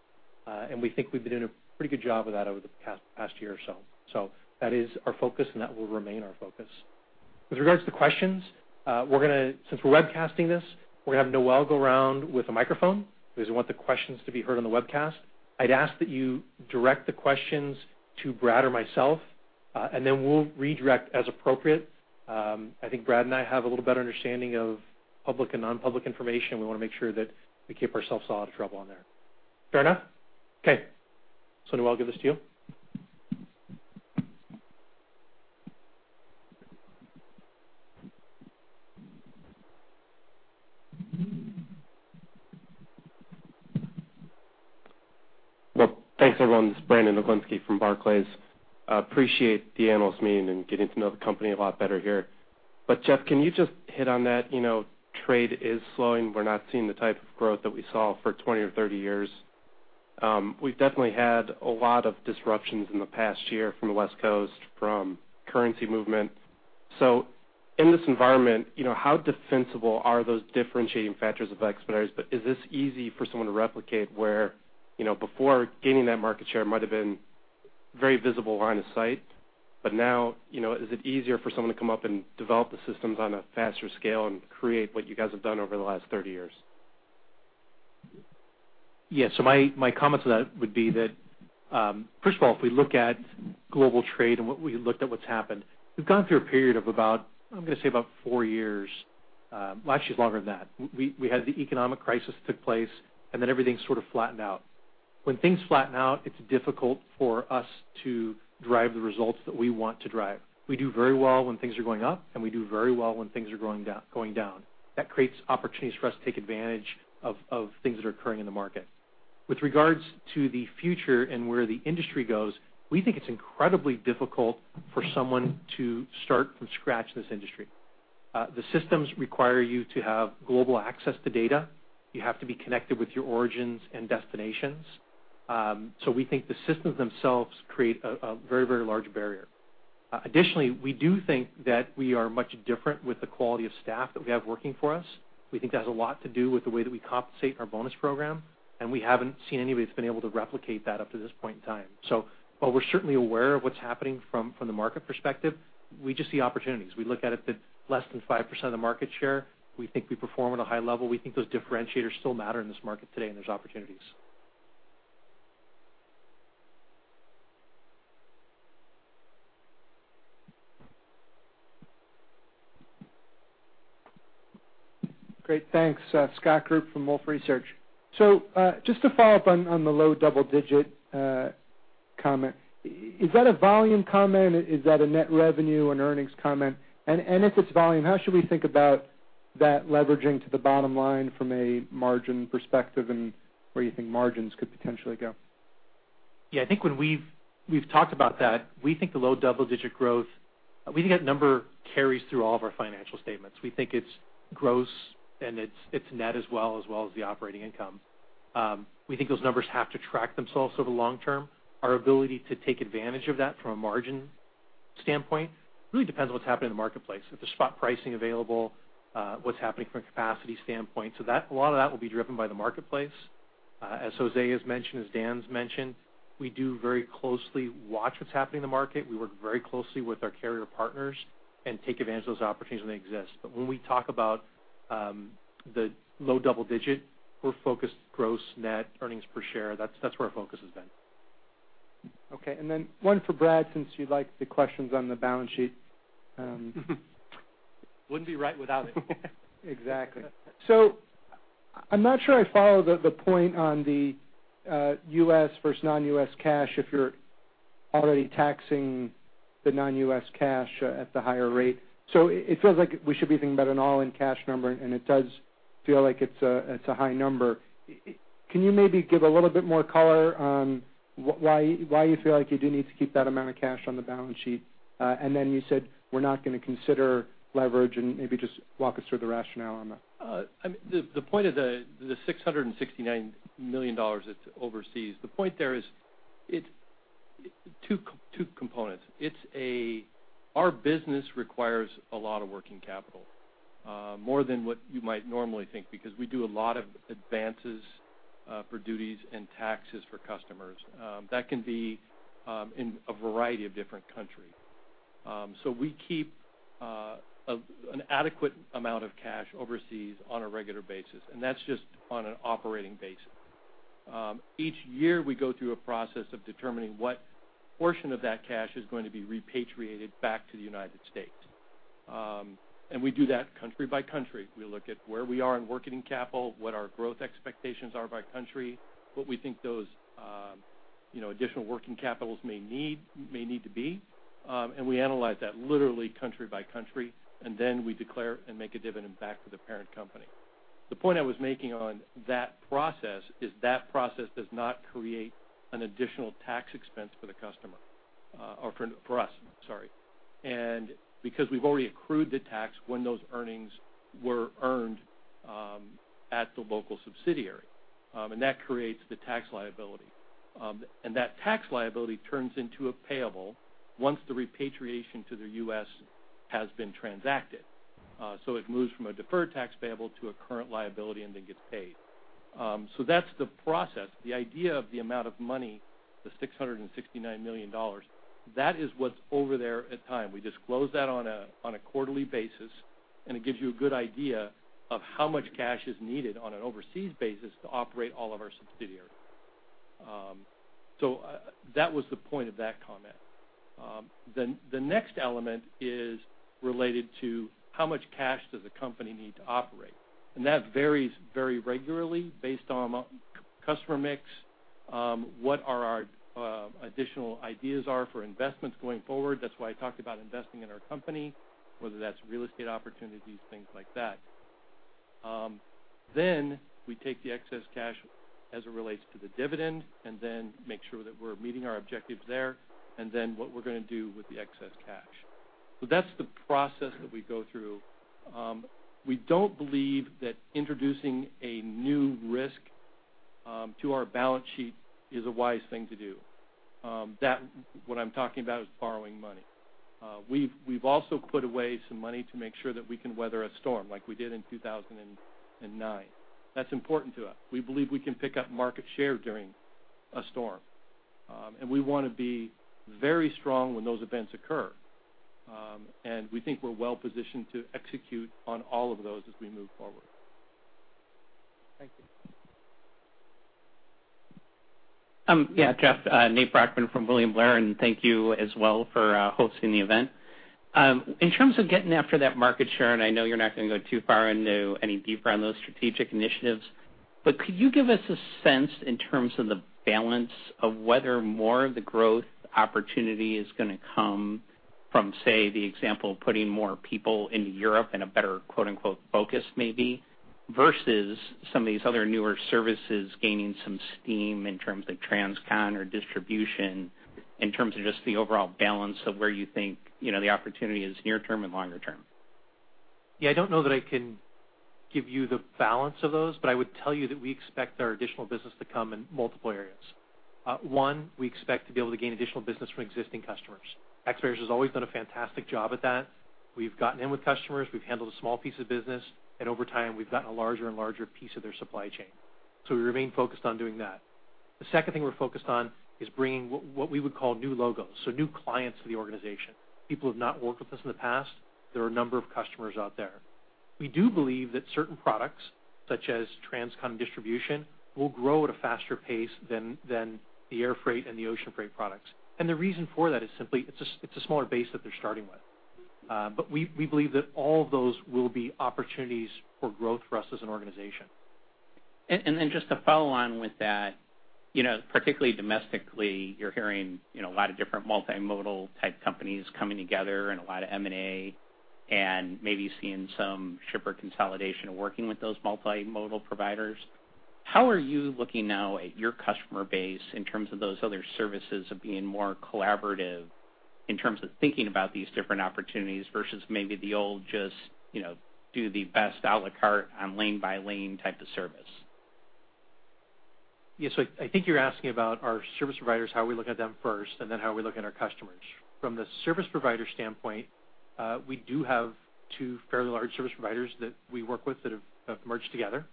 And we think we've been doing a pretty good job of that over the past year or so. So that is our focus, and that will remain our focus. With regards to questions, since we're webcasting this, we're going to have Noel go around with a microphone because we want the questions to be heard on the webcast. I'd ask that you direct the questions to Brad or myself, and then we'll redirect as appropriate. I think Brad and I have a little better understanding of public and nonpublic information. We want to make sure that we keep ourselves out of trouble on there. Fair enough? Okay. So Noel, I'll give this to you. Well, thanks, everyone. This is Brandon Oglenski from Barclays. Appreciate the annual meeting and getting to know the company a lot better here. But Jeff, can you just hit on that? Trade is slowing. We're not seeing the type of growth that we saw for 20 or 30 years. We've definitely had a lot of disruptions in the past year from the West Coast, from currency movement. So in this environment, how defensible are those differentiating factors of Expeditors? But is this easy for someone to replicate where before gaining that market share might have been a very visible line of sight? But now, is it easier for someone to come up and develop the systems on a faster scale and create what you guys have done over the last 30 years? Yeah. So my comments to that would be that, first of all, if we look at global trade and what we looked at, what's happened, we've gone through a period of about four years. Well, actually, it's longer than that. We had the economic crisis that took place, and then everything sort of flattened out. When things flatten out, it's difficult for us to drive the results that we want to drive. We do very well when things are going up, and we do very well when things are going down. That creates opportunities for us to take advantage of things that are occurring in the market. With regards to the future and where the industry goes, we think it's incredibly difficult for someone to start from scratch in this industry. The systems require you to have global access to data. You have to be connected with your origins and destinations. So we think the systems themselves create a very, very large barrier. Additionally, we do think that we are much different with the quality of staff that we have working for us. We think that has a lot to do with the way that we compensate in our bonus program. And we haven't seen anybody that's been able to replicate that up to this point in time. So while we're certainly aware of what's happening from the market perspective, we just see opportunities. We look at it that less than 5% of the market share, we think we perform at a high level. We think those differentiators still matter in this market today, and there's opportunities. Great. Thanks. Scott Group from Wolfe Research. So just to follow up on the low double-digit comment, is that a volume comment? Is that a net revenue and earnings comment? And if it's volume, how should we think about that leveraging to the bottom line from a margin perspective and where you think margins could potentially go? Yeah. I think when we've talked about that, we think the low double-digit growth we think that number carries through all of our financial statements. We think it's gross, and it's net as well, as well as the operating income. We think those numbers have to track themselves over the long term. Our ability to take advantage of that from a margin standpoint really depends on what's happening in the marketplace, if there's spot pricing available, what's happening from a capacity standpoint. So a lot of that will be driven by the marketplace. As Jose has mentioned, as Dan's mentioned, we do very closely watch what's happening in the market. We work very closely with our carrier partners and take advantage of those opportunities when they exist. But when we talk about the low double-digit, we're focused gross, net, earnings per share. That's where our focus has been. Okay. And then one for Brad since you'd like the questions on the balance sheet. Wouldn't be right without it. Exactly. So I'm not sure I follow the point on the U.S. versus non-U.S. cash if you're already taxing the non-U.S. cash at the higher rate. So it feels like we should be thinking about an all-in cash number, and it does feel like it's a high number. Can you maybe give a little bit more color on why you feel like you do need to keep that amount of cash on the balance sheet? And then you said, "We're not going to consider leverage," and maybe just walk us through the rationale on that. I mean, the point of the $669 million that's overseas, the point there is it's two components. Our business requires a lot of working capital, more than what you might normally think because we do a lot of advances for duties and taxes for customers. That can be in a variety of different countries. So we keep an adequate amount of cash overseas on a regular basis, and that's just on an operating basis. Each year, we go through a process of determining what portion of that cash is going to be repatriated back to the United States. We do that country by country. We look at where we are in working capital, what our growth expectations are by country, what we think those additional working capitals may need to be. We analyze that literally country by country. Then we declare and make a dividend back to the parent company. The point I was making on that process is that process does not create an additional tax expense for the customer or for us, sorry, because we've already accrued the tax when those earnings were earned at the local subsidiary. And that creates the tax liability. And that tax liability turns into a payable once the repatriation to the U.S. has been transacted. So it moves from a deferred tax payable to a current liability and then gets paid. So that's the process. The idea of the amount of money, the $669 million, that is what's over there at the time. We disclose that on a quarterly basis, and it gives you a good idea of how much cash is needed on an overseas basis to operate all of our subsidiaries. So that was the point of that comment. The next element is related to how much cash does the company need to operate? That varies very regularly based on customer mix, what our additional ideas are for investments going forward. That's why I talked about investing in our company, whether that's real estate opportunities, things like that. We take the excess cash as it relates to the dividend and then make sure that we're meeting our objectives there and then what we're going to do with the excess cash. So that's the process that we go through. We don't believe that introducing a new risk to our balance sheet is a wise thing to do. What I'm talking about is borrowing money. We've also put away some money to make sure that we can weather a storm like we did in 2009. That's important to us. We believe we can pick up market share during a storm. We want to be very strong when those events occur. We think we're well positioned to execute on all of those as we move forward. Thank you. Yeah. Jeff, Nate Brochmann from William Blair. And thank you as well for hosting the event. In terms of getting after that market share, and I know you're not going to go too far into any deeper on those strategic initiatives, but could you give us a sense in terms of the balance of whether more of the growth opportunity is going to come from, say, the example of putting more people into Europe in a better "focus" maybe versus some of these other newer services gaining some steam in terms of Transcon or distribution in terms of just the overall balance of where you think the opportunity is near-term and longer-term? Yeah. I don't know that I can give you the balance of those, but I would tell you that we expect our additional business to come in multiple areas. One, we expect to be able to gain additional business from existing customers. Expeditors has always done a fantastic job at that. We've gotten in with customers. We've handled a small piece of business. And over time, we've gotten a larger and larger piece of their supply chain. So we remain focused on doing that. The second thing we're focused on is bringing what we would call new logos, so new clients to the organization, people who have not worked with us in the past. There are a number of customers out there. We do believe that certain products such as Transcon, Distribution will grow at a faster pace than the Air Freight and the Ocean Freight products. The reason for that is simply it's a smaller base that they're starting with. We believe that all of those will be opportunities for growth for us as an organization. And then just to follow on with that, particularly domestically, you're hearing a lot of different multimodal-type companies coming together and a lot of M&A and maybe seeing some shipper consolidation of working with those multimodal providers. How are you looking now at your customer base in terms of those other services of being more collaborative in terms of thinking about these different opportunities versus maybe the old just do the best à la carte on lane by lane type of service? Yeah. So I think you're asking about our service providers, how we look at them first, and then how we look at our customers. From the service provider standpoint, we do have two fairly large service providers that we work with that have merged together.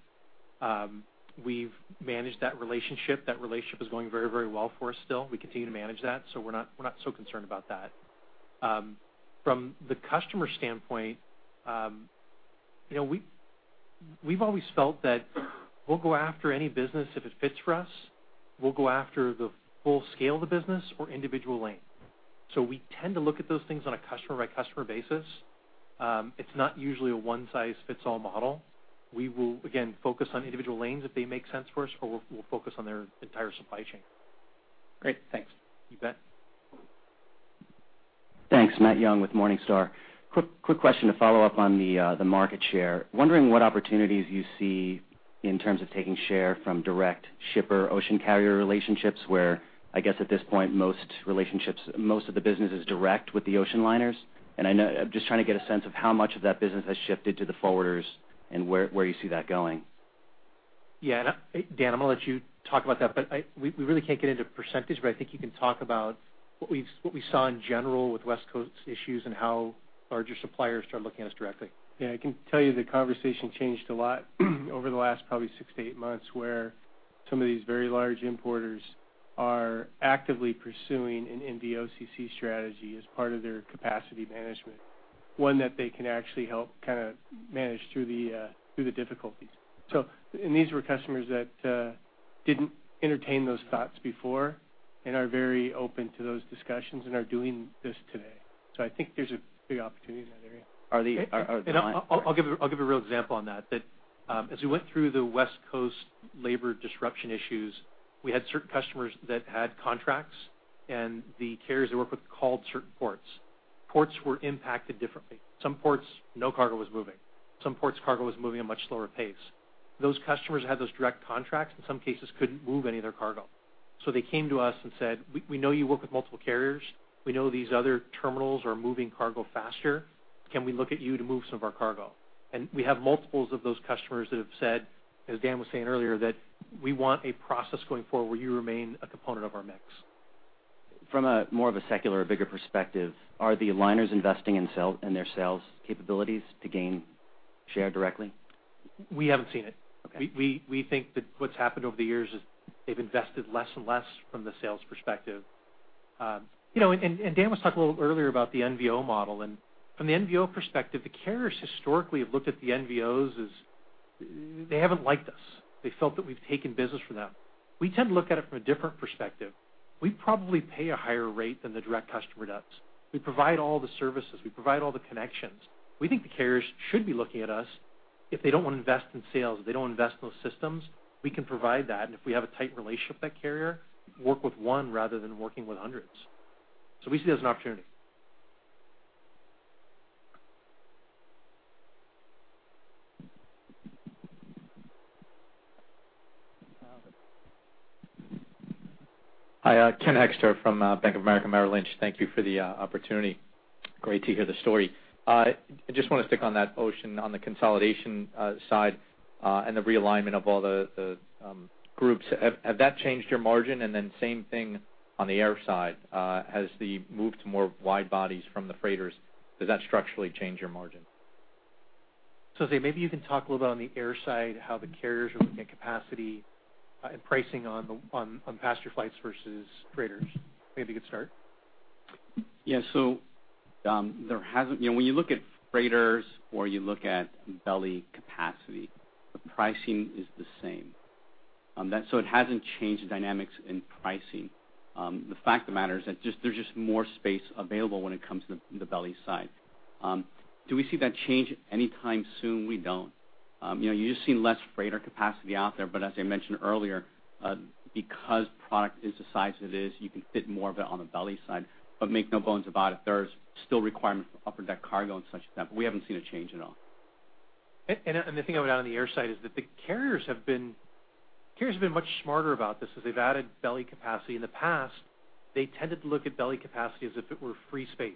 We've managed that relationship. That relationship is going very, very well for us still. We continue to manage that. So we're not so concerned about that. From the customer standpoint, we've always felt that we'll go after any business if it fits for us. We'll go after the full scale of the business or individual lane. So we tend to look at those things on a customer-by-customer basis. It's not usually a one-size-fits-all model. We will, again, focus on individual lanes if they make sense for us, or we'll focus on their entire supply chain. Great. Thanks. You bet. Thanks. Matthew Young with Morningstar. Quick question to follow up on the market share. Wondering what opportunities you see in terms of taking share from direct shipper-ocean carrier relationships where, I guess, at this point, most of the business is direct with the ocean liners. And I'm just trying to get a sense of how much of that business has shifted to the forwarders and where you see that going. Yeah. Dan, I'm going to let you talk about that. But we really can't get into percentages, but I think you can talk about what we saw in general with West Coast issues and how larger suppliers started looking at us directly. Yeah. I can tell you the conversation changed a lot over the last probably 6-8 months where some of these very large importers are actively pursuing an NVOCC strategy as part of their capacity management, one that they can actually help kind of manage through the difficulties. These were customers that didn't entertain those thoughts before and are very open to those discussions and are doing this today. I think there's a big opportunity in that area. Are they? Are they not? I'll give a real example on that. As we went through the West Coast labor disruption issues, we had certain customers that had contracts, and the carriers they worked with called certain ports. Ports were impacted differently. Some ports, no cargo was moving. Some ports, cargo was moving at a much slower pace. Those customers had those direct contracts and, in some cases, couldn't move any of their cargo. So they came to us and said, "We know you work with multiple carriers. We know these other terminals are moving cargo faster. Can we look at you to move some of our cargo?" And we have multiples of those customers that have said, as Dan was saying earlier, that we want a process going forward where you remain a component of our mix. From more of a secular, a bigger perspective, are the liners investing in their sales capabilities to gain share directly? We haven't seen it. We think that what's happened over the years is they've invested less and less from the sales perspective. Dan was talking a little earlier about the NVO model. From the NVO perspective, the carriers historically have looked at the NVOs as they haven't liked us. They felt that we've taken business from them. We tend to look at it from a different perspective. We probably pay a higher rate than the direct customer does. We provide all the services. We provide all the connections. We think the carriers should be looking at us. If they don't want to invest in sales, if they don't want to invest in those systems, we can provide that. If we have a tight relationship with that carrier, work with one rather than working with hundreds. We see that as an opportunity. Hi. Ken Hoexter from Bank of America Merrill Lynch. Thank you for the opportunity. Great to hear the story. I just want to stick on that ocean, on the consolidation side and the realignment of all the groups. Has that changed your margin? And then same thing on the air side. Has the move to more wide bodies from the freighters, does that structurally change your margin? Jose, maybe you can talk a little bit on the air side, how the carriers are looking at capacity and pricing on passenger flights versus freighters. Maybe you could start. Yeah. So there hasn't, when you look at freighters or you look at belly capacity, the pricing is the same. So it hasn't changed the dynamics in pricing. The fact of the matter is that there's just more space available when it comes to the belly side. Do we see that change anytime soon? We don't. You just see less freighter capacity out there. But as I mentioned earlier, because product is the size it is, you can fit more of it on the belly side but make no bones about it. There's still a requirement for upper deck cargo and such as that. But we haven't seen a change at all. The thing about it on the air side is that the carriers have been much smarter about this. As they've added belly capacity in the past, they tended to look at belly capacity as if it were free space.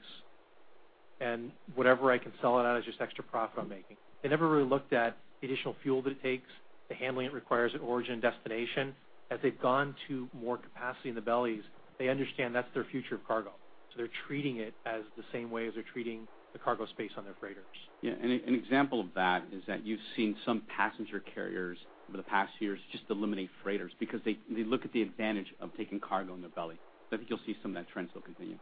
And whatever I can sell it out as just extra profit I'm making. They never really looked at the additional fuel that it takes, the handling it requires at origin and destination. As they've gone to more capacity in the bellies, they understand that's their future of cargo. So they're treating it as the same way as they're treating the cargo space on their freighters. Yeah. An example of that is that you've seen some passenger carriers over the past years just eliminate freighters because they look at the advantage of taking cargo in their belly. I think you'll see some of that trend still continue.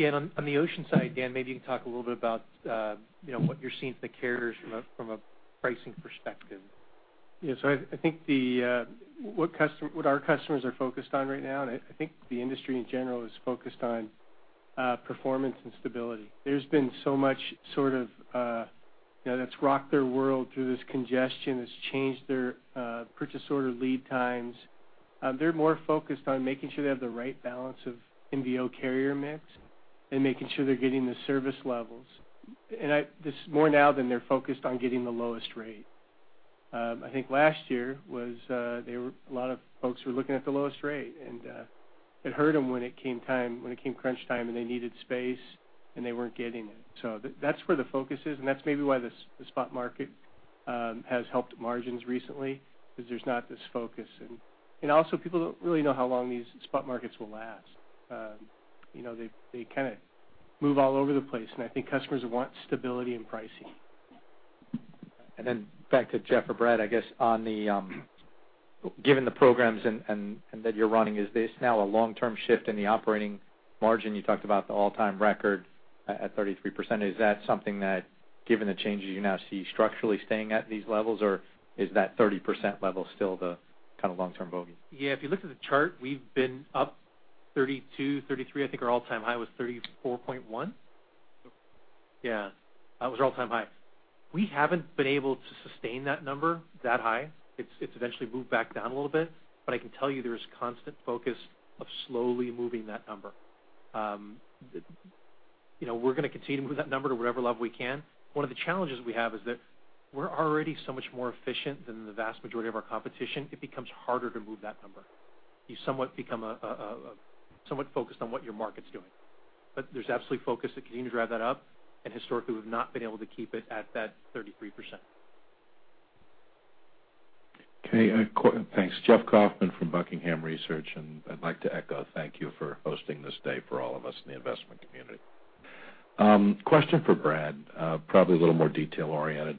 Yeah. On the ocean side, Dan, maybe you can talk a little bit about what you're seeing from the carriers from a pricing perspective. Yeah. So I think what our customers are focused on right now, and I think the industry in general is focused on performance and stability. There's been so much sort of that's rocked their world through this congestion that's changed their purchase order lead times. They're more focused on making sure they have the right balance of NVO carrier mix and making sure they're getting the service levels. And this is more now than they're focused on getting the lowest rate. I think last year was a lot of folks were looking at the lowest rate. And it hurt them when it came time when it came crunch time and they needed space and they weren't getting it. So that's where the focus is. And that's maybe why the spot market has helped margins recently because there's not this focus. And also, people don't really know how long these spot markets will last. They kind of move all over the place. And I think customers want stability in pricing. And then back to Jeff or Brad, I guess, given the programs that you're running, is this now a long-term shift in the operating margin? You talked about the all-time record at 33%. Is that something that, given the changes you now see structurally staying at these levels, or is that 30% level still the kind of long-term bogey? Yeah. If you look at the chart, we've been up 32, 33. I think our all-time high was 34.1. Yeah. That was our all-time high. We haven't been able to sustain that number that high. It's eventually moved back down a little bit. But I can tell you there is constant focus of slowly moving that number. We're going to continue to move that number to whatever level we can. One of the challenges we have is that we're already so much more efficient than the vast majority of our competition, it becomes harder to move that number. You somewhat become somewhat focused on what your market's doing. But there's absolutely focus to continue to drive that up. And historically, we've not been able to keep it at that 33%. Okay. Thanks. Jeffrey Kauffman from Buckingham Research. I'd like to echo, thank you for hosting this day for all of us in the investment community. Question for Brad, probably a little more detail-oriented.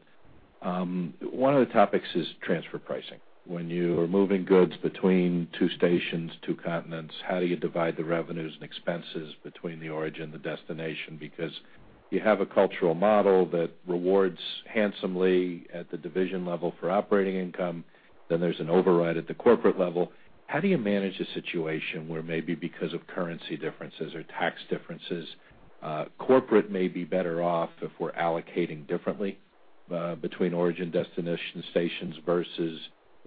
One of the topics is transfer pricing. When you are moving goods between two stations, two continents, how do you divide the revenues and expenses between the origin and the destination? Because you have a cultural model that rewards handsomely at the division level for operating income. Then there's an override at the corporate level. How do you manage a situation where maybe because of currency differences or tax differences, corporate may be better off if we're allocating differently between origin and destination stations versus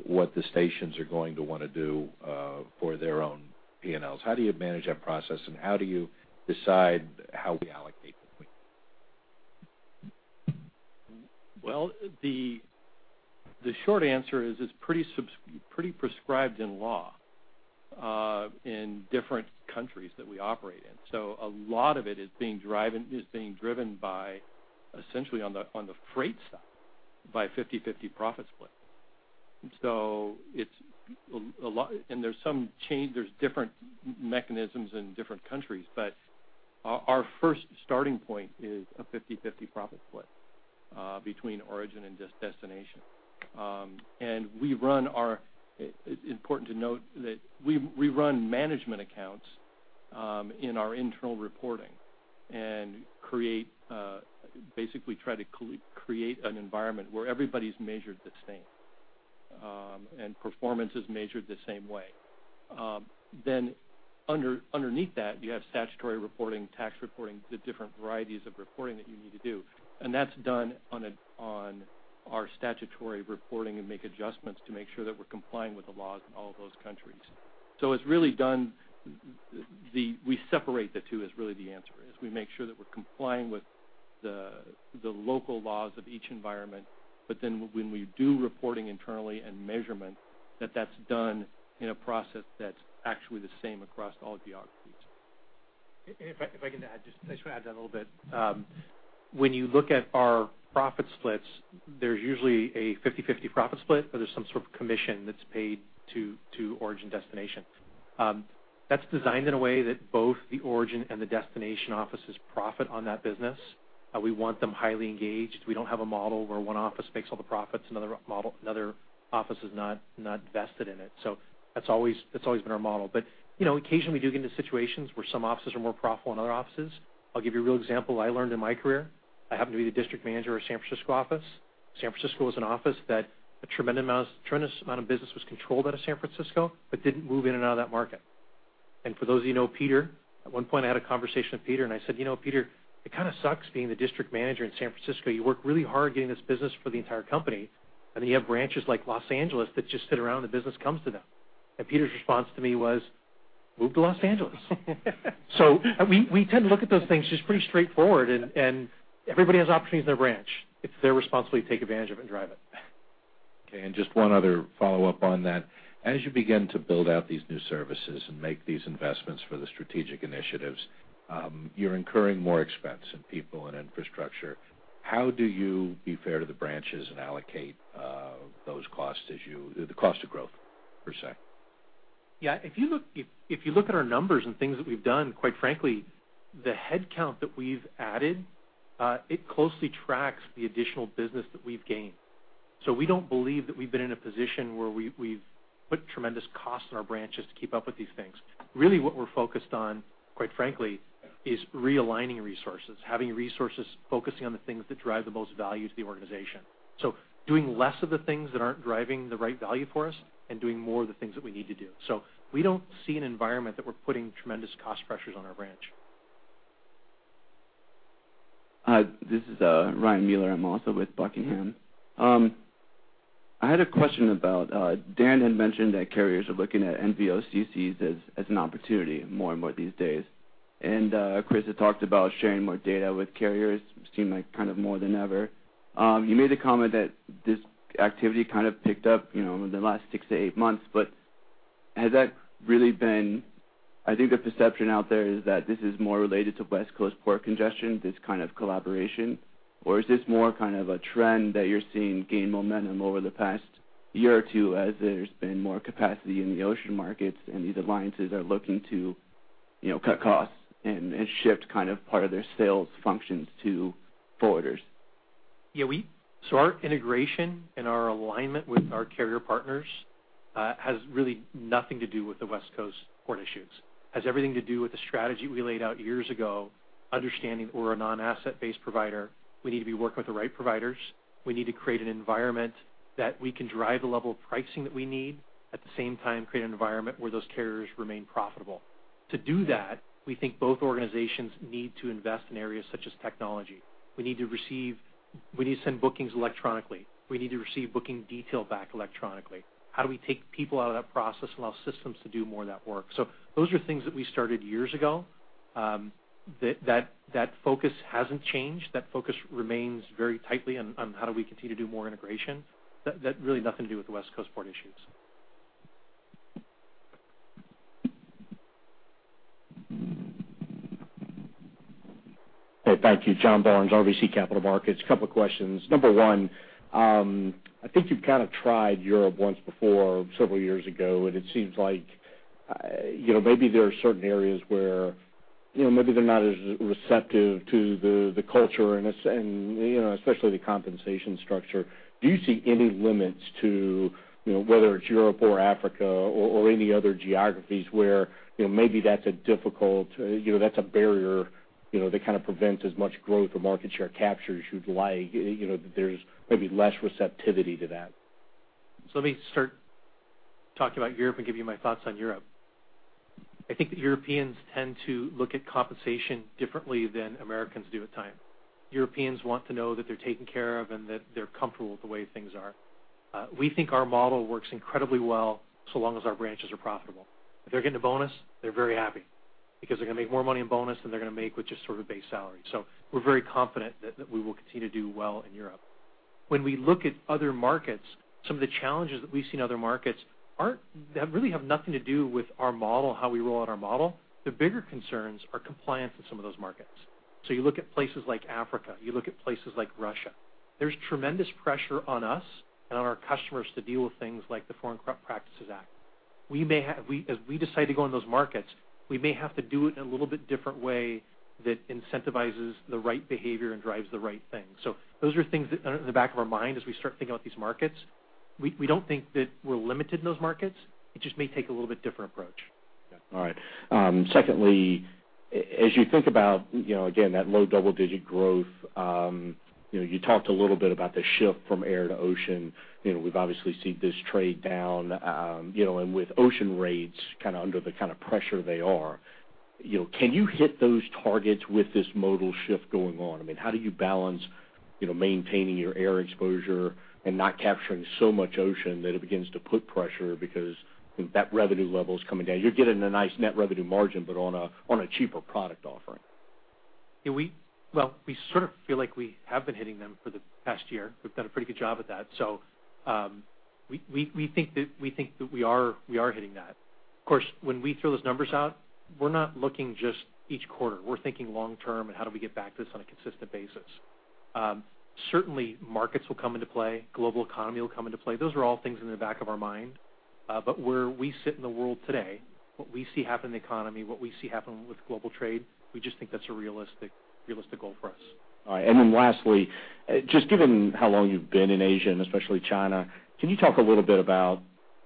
what the stations are going to want to do for their own P&Ls? How do you manage that process, and how do you decide how we allocate between them? Well, the short answer is it's pretty prescribed in law in different countries that we operate in. So a lot of it is being driven by, essentially, on the freight side by a 50/50 profit split. And there's some change, there's different mechanisms in different countries. But our first starting point is a 50/50 profit split between origin and destination. And we run our it's important to note that we run management accounts in our internal reporting and basically try to create an environment where everybody's measured the same and performance is measured the same way. Then underneath that, you have statutory reporting, tax reporting, the different varieties of reporting that you need to do. And that's done on our statutory reporting and make adjustments to make sure that we're complying with the laws in all of those countries. So it's really done. We separate the two is really the answer, is we make sure that we're complying with the local laws of each environment. But then, when we do reporting internally and measurement, that that's done in a process that's actually the same across all geographies. If I can add, just, I just want to add that a little bit. When you look at our profit splits, there's usually a 50/50 profit split, or there's some sort of commission that's paid to origin and destination. That's designed in a way that both the origin and the destination offices profit on that business. We want them highly engaged. We don't have a model where one office makes all the profits and another office is not vested in it. So that's always been our model. But occasionally, we do get into situations where some offices are more profitable than other offices. I'll give you a real example I learned in my career. I happen to be the district manager of a San Francisco office. San Francisco was an office that a tremendous amount of business was controlled out of San Francisco but didn't move in and out of that market. For those of you who know Peter, at one point, I had a conversation with Peter, and I said, "Peter, it kind of sucks being the district manager in San Francisco. You work really hard getting this business for the entire company. And then you have branches like Los Angeles that just sit around. The business comes to them." Peter's response to me was, "Move to Los Angeles." We tend to look at those things just pretty straightforward. Everybody has opportunities in their branch. It's their responsibility to take advantage of it and drive it. Okay. And just one other follow-up on that. As you begin to build out these new services and make these investments for the strategic initiatives, you're incurring more expense in people and infrastructure. How do you be fair to the branches and allocate those costs as you the cost of growth, per se? Yeah. If you look at our numbers and things that we've done, quite frankly, the headcount that we've added, it closely tracks the additional business that we've gained. So we don't believe that we've been in a position where we've put tremendous costs in our branches to keep up with these things. Really, what we're focused on, quite frankly, is realigning resources, having resources focusing on the things that drive the most value to the organization, so doing less of the things that aren't driving the right value for us and doing more of the things that we need to do. So we don't see an environment that we're putting tremendous cost pressures on our branch. This is Ryan Muller. I'm also with Buckingham. I had a question about Dan had mentioned that carriers are looking at NVOCCs as an opportunity more and more these days. And Chris had talked about sharing more data with carriers, seemed like kind of more than ever. You made the comment that this activity kind of picked up in the last six-eight months. But has that really been? I think the perception out there is that this is more related to West Coast port congestion, this kind of collaboration, or is this more kind of a trend that you're seeing gain momentum over the past year or two as there's been more capacity in the ocean markets and these alliances are looking to cut costs and shift kind of part of their sales functions to forwarders? Yeah. So our integration and our alignment with our carrier partners has really nothing to do with the West Coast port issues. It has everything to do with the strategy we laid out years ago, understanding that we're a non-asset-based provider. We need to be working with the right providers. We need to create an environment that we can drive the level of pricing that we need, at the same time, create an environment where those carriers remain profitable. To do that, we think both organizations need to invest in areas such as technology. We need to receive, we need to send bookings electronically. We need to receive booking detail back electronically. How do we take people out of that process and allow systems to do more of that work? So those are things that we started years ago. That focus hasn't changed. That focus remains very tightly on how do we continue to do more integration. That's really nothing to do with the West Coast port issues. Hey. Thank you. John Barnes, RBC Capital Markets. Couple of questions. Number one, I think you've kind of tried Europe once before, several years ago. It seems like maybe there are certain areas where maybe they're not as receptive to the culture, and especially the compensation structure. Do you see any limits to whether it's Europe or Africa or any other geographies where maybe that's a difficult that's a barrier that kind of prevents as much growth or market share capture as you'd like? There's maybe less receptivity to that. So let me start talking about Europe and give you my thoughts on Europe. I think the Europeans tend to look at compensation differently than Americans do at times. Europeans want to know that they're taken care of and that they're comfortable with the way things are. We think our model works incredibly well so long as our branches are profitable. If they're getting a bonus, they're very happy because they're going to make more money in bonus than they're going to make with just sort of a base salary. So we're very confident that we will continue to do well in Europe. When we look at other markets, some of the challenges that we've seen in other markets really have nothing to do with our model, how we roll out our model. The bigger concerns are compliance in some of those markets. So you look at places like Africa. You look at places like Russia. There's tremendous pressure on us and on our customers to deal with things like the Foreign Corrupt Practices Act. As we decide to go in those markets, we may have to do it in a little bit different way that incentivizes the right behavior and drives the right thing. So those are things that are in the back of our mind as we start thinking about these markets. We don't think that we're limited in those markets. It just may take a little bit different approach. Yeah. All right. Secondly, as you think about, again, that low double-digit growth, you talked a little bit about the shift from air to ocean. We've obviously seen this trade down. And with ocean rates kind of under the kind of pressure they are, can you hit those targets with this modal shift going on? I mean, how do you balance maintaining your air exposure and not capturing so much ocean that it begins to put pressure because that revenue level is coming down? You're getting a nice net revenue margin, but on a cheaper product offering. Yeah. Well, we sort of feel like we have been hitting them for the past year. We've done a pretty good job at that. So we think that we are hitting that. Of course, when we throw those numbers out, we're not looking just each quarter. We're thinking long-term and how do we get back to this on a consistent basis. Certainly, markets will come into play. Global economy will come into play. Those are all things in the back of our mind. But where we sit in the world today, what we see happen in the economy, what we see happen with global trade, we just think that's a realistic goal for us. All right. And then lastly, just given how long you've been in Asia and especially China, can you talk a little bit about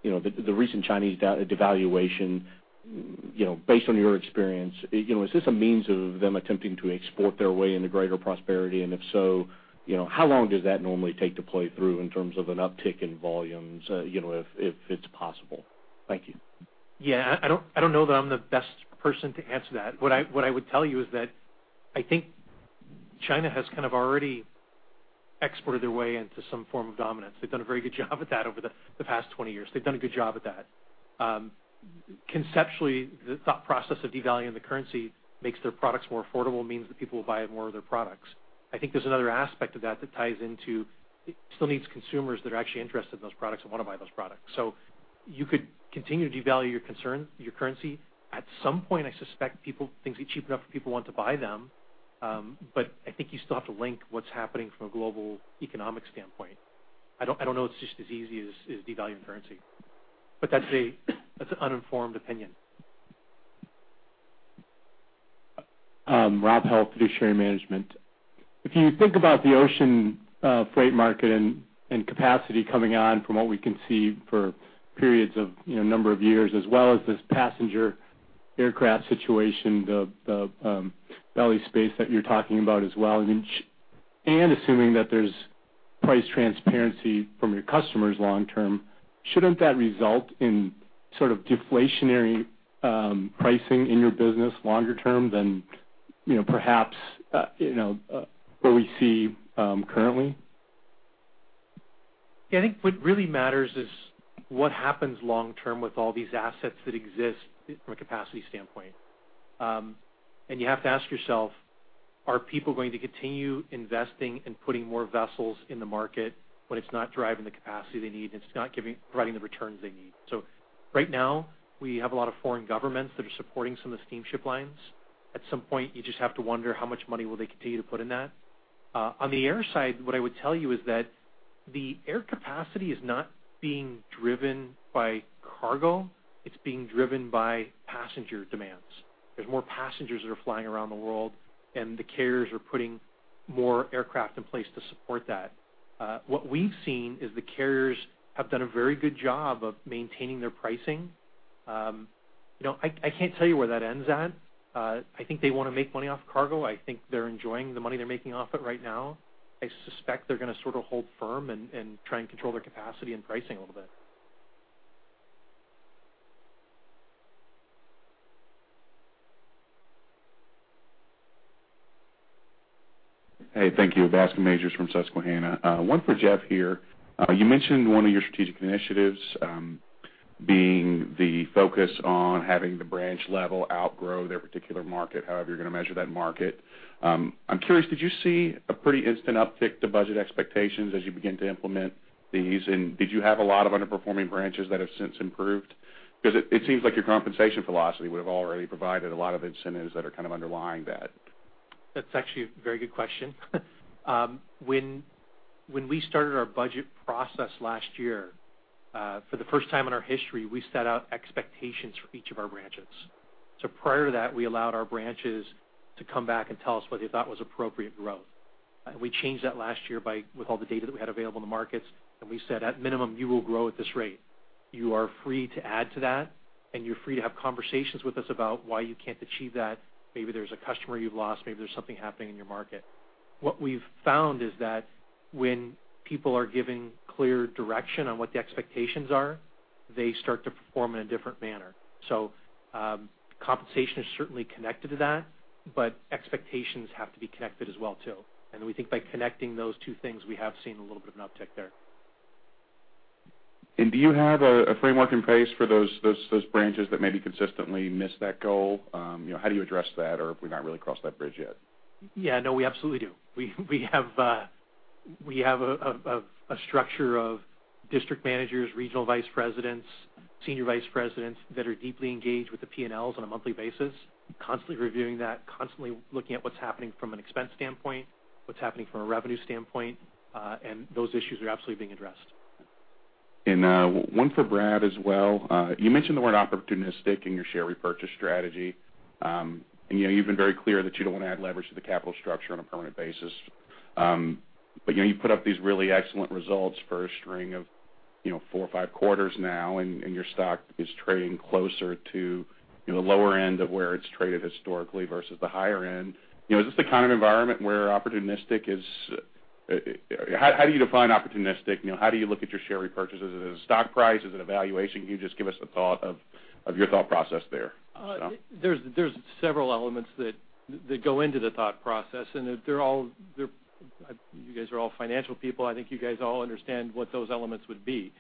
the recent Chinese devaluation? Based on your experience, is this a means of them attempting to export their way into greater prosperity? And if so, how long does that normally take to play through in terms of an uptick in volumes if it's possible? Thank you. Yeah. I don't know that I'm the best person to answer that. What I would tell you is that I think China has kind of already exported their way into some form of dominance. They've done a very good job at that over the past 20 years. They've done a good job at that. Conceptually, the thought process of devaluing the currency makes their products more affordable, means that people will buy more of their products. I think there's another aspect of that that ties into it still needs consumers that are actually interested in those products and want to buy those products. So you could continue to devaluing your currency. At some point, I suspect people things get cheap enough for people want to buy them. But I think you still have to link what's happening from a global economic standpoint. I don't know, it's just as easy as devaluing currency. But that's an uninformed opinion. Rob Helf, Fiduciary Management. If you think about the ocean freight market and capacity coming on from what we can see for periods of a number of years, as well as this passenger aircraft situation, the belly space that you're talking about as well, and assuming that there's price transparency from your customers long-term, shouldn't that result in sort of deflationary pricing in your business longer-term than perhaps what we see currently? Yeah. I think what really matters is what happens long-term with all these assets that exist from a capacity standpoint. And you have to ask yourself, "Are people going to continue investing and putting more vessels in the market when it's not driving the capacity they need and it's not providing the returns they need?" So right now, we have a lot of foreign governments that are supporting some of the steamship lines. At some point, you just have to wonder how much money will they continue to put in that. On the air side, what I would tell you is that the air capacity is not being driven by cargo. It's being driven by passenger demands. There's more passengers that are flying around the world. And the carriers are putting more aircraft in place to support that. What we've seen is the carriers have done a very good job of maintaining their pricing. I can't tell you where that ends at. I think they want to make money off cargo. I think they're enjoying the money they're making off it right now. I suspect they're going to sort of hold firm and try and control their capacity and pricing a little bit. Hey. Thank you. Bascome Majors from Susquehanna. One for Jeff here. You mentioned one of your strategic initiatives being the focus on having the branch level outgrow their particular market, however you're going to measure that market. I'm curious, did you see a pretty instant uptick to budget expectations as you began to implement these? And did you have a lot of underperforming branches that have since improved? Because it seems like your compensation philosophy would have already provided a lot of incentives that are kind of underlying that. That's actually a very good question. When we started our budget process last year, for the first time in our history, we set out expectations for each of our branches. Prior to that, we allowed our branches to come back and tell us what they thought was appropriate growth. We changed that last year with all the data that we had available in the markets. We said, "At minimum, you will grow at this rate. You are free to add to that. And you're free to have conversations with us about why you can't achieve that. Maybe there's a customer you've lost. Maybe there's something happening in your market." What we've found is that when people are given clear direction on what the expectations are, they start to perform in a different manner. Compensation is certainly connected to that. Expectations have to be connected as well too. We think by connecting those two things, we have seen a little bit of an uptick there. Do you have a framework in place for those branches that maybe consistently miss that goal? How do you address that or have we not really crossed that bridge yet? Yeah. No. We absolutely do. We have a structure of district managers, regional vice presidents, senior vice presidents that are deeply engaged with the P&Ls on a monthly basis, constantly reviewing that, constantly looking at what's happening from an expense standpoint, what's happening from a revenue standpoint. And those issues are absolutely being addressed. And one for Brad as well. You mentioned the word opportunistic in your share repurchase strategy. And you've been very clear that you don't want to add leverage to the capital structure on a permanent basis. But you put up these really excellent results for a string of four or five quarters now. And your stock is trading closer to the lower end of where it's traded historically versus the higher end. Is this the kind of environment where opportunistic is? How do you define opportunistic? How do you look at your share repurchase? Is it a stock price? Is it a valuation? Can you just give us a thought of your thought process there, sir? There's several elements that go into the thought process. You guys are all financial people. I think you guys all understand what those elements would be.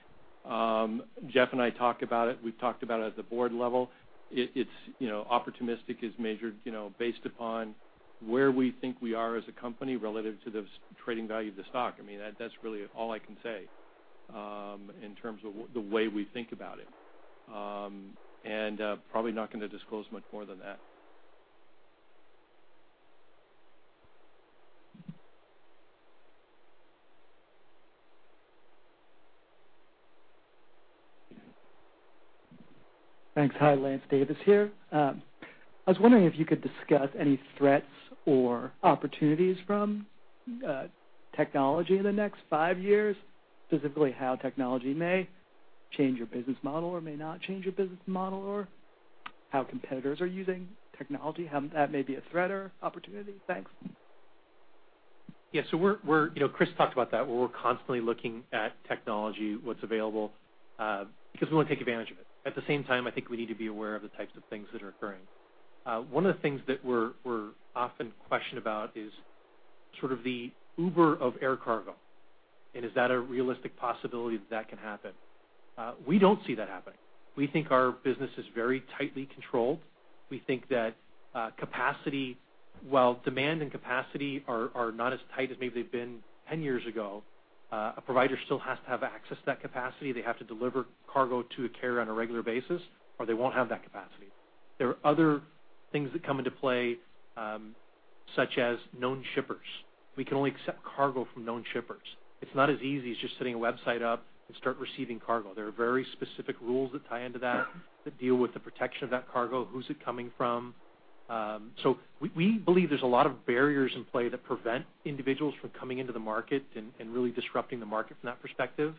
Jeff and I talked about it. We've talked about it at the board level. Opportunistic is measured based upon where we think we are as a company relative to the trading value of the stock. I mean, that's really all I can say in terms of the way we think about it. Probably not going to disclose much more than that. Thanks. Hi. Lance Davis here. I was wondering if you could discuss any threats or opportunities from technology in the next five years, specifically how technology may change your business model or may not change your business model or how competitors are using technology, how that may be a threat or opportunity. Thanks. Yeah. So Chris talked about that, where we're constantly looking at technology, what's available, because we want to take advantage of it. At the same time, I think we need to be aware of the types of things that are occurring. One of the things that we're often questioned about is sort of the Uber of air cargo. And is that a realistic possibility that that can happen? We don't see that happening. We think our business is very tightly controlled. We think that capacity, while demand and capacity are not as tight as maybe they've been 10 years ago, a provider still has to have access to that capacity. They have to deliver cargo to a carrier on a regular basis. Or they won't have that capacity. There are other things that come into play such as known shippers. We can only accept cargo from known shippers. It's not as easy as just setting a website up and start receiving cargo. There are very specific rules that tie into that that deal with the protection of that cargo, who's it coming from. So we believe there's a lot of barriers in play that prevent individuals from coming into the market and really disrupting the market from that perspective.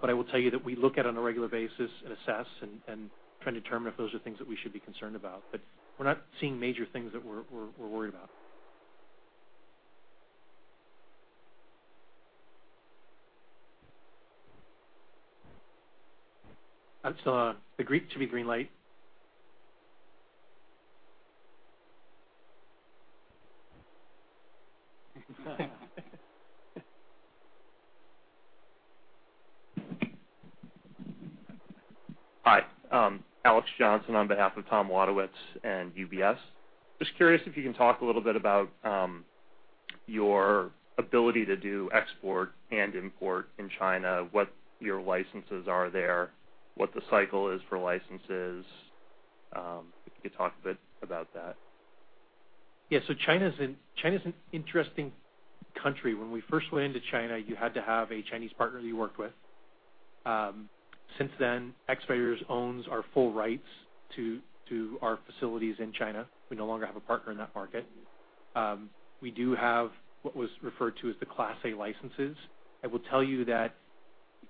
But I will tell you that we look at it on a regular basis and assess and try and determine if those are things that we should be concerned about. But we're not seeing major things that we're worried about. I'm still on. Hi. Alex Johnson on behalf of Tom Wadowitz and UBS. Just curious if you can talk a little bit about your ability to do export and import in China, what your licenses are there, what the cycle is for licenses. If you could talk a bit about that. Yeah. So China's an interesting country. When we first went into China, you had to have a Chinese partner that you worked with. Since then, Expeditors owns our full rights to our facilities in China. We no longer have a partner in that market. We do have what was referred to as the Class A licenses. I will tell you that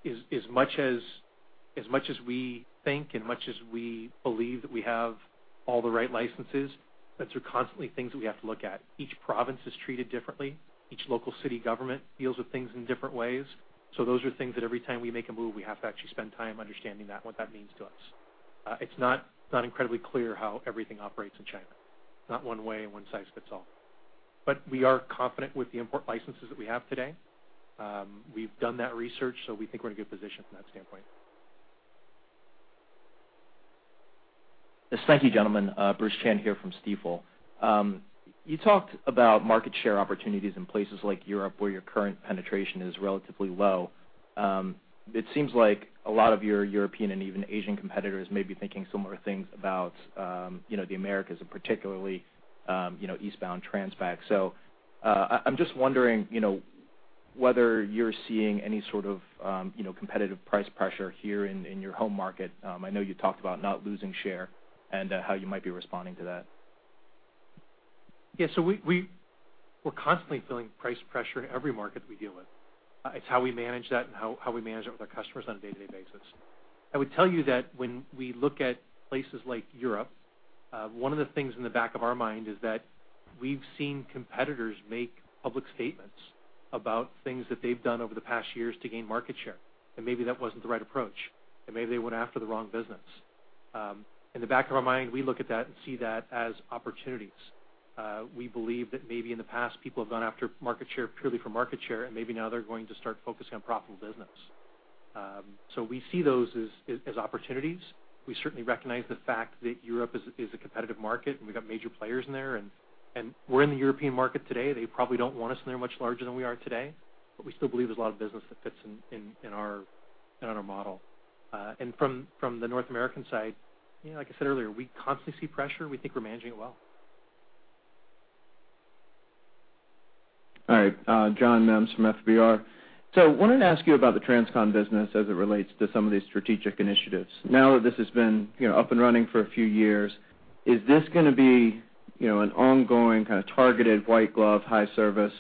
as much as we think and much as we believe that we have all the right licenses, those are constantly things that we have to look at. Each province is treated differently. Each local city government deals with things in different ways. So those are things that every time we make a move, we have to actually spend time understanding that and what that means to us. It's not incredibly clear how everything operates in China. It's not one way and one size fits all. But we are confident with the import licenses that we have today. We've done that research. So we think we're in a good position from that standpoint. Thank you, gentlemen. Bruce Chan here from Stifel. You talked about market share opportunities in places like Europe where your current penetration is relatively low. It seems like a lot of your European and even Asian competitors may be thinking similar things about the Americas and particularly eastbound transpacs. So I'm just wondering whether you're seeing any sort of competitive price pressure here in your home market. I know you talked about not losing share and how you might be responding to that. Yeah. So we're constantly feeling price pressure in every market that we deal with. It's how we manage that and how we manage it with our customers on a day-to-day basis. I would tell you that when we look at places like Europe, one of the things in the back of our mind is that we've seen competitors make public statements about things that they've done over the past years to gain market share. Maybe that wasn't the right approach. Maybe they went after the wrong business. In the back of our mind, we look at that and see that as opportunities. We believe that maybe in the past, people have gone after market share purely for market share. Maybe now they're going to start focusing on profitable business. So we see those as opportunities. We certainly recognize the fact that Europe is a competitive market. We've got major players in there. We're in the European market today. They probably don't want us in there much larger than we are today. We still believe there's a lot of business that fits in our model. From the North American side, like I said earlier, we constantly see pressure. We think we're managing it well. All right. John Mims from FBR. So I wanted to ask you about the Transcon business as it relates to some of these strategic initiatives. Now that this has been up and running for a few years, is this going to be an ongoing kind of targeted white-glove, high-service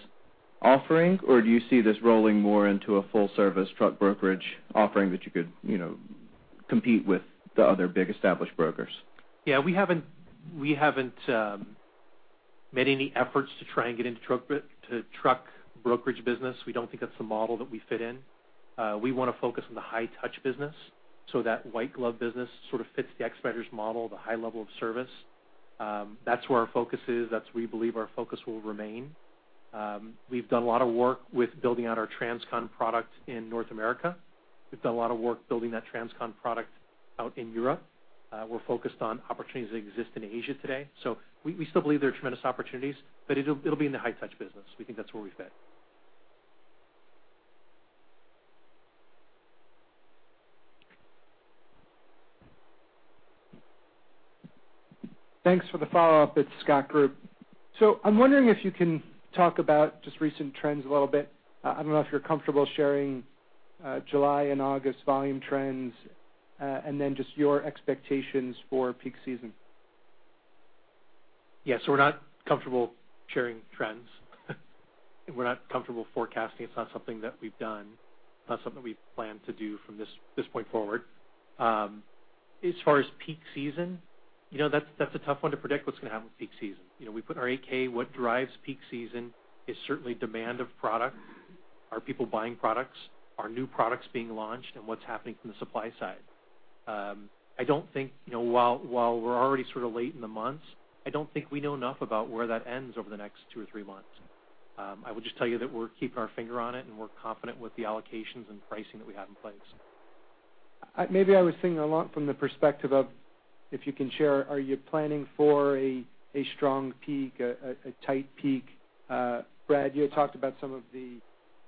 offering? Or do you see this rolling more into a full-service truck brokerage offering that you could compete with the other big established brokers? Yeah. We haven't made any efforts to try and get into truck brokerage business. We don't think that's the model that we fit in. We want to focus on the high-touch business so that white-glove business sort of fits the Expeditors model, the high level of service. That's where our focus is. That's where we believe our focus will remain. We've done a lot of work with building out our Transcon product in North America. We've done a lot of work building that Transcon product out in Europe. We're focused on opportunities that exist in Asia today. So we still believe there are tremendous opportunities. But it'll be in the high-touch business. We think that's where we fit. Thanks for the follow-up. It's Scott Group. So I'm wondering if you can talk about just recent trends a little bit. I don't know if you're comfortable sharing July and August volume trends and then just your expectations for peak season. Yeah. So we're not comfortable sharing trends. We're not comfortable forecasting. It's not something that we've done. It's not something that we plan to do from this point forward. As far as peak season, that's a tough one to predict what's going to happen with peak season. What drives peak season is certainly demand of product, are people buying products, are new products being launched, and what's happening from the supply side. I don't think while we're already sort of late in the months, I don't think we know enough about where that ends over the next two or three months. I will just tell you that we're keeping our finger on it. We're confident with the allocations and pricing that we have in place. Maybe I was thinking a lot from the perspective of if you can share, are you planning for a strong peak, a tight peak? Brad, you had talked about some of the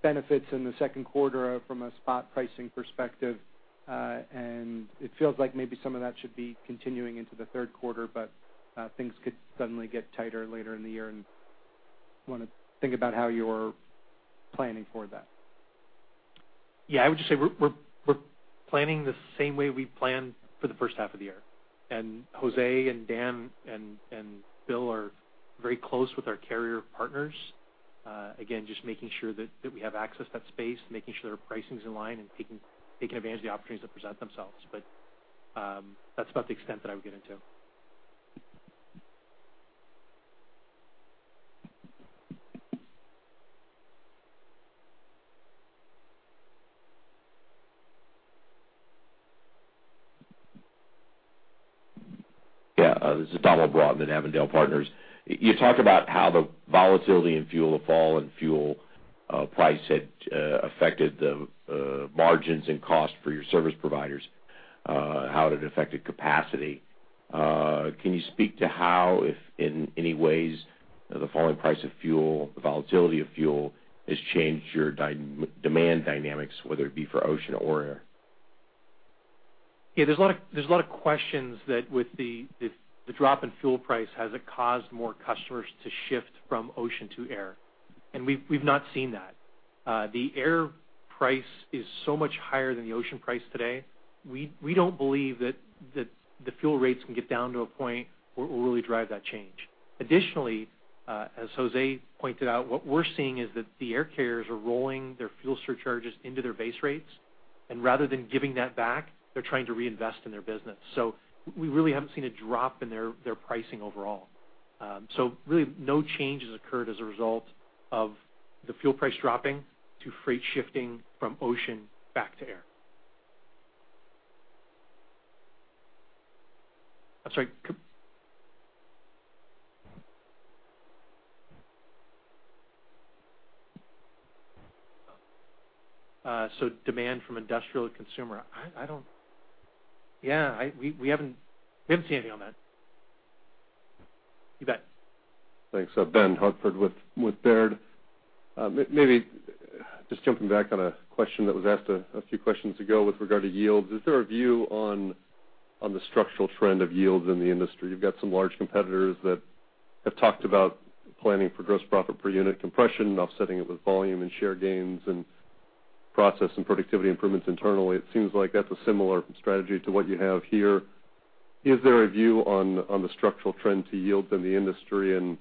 benefits in the second quarter from a spot pricing perspective. And it feels like maybe some of that should be continuing into the third quarter. But things could suddenly get tighter later in the year. And I want to think about how you're planning for that. Yeah. I would just say we're planning the same way we planned for the first half of the year. Jose and Dan and Bill are very close with our carrier partners, again, just making sure that we have access to that space, making sure that our pricing's in line, and taking advantage of the opportunities that present themselves. That's about the extent that I would get into. Yeah. This is Donald Broughton at Avondale Partners. You talked about how the volatility in fuel toll and fuel price had affected the margins and cost for your service providers, how it had affected capacity. Can you speak to how, if in any ways, the falling price of fuel, the volatility of fuel, has changed your demand dynamics, whether it be for ocean or air? Yeah. There's a lot of questions: with the drop in fuel price, has it caused more customers to shift from ocean to air? And we've not seen that. The air price is so much higher than the ocean price today. We don't believe that the fuel rates can get down to a point where it will really drive that change. Additionally, as Jose pointed out, what we're seeing is that the air carriers are rolling their fuel surcharges into their base rates. And rather than giving that back, they're trying to reinvest in their business. So we really haven't seen a drop in their pricing overall. So really, no changes occurred as a result of the fuel price dropping to freight shifting from ocean back to air. I'm sorry. So demand from industrial to consumer, I don't yeah. We haven't seen anything on that. You bet. Thanks. Benjamin Hartford with Baird. Maybe just jumping back on a question that was asked a few questions ago with regard to yields. Is there a view on the structural trend of yields in the industry? You've got some large competitors that have talked about planning for gross profit per unit, compression, offsetting it with volume and share gains, and process and productivity improvements internally. It seems like that's a similar strategy to what you have here. Is there a view on the structural trend to yields in the industry? And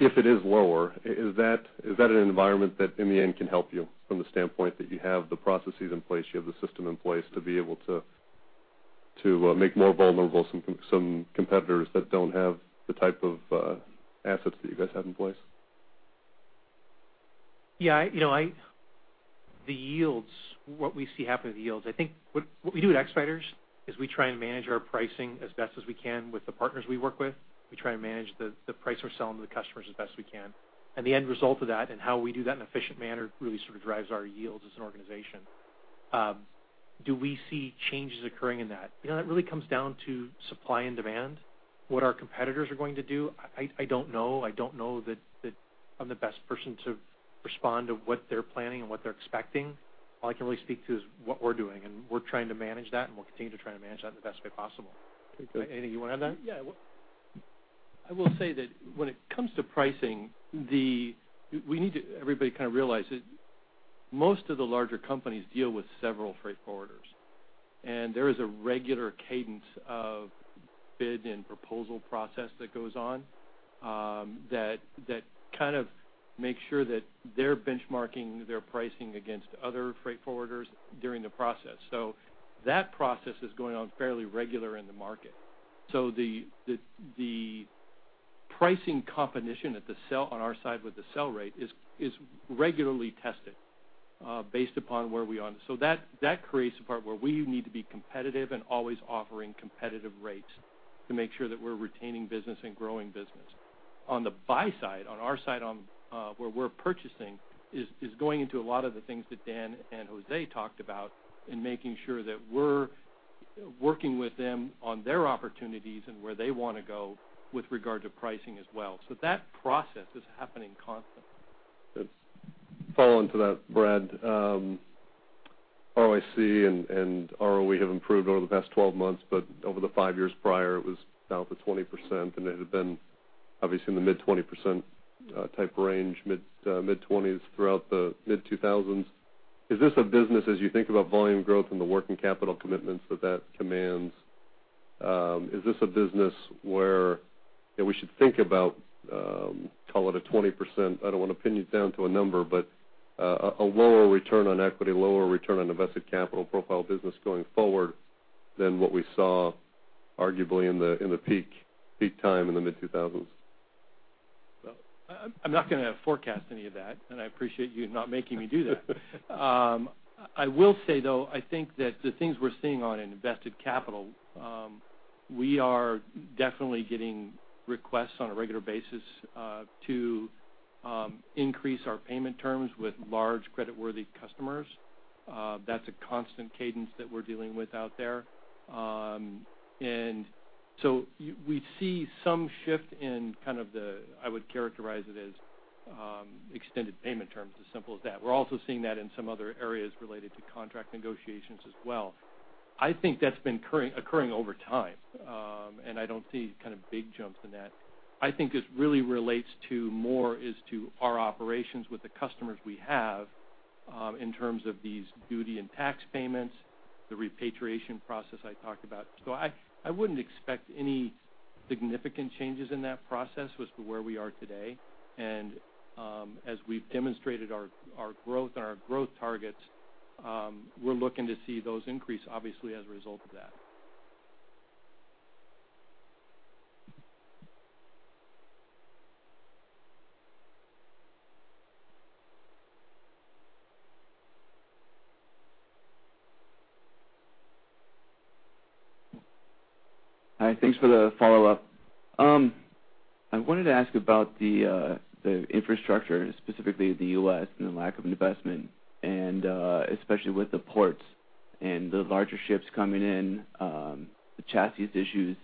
if it is lower, is that an environment that, in the end, can help you from the standpoint that you have the processes in place, you have the system in place to be able to make more vulnerable some competitors that don't have the type of assets that you guys have in place? Yeah. What we see happen with yields, I think what we do at Expeditors is we try and manage our pricing as best as we can with the partners we work with. We try and manage the price we're selling to the customers as best as we can. And the end result of that and how we do that in an efficient manner really sort of drives our yields as an organization. Do we see changes occurring in that? That really comes down to supply and demand, what our competitors are going to do. I don't know. I don't know that I'm the best person to respond to what they're planning and what they're expecting. All I can really speak to is what we're doing. And we're trying to manage that. And we'll continue to try and manage that in the best way possible. Anything you want to add to that? Yeah. I will say that when it comes to pricing, we need everybody to kind of realize that most of the larger companies deal with several freight forwarders. There is a regular cadence of bid and proposal process that goes on that kind of makes sure that they're benchmarking their pricing against other freight forwarders during the process. That process is going on fairly regular in the market. The pricing competition on our side with the sell rate is regularly tested based upon where we on so that creates the part where we need to be competitive and always offering competitive rates to make sure that we're retaining business and growing business. On the buy side, on our side, where we're purchasing is going into a lot of the things that Dan and José talked about and making sure that we're working with them on their opportunities and where they want to go with regard to pricing as well. So that process is happening constantly. That falls into that, Brad. ROIC and ROE have improved over the past 12 months. But over the five years prior, it was down to 20%. And it had been, obviously, in the mid-20% type range, mid-20s throughout the mid-2000s. Is this a business, as you think about volume growth and the working capital commitments that that commands, is this a business where we should think about, call it a 20% I don't want to pin you down to a number, but a lower return on equity, lower return on invested capital profile business going forward than what we saw, arguably, in the peak time in the mid-2000s? Well, I'm not going to forecast any of that. And I appreciate you not making me do that. I will say, though, I think that the things we're seeing on invested capital, we are definitely getting requests on a regular basis to increase our payment terms with large credit-worthy customers. That's a constant cadence that we're dealing with out there. And so we see some shift in kind of the I would characterize it as extended payment terms, as simple as that. We're also seeing that in some other areas related to contract negotiations as well. I think that's been occurring over time. And I don't see kind of big jumps in that. I think it really relates to more is to our operations with the customers we have in terms of these duty and tax payments, the repatriation process I talked about. So I wouldn't expect any significant changes in that process as to where we are today. And as we've demonstrated our growth and our growth targets, we're looking to see those increase, obviously, as a result of that. All right. Thanks for the follow-up. I wanted to ask about the infrastructure, specifically the U.S. and the lack of investment, and especially with the ports and the larger ships coming in, the chassis issues.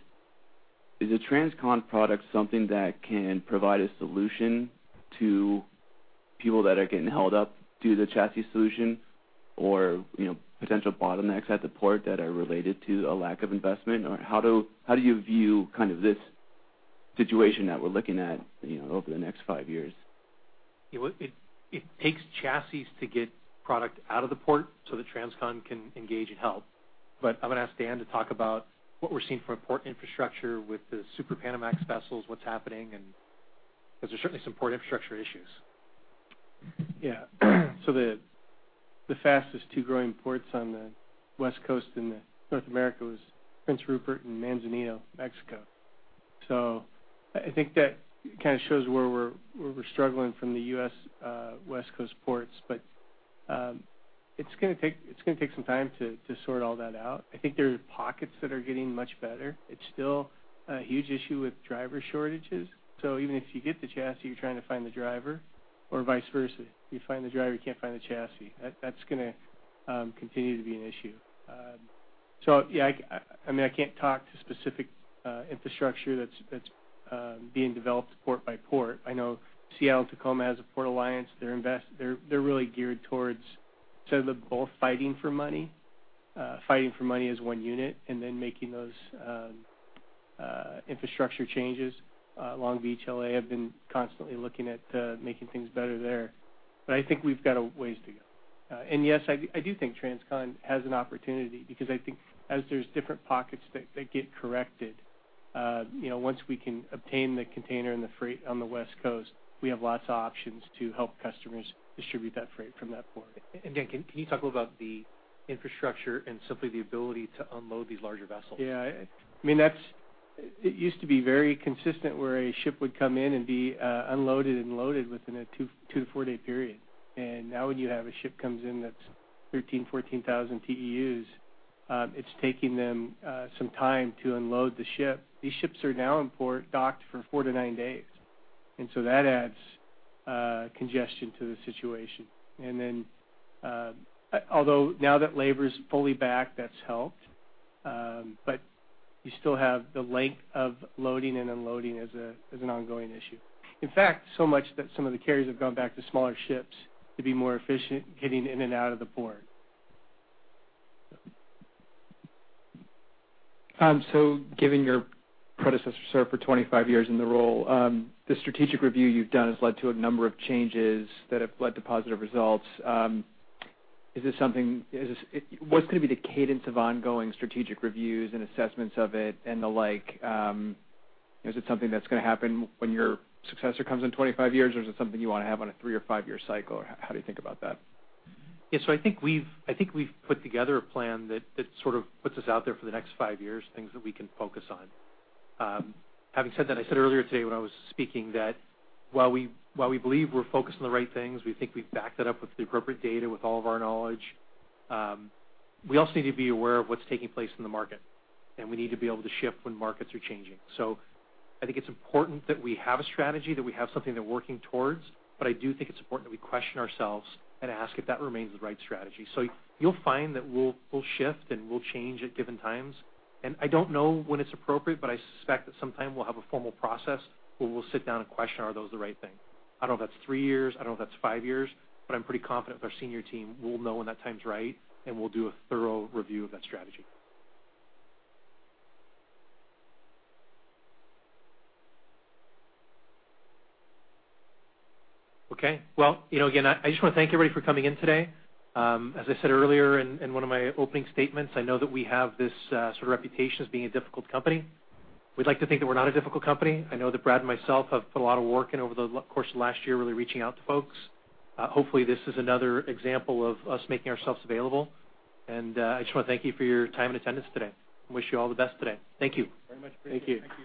Is a Transcon product something that can provide a solution to people that are getting held up due to the chassis solution or potential bottlenecks at the port that are related to a lack of investment? Or how do you view kind of this situation that we're looking at over the next five years? Yeah. It takes chassis to get product out of the port so that Transcon can engage and help. But I'm going to ask Dan to talk about what we're seeing from port infrastructure with the Super Panamax vessels, what's happening. Because there's certainly some port infrastructure issues. Yeah. So the fastest two-growing ports on the West Coast in North America were Prince Rupert and Manzanillo, Mexico. So I think that kind of shows where we're struggling from the U.S. West Coast ports. But it's going to take some time to sort all that out. I think there are pockets that are getting much better. It's still a huge issue with driver shortages. So even if you get the chassis, you're trying to find the driver. Or vice versa. You find the driver. You can't find the chassis. That's going to continue to be an issue. So yeah. I mean, I can't talk to specific infrastructure that's being developed port by port. I know Seattle-Tacoma has a port alliance. They're really geared towards sort of both fighting for money. Fighting for money as one unit and then making those infrastructure changes. Long Beach, L.A., have been constantly looking at making things better there. But I think we've got ways to go. And yes, I do think Transcon has an opportunity. Because I think as there's different pockets that get corrected, once we can obtain the container and the freight on the West Coast, we have lots of options to help customers distribute that freight from that port. Dan, can you talk a little about the infrastructure and simply the ability to unload these larger vessels? Yeah. I mean, it used to be very consistent where a ship would come in and be unloaded and loaded within a two-four-day period. And now when you have a ship that comes in that's 13,000-14,000 TEUs, it's taking them some time to unload the ship. These ships are now in port docked for four-nine days. And so that adds congestion to the situation. And then although now that labor's fully back, that's helped. But you still have the length of loading and unloading as an ongoing issue. In fact, so much that some of the carriers have gone back to smaller ships to be more efficient getting in and out of the port. So given your predecessor, sir, for 25 years in the role, the strategic review you've done has led to a number of changes that have led to positive results. Is this something? What's going to be the cadence of ongoing strategic reviews and assessments of it and the like? Is it something that's going to happen when your successor comes in 25 years? Or is it something you want to have on a three- or five-year cycle? Or how do you think about that? Yeah. So I think we've put together a plan that sort of puts us out there for the next five years, things that we can focus on. Having said that, I said earlier today when I was speaking that while we believe we're focused on the right things, we think we've backed it up with the appropriate data, with all of our knowledge, we also need to be aware of what's taking place in the market. We need to be able to shift when markets are changing. I think it's important that we have a strategy, that we have something that we're working towards. I do think it's important that we question ourselves and ask if that remains the right strategy. You'll find that we'll shift and we'll change at given times. I don't know when it's appropriate. I suspect that sometime we'll have a formal process where we'll sit down and question, "Are those the right thing?" I don't know if that's three years. I don't know if that's five years. But I'm pretty confident with our senior team, we'll know when that time's right. And we'll do a thorough review of that strategy. Okay. Well, again, I just want to thank everybody for coming in today. As I said earlier in one of my opening statements, I know that we have this sort of reputation as being a difficult company. We'd like to think that we're not a difficult company. I know that Brad and myself have put a lot of work in over the course of last year really reaching out to folks. Hopefully, this is another example of us making ourselves available. And I just want to thank you for your time and attendance today. I wish you all the best today. Thank you. Very much. Appreciate it. Thank you.